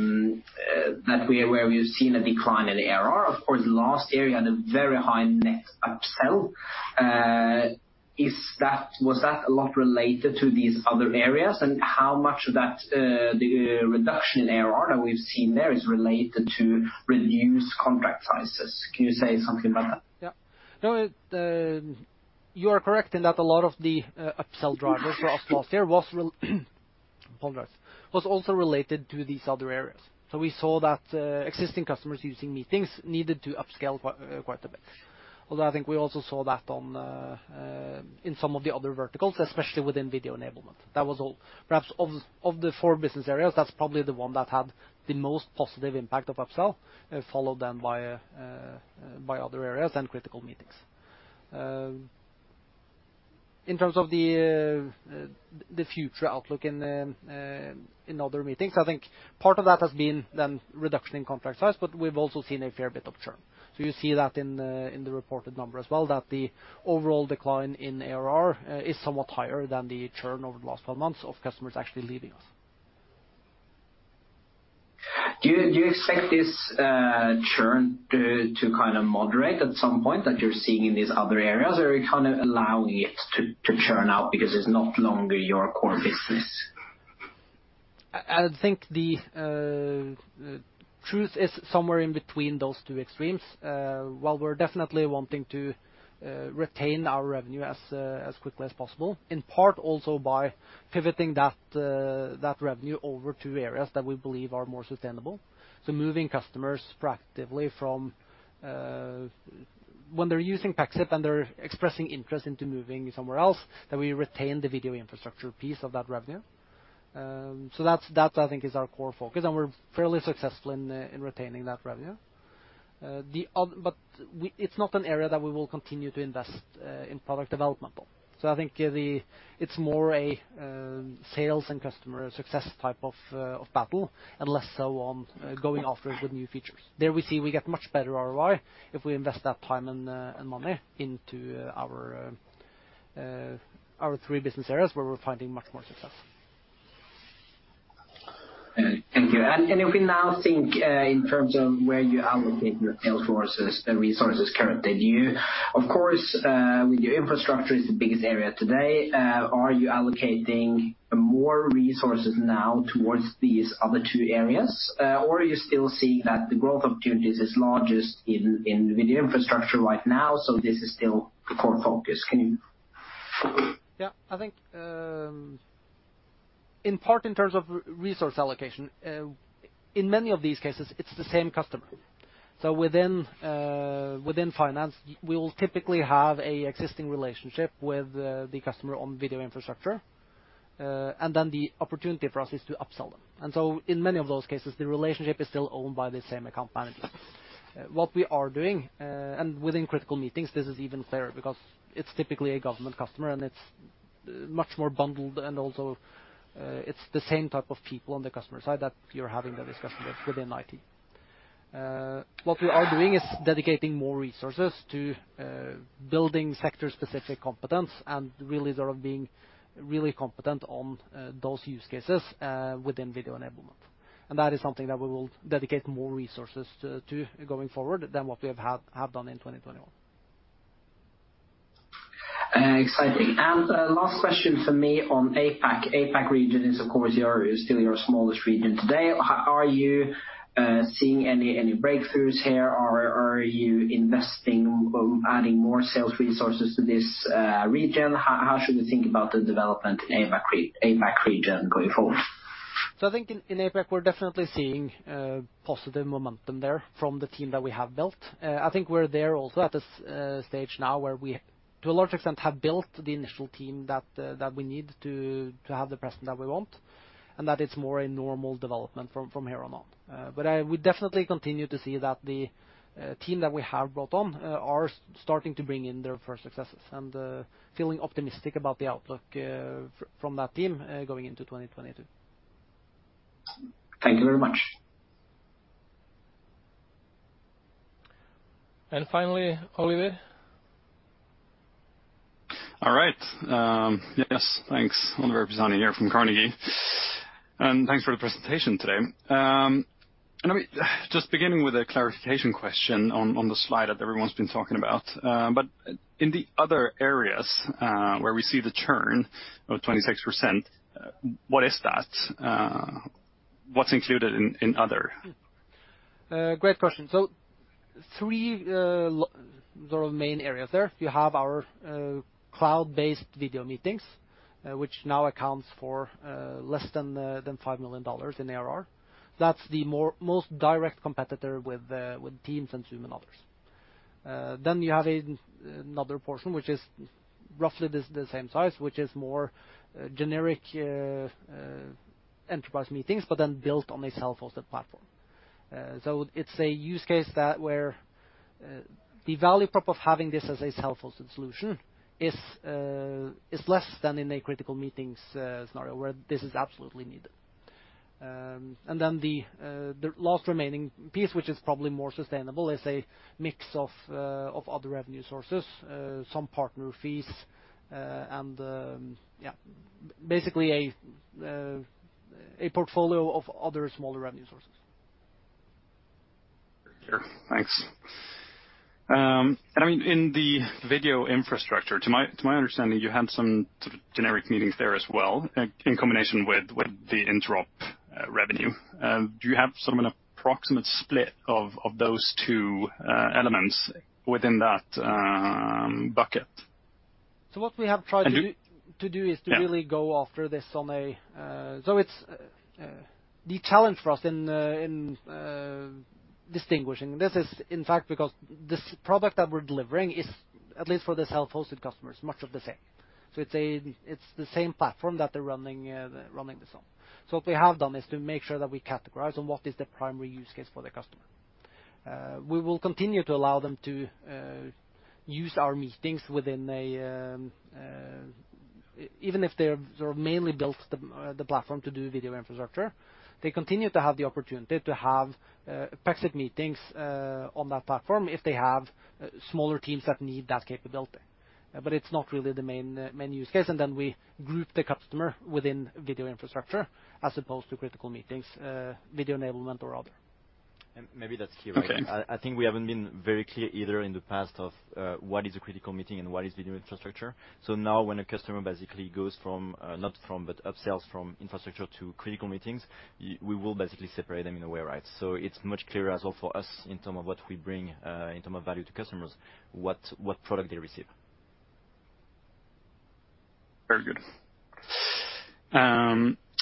we've seen a decline in the ARR, of course, the last area had a very high net upsell. Was that a lot related to these other areas? And how much of that the reduction in ARR that we've seen there is related to reduced contract sizes? Can you say something about that? You are correct in that a lot of the upsell drivers for us last year was also related to these other areas. We saw that existing customers using meetings needed to upscale quite a bit. Although I think we also saw that in some of the other verticals, especially within video enablement. That was all. Perhaps of the four business areas, that's probably the one that had the most positive impact of upsell, followed then by other areas and critical meetings. In terms of the future outlook in other meetings, I think part of that has been then reduction in contract size, but we've also seen a fair bit of churn. You see that in the reported number as well, that the overall decline in ARR is somewhat higher than the churn over the last 12 months of customers actually leaving us. Do you expect this churn to kinda moderate at some point that you're seeing in these other areas? Or are you kinda allowing it to churn out because it's no longer your core business? I think the truth is somewhere in between those two extremes. While we're definitely wanting to retain our revenue as quickly as possible, in part also by pivoting that revenue over to areas that we believe are more sustainable. Moving customers proactively from when they're using Pexip and they're expressing interest into moving somewhere else, that we retain the video infrastructure piece of that revenue. That's, I think, is our core focus, and we're fairly successful in retaining that revenue. It's not an area that we will continue to invest in product development on. I think it's more a sales and customer success type of battle, and less so on going after it with new features. There we see we get much better ROI if we invest that time and money into our three business areas where we're finding much more success. Thank you. If we now think in terms of where you allocate your sales forces and resources currently, too. Of course, your infrastructure is the biggest area today. Are you allocating more resources now toward these other two areas? Or are you still seeing that the growth opportunities is largest in video infrastructure right now, so this is still the core focus? Can you- Yeah. I think, in part, in terms of resource allocation, in many of these cases, it's the same customer. Within finance, we will typically have an existing relationship with the customer on video infrastructure, and then the opportunity for us is to upsell them. In many of those cases, the relationship is still owned by the same account manager. What we are doing, and within critical meetings, this is even fairer because it's typically a government customer and it's much more bundled, and also, it's the same type of people on the customer side that you're having those discussions with in IT. What we are doing is dedicating more resources to building sector-specific competence and really sort of being really competent on those use cases within video enablement. That is something that we will dedicate more resources to going forward than what we have done in 2021. Exciting. Last question from me on APAC. APAC region is, of course, your still your smallest region today. Are you seeing any breakthroughs here? Or are you investing or adding more sales resources to this region? How should we think about the development in APAC region going forward? I think in APAC, we're definitely seeing positive momentum there from the team that we have built. I think we're there also at this stage now where we, to a large extent, have built the initial team that we need to have the presence that we want, and that it's more a normal development from here on out. I would definitely continue to see that the team that we have brought on are starting to bring in their first successes and feeling optimistic about the outlook from that team going into 2022. Thank you very much. Finally, Oliver. All right. Yes, thanks. Oliver Schüler Pisani here from Carnegie. Thanks for the presentation today. Let me just begin with a clarification question on the slide that everyone's been talking about. In the other areas, where we see the churn of 26%, what is that? What's included in other? Great question. Three sort of main areas there. You have our cloud-based video meetings, which now accounts for less than $5 million in ARR. That's the most direct competitor with Teams and Zoom and others. You have another portion which is roughly the same size, which is more generic enterprise meetings, but then built on a self-hosted platform. It's a use case that where the value prop of having this as a self-hosted solution is less than in a critical meetings scenario where this is absolutely needed. The last remaining piece, which is probably more sustainable, is a mix of other revenue sources, and yeah, basically a portfolio of other smaller revenue sources. Sure. Thanks. I mean, in the video infrastructure, to my understanding, you had some sort of generic meetings there as well in combination with the interop revenue. Do you have sort of an approximate split of those two elements within that bucket? What we have tried to Can you- To do is- Yeah To really go after this on a. It's the challenge for us in distinguishing this. It is in fact because this product that we're delivering is, at least for the self-hosted customers, much of the same. It's the same platform that they're running this on. What we have done is to make sure that we categorize on what is the primary use case for the customer. We will continue to allow them to use our meetings within, even if they're sort of mainly built the platform to do video infrastructure. They continue to have the opportunity to have Pexip meetings on that platform if they have smaller teams that need that capability. It's not really the main use case, and then we group the customer within video infrastructure as opposed to critical meetings, video enablement or other. Maybe that's clear. Okay. I think we haven't been very clear either in the past of what is a critical meeting and what is video infrastructure. Now when a customer basically upsells from infrastructure to critical meetings, we will basically separate them in a way, right? It's much clearer as well for us in terms of what we bring in terms of value to customers, what product they receive. Very good.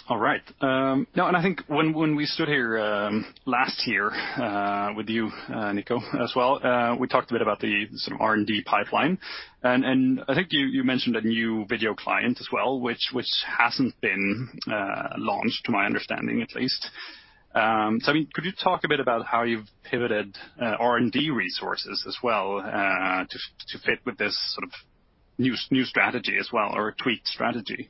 All right. Now I think when we stood here last year with you, Nico, as well, we talked a bit about the sort of R&D pipeline. I think you mentioned a new video client as well, which hasn't been launched, to my understanding at least. I mean, could you talk a bit about how you've pivoted R&D resources as well to fit with this sort of new strategy as well, or tweaked strategy?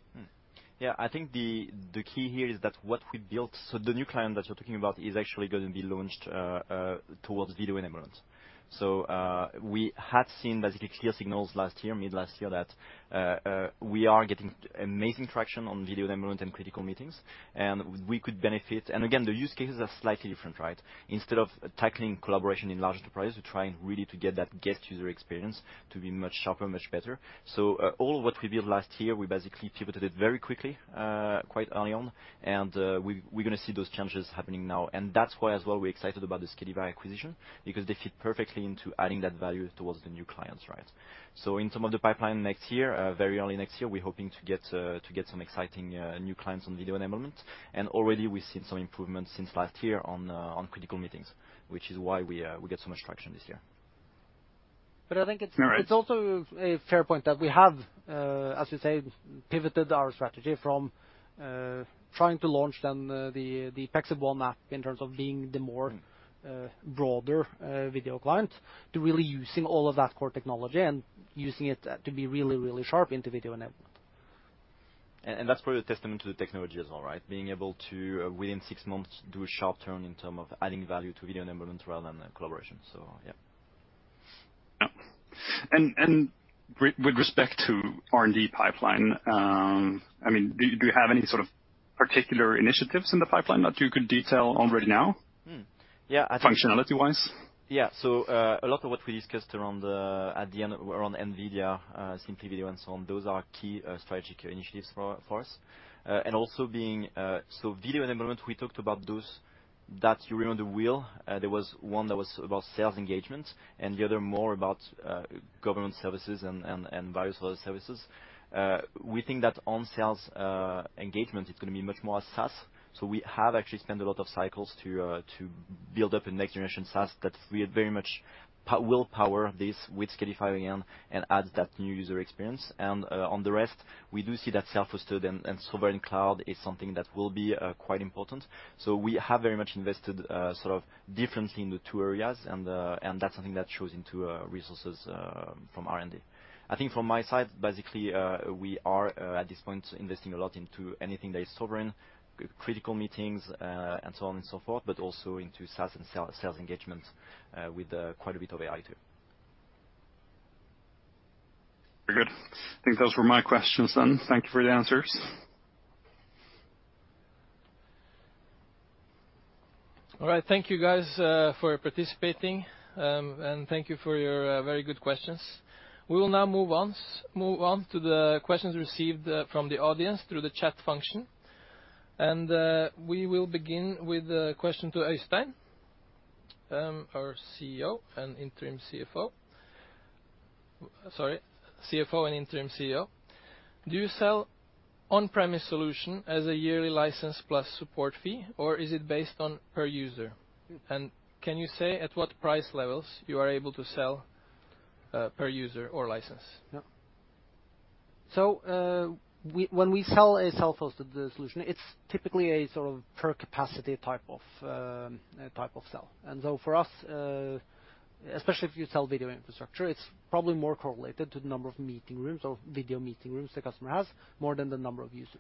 Yeah. I think the key here is that what we built. The new client that you're talking about is actually gonna be launched towards video enablement. We had seen basically clear signals last year, mid last year that we are getting amazing traction on video enablement and critical meetings, and we could benefit. Again, the use cases are slightly different, right? Instead of tackling collaboration in large enterprises, we're trying really to get that guest user experience to be much sharper, much better. All what we built last year, we basically pivoted it very quickly, quite early on, and we're gonna see those changes happening now. That's why as well we're excited about the Skedify acquisition because they fit perfectly into adding that value towards the new clients, right? In some of the pipeline next year, very early next year, we're hoping to get some exciting new clients on video enablement. Already we've seen some improvements since last year on critical meetings, which is why we get so much traction this year. I think it's All right. It's also a fair point that we have, as you say, pivoted our strategy from trying to launch then the Pexip Webapp in terms of being the more broader video client to really using all of that core technology and using it to be really, really sharp into video enablement. That's probably a testament to the technology as well, right? Being able to within six months do a sharp turn in terms of adding value to video enablement rather than collaboration. Yeah. With respect to R&D pipeline, I mean, do you have any sort of particular initiatives in the pipeline that you could detail already now? Yeah, I think. Functionality-wise. A lot of what we discussed around the end around NVIDIA, SimplyVideo and so on, those are key strategic initiatives for us. Also, video enablement, we talked about those that you were on the wheel. There was one that was about sales engagement, and the other more about government services and various other services. We think that on sales engagement, it's gonna be much more SaaS. We have actually spent a lot of cycles to build up a next generation SaaS that we very much will power this with Skedify again and add that new user experience. On the rest, we do see that self-hosted and sovereign cloud is something that will be quite important. We have very much invested sort of differently in the two areas, and that's something that shows into resources from R&D. I think from my side, basically, we are at this point investing a lot into anything that is sovereign, critical meetings, and so on and so forth, but also into SaaS and sales engagement, with quite a bit of AI too. Very good. I think those were my questions then. Thank you for your answers. All right. Thank you guys for participating, and thank you for your very good questions. We will now move on to the questions received from the audience through the chat function. We will begin with a question to Øystein, our CEO and interim CFO. Sorry, CFO and interim CEO. Do you sell on-premise solution as a yearly license plus support fee, or is it based on per user? And can you say at what price levels you are able to sell per user or license? Yeah. When we sell a self-hosted solution, it's typically a sort of per capacity type of sell. For us, especially if you sell video infrastructure, it's probably more correlated to the number of meeting rooms or video meeting rooms the customer has, more than the number of users.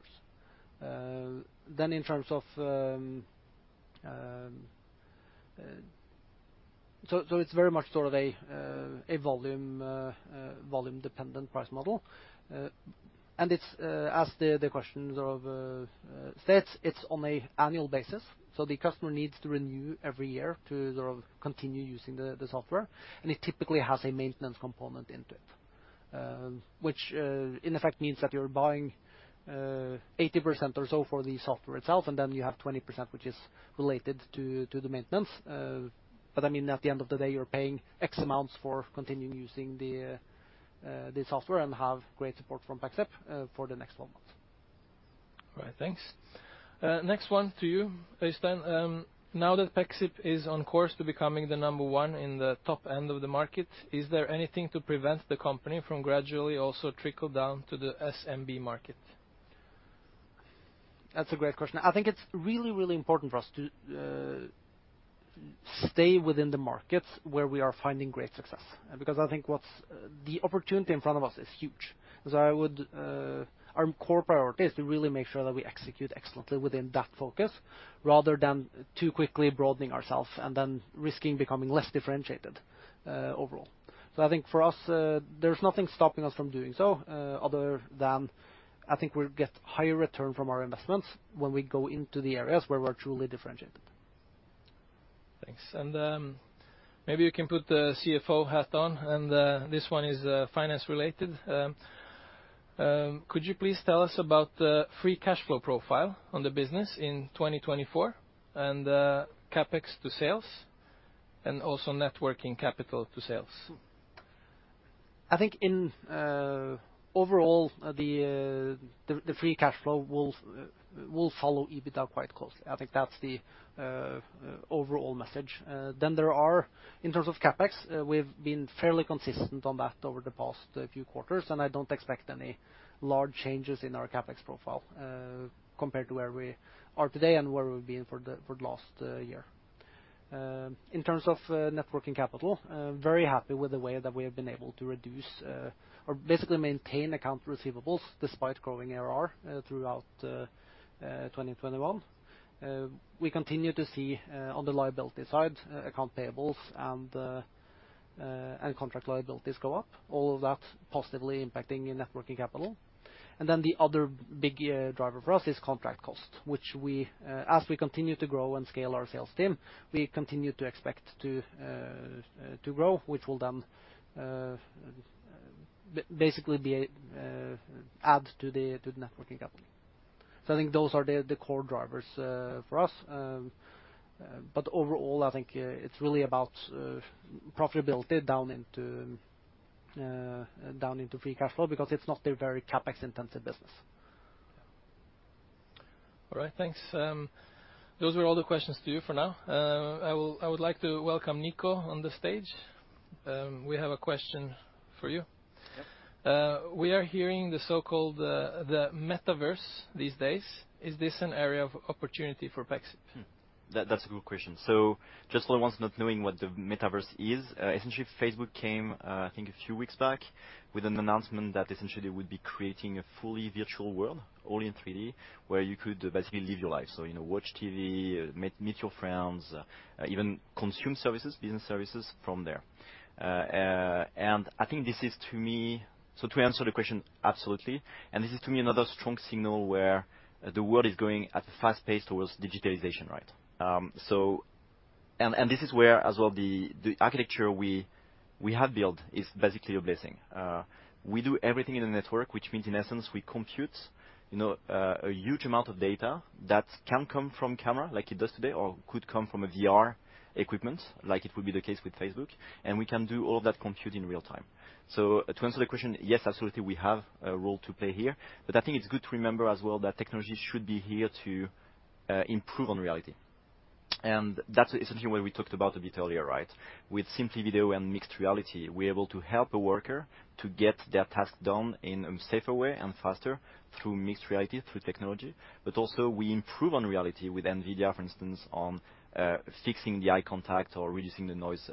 In terms of, it's very much sort of a volume-dependent price model. It's as the question sort of states, it's on an annual basis, so the customer needs to renew every year to sort of continue using the software. It typically has a maintenance component into it. Which in effect means that you're buying 80% or so for the software itself, and then you have 20%, which is related to the maintenance. I mean, at the end of the day, you're paying X amounts for continuing using the software and have great support from Pexip for the next 12 months. All right. Thanks. Next one to you, Øystein. Now that Pexip is on course to becoming the number one in the top end of the market, is there anything to prevent the company from gradually also trickle down to the SMB market? That's a great question. I think it's really, really important for us to stay within the markets where we are finding great success. Because I think what the opportunity in front of us is huge. Our core priority is to really make sure that we execute excellently within that focus rather than too quickly broadening ourselves and then risking becoming less differentiated overall. I think for us, there's nothing stopping us from doing so other than I think we'll get higher return from our investments when we go into the areas where we're truly differentiated. Thanks. Maybe you can put the CFO hat on and this one is finance related. Could you please tell us about the free cash flow profile on the business in 2024 and CapEx to sales, and also net working capital to sales? I think overall, the free cash flow will follow EBITDA quite closely. I think that's the overall message. There are, in terms of CapEx, we've been fairly consistent on that over the past few quarters, and I don't expect any large changes in our CapEx profile, compared to where we are today and where we've been for the last year. In terms of net working capital, I'm very happy with the way that we have been able to reduce or basically maintain accounts receivable despite growing ARR throughout 2021. We continue to see, on the liability side, accounts payable and contract liabilities go up, all of that positively impacting your net working capital. The other big driver for us is contract cost, which we, as we continue to grow and scale our sales team, we continue to expect to grow, which will then basically be an add to the net working capital. I think those are the core drivers for us. Overall, I think it's really about profitability down into free cash flow because it's not a very CapEx-intensive business. All right. Thanks. Those were all the questions to you for now. I would like to welcome Nico on the stage. We have a question for you. Yes. We are hearing the so-called metaverse these days. Is this an area of opportunity for Pexip? That's a good question. Just for the ones not knowing what the metaverse is, essentially Facebook came, I think a few weeks back, with an announcement that essentially would be creating a fully virtual world, all in 3D, where you could basically live your life. You know, watch TV, meet your friends, even consume services, business services from there. I think this is to me. To answer the question, absolutely, and this is to me another strong signal where the world is going at a fast pace towards digitalization, right? This is where as well the architecture we have built is basically a blessing. We do everything in the network, which means in essence, we compute, you know, a huge amount of data that can come from camera, like it does today, or could come from a VR equipment, like it would be the case with Facebook, and we can do all that compute in real time. So to answer the question, yes, absolutely, we have a role to play here, but I think it's good to remember as well that technology should be here to improve on reality. That's essentially what we talked about a bit earlier, right? With SimplyVideo and mixed reality, we're able to help a worker to get their task done in a safer way and faster through mixed reality, through technology. Also we improve on reality with NVIDIA, for instance, on fixing the eye contact or reducing the noise,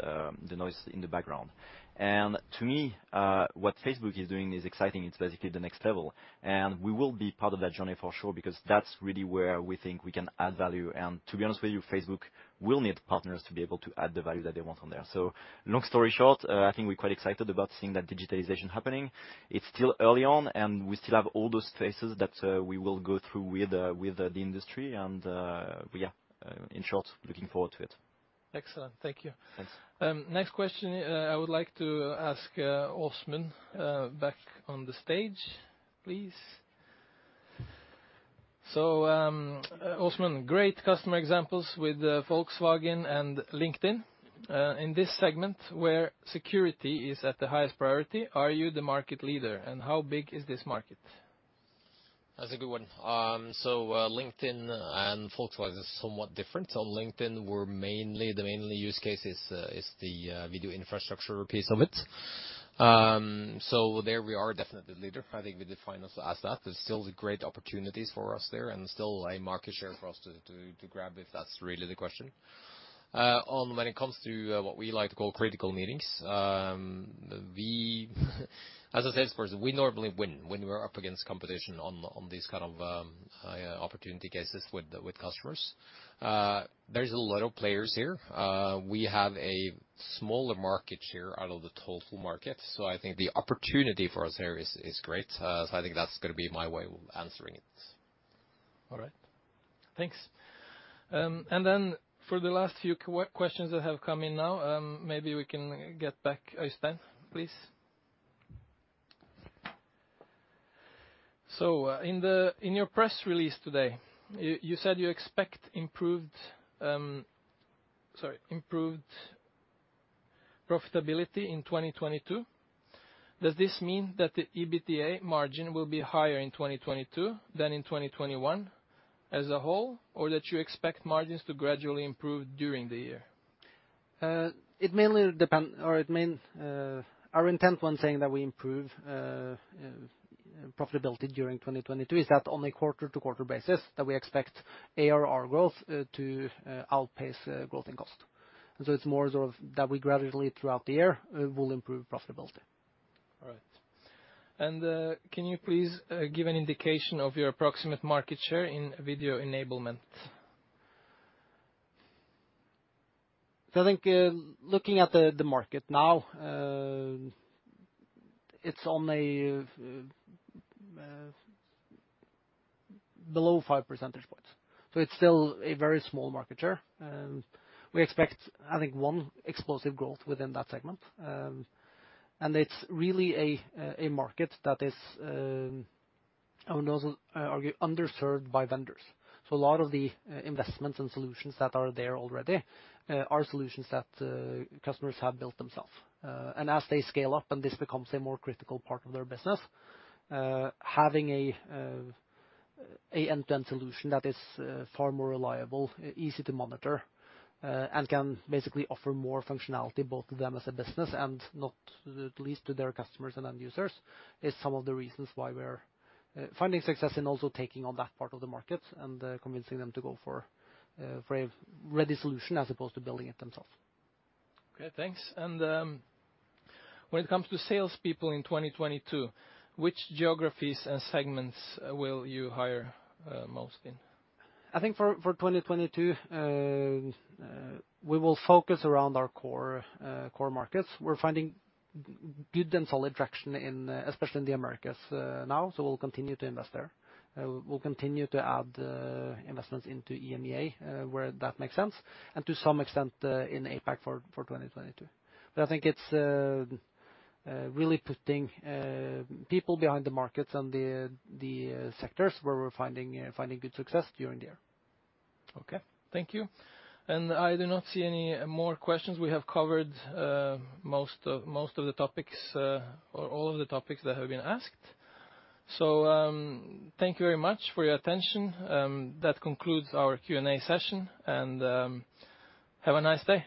the noise in the background. To me, what Facebook is doing is exciting. It's basically the next level. We will be part of that journey for sure, because that's really where we think we can add value. To be honest with you, Facebook will need partners to be able to add the value that they want on there. Long story short, I think we're quite excited about seeing that digitalization happening. It's still early on, and we still have all those phases that we will go through with the industry and, yeah, in short, looking forward to it. Excellent. Thank you. Thanks. Next question, I would like to ask, Åsmund, back on the stage, please. Åsmund, great customer examples with Volkswagen and LinkedIn. In this segment where security is at the highest priority, are you the market leader? How big is this market? That's a good one. LinkedIn and Foxwise is somewhat different. LinkedIn, we're mainly the main use case is the video infrastructure piece of it. There we are definitely leader. I think we define ourselves as that. There's still great opportunities for us there and still a market share for us to grab if that's really the question. Now when it comes to what we like to call critical meetings, we, as I said, of course, we normally win when we're up against competition on these kind of opportunity cases with the customers. There's a lot of players here. We have a smaller market share out of the total market, so I think the opportunity for us there is great. I think that's gonna be my way of answering it. All right. Thanks. For the last few questions that have come in now, maybe we can get back Øystein, please. In your press release today, you said you expect improved profitability in 2022. Does this mean that the EBITDA margin will be higher in 2022 than in 2021 as a whole? Or that you expect margins to gradually improve during the year? Our intent when saying that we improve profitability during 2022 is that on a quarter-to-quarter basis, that we expect ARR growth to outpace growth in cost. It's more sort of that we gradually throughout the year will improve profitability. All right. Can you please give an indication of your approximate market share in video enablement? I think, looking at the market now, it's only below five percentage points. It's still a very small market share. We expect, I think, one explosive growth within that segment. It's really a market that is, I would almost argue, underserved by vendors. A lot of the investments and solutions that are there already are solutions that customers have built themselves. As they scale up, and this becomes a more critical part of their business, having an end-to-end solution that is far more reliable, easy to monitor, and can basically offer more functionality, both to them as a business and not least to their customers and end users, is some of the reasons why we're finding success and also taking on that part of the market and convincing them to go for a ready solution as opposed to building it themselves. Okay, thanks. When it comes to salespeople in 2022, which geographies and segments will you hire most in? I think for 2022, we will focus around our core markets. We're finding good and solid traction in, especially in the Americas, now, so we'll continue to invest there. We'll continue to add investments into EMEA, where that makes sense, and to some extent, in APAC for 2022. I think it's really putting people behind the markets and the sectors where we're finding good success during the year. Okay, thank you. I do not see any more questions. We have covered most of the topics or all of the topics that have been asked. Thank you very much for your attention. That concludes our Q&A session, and have a nice day.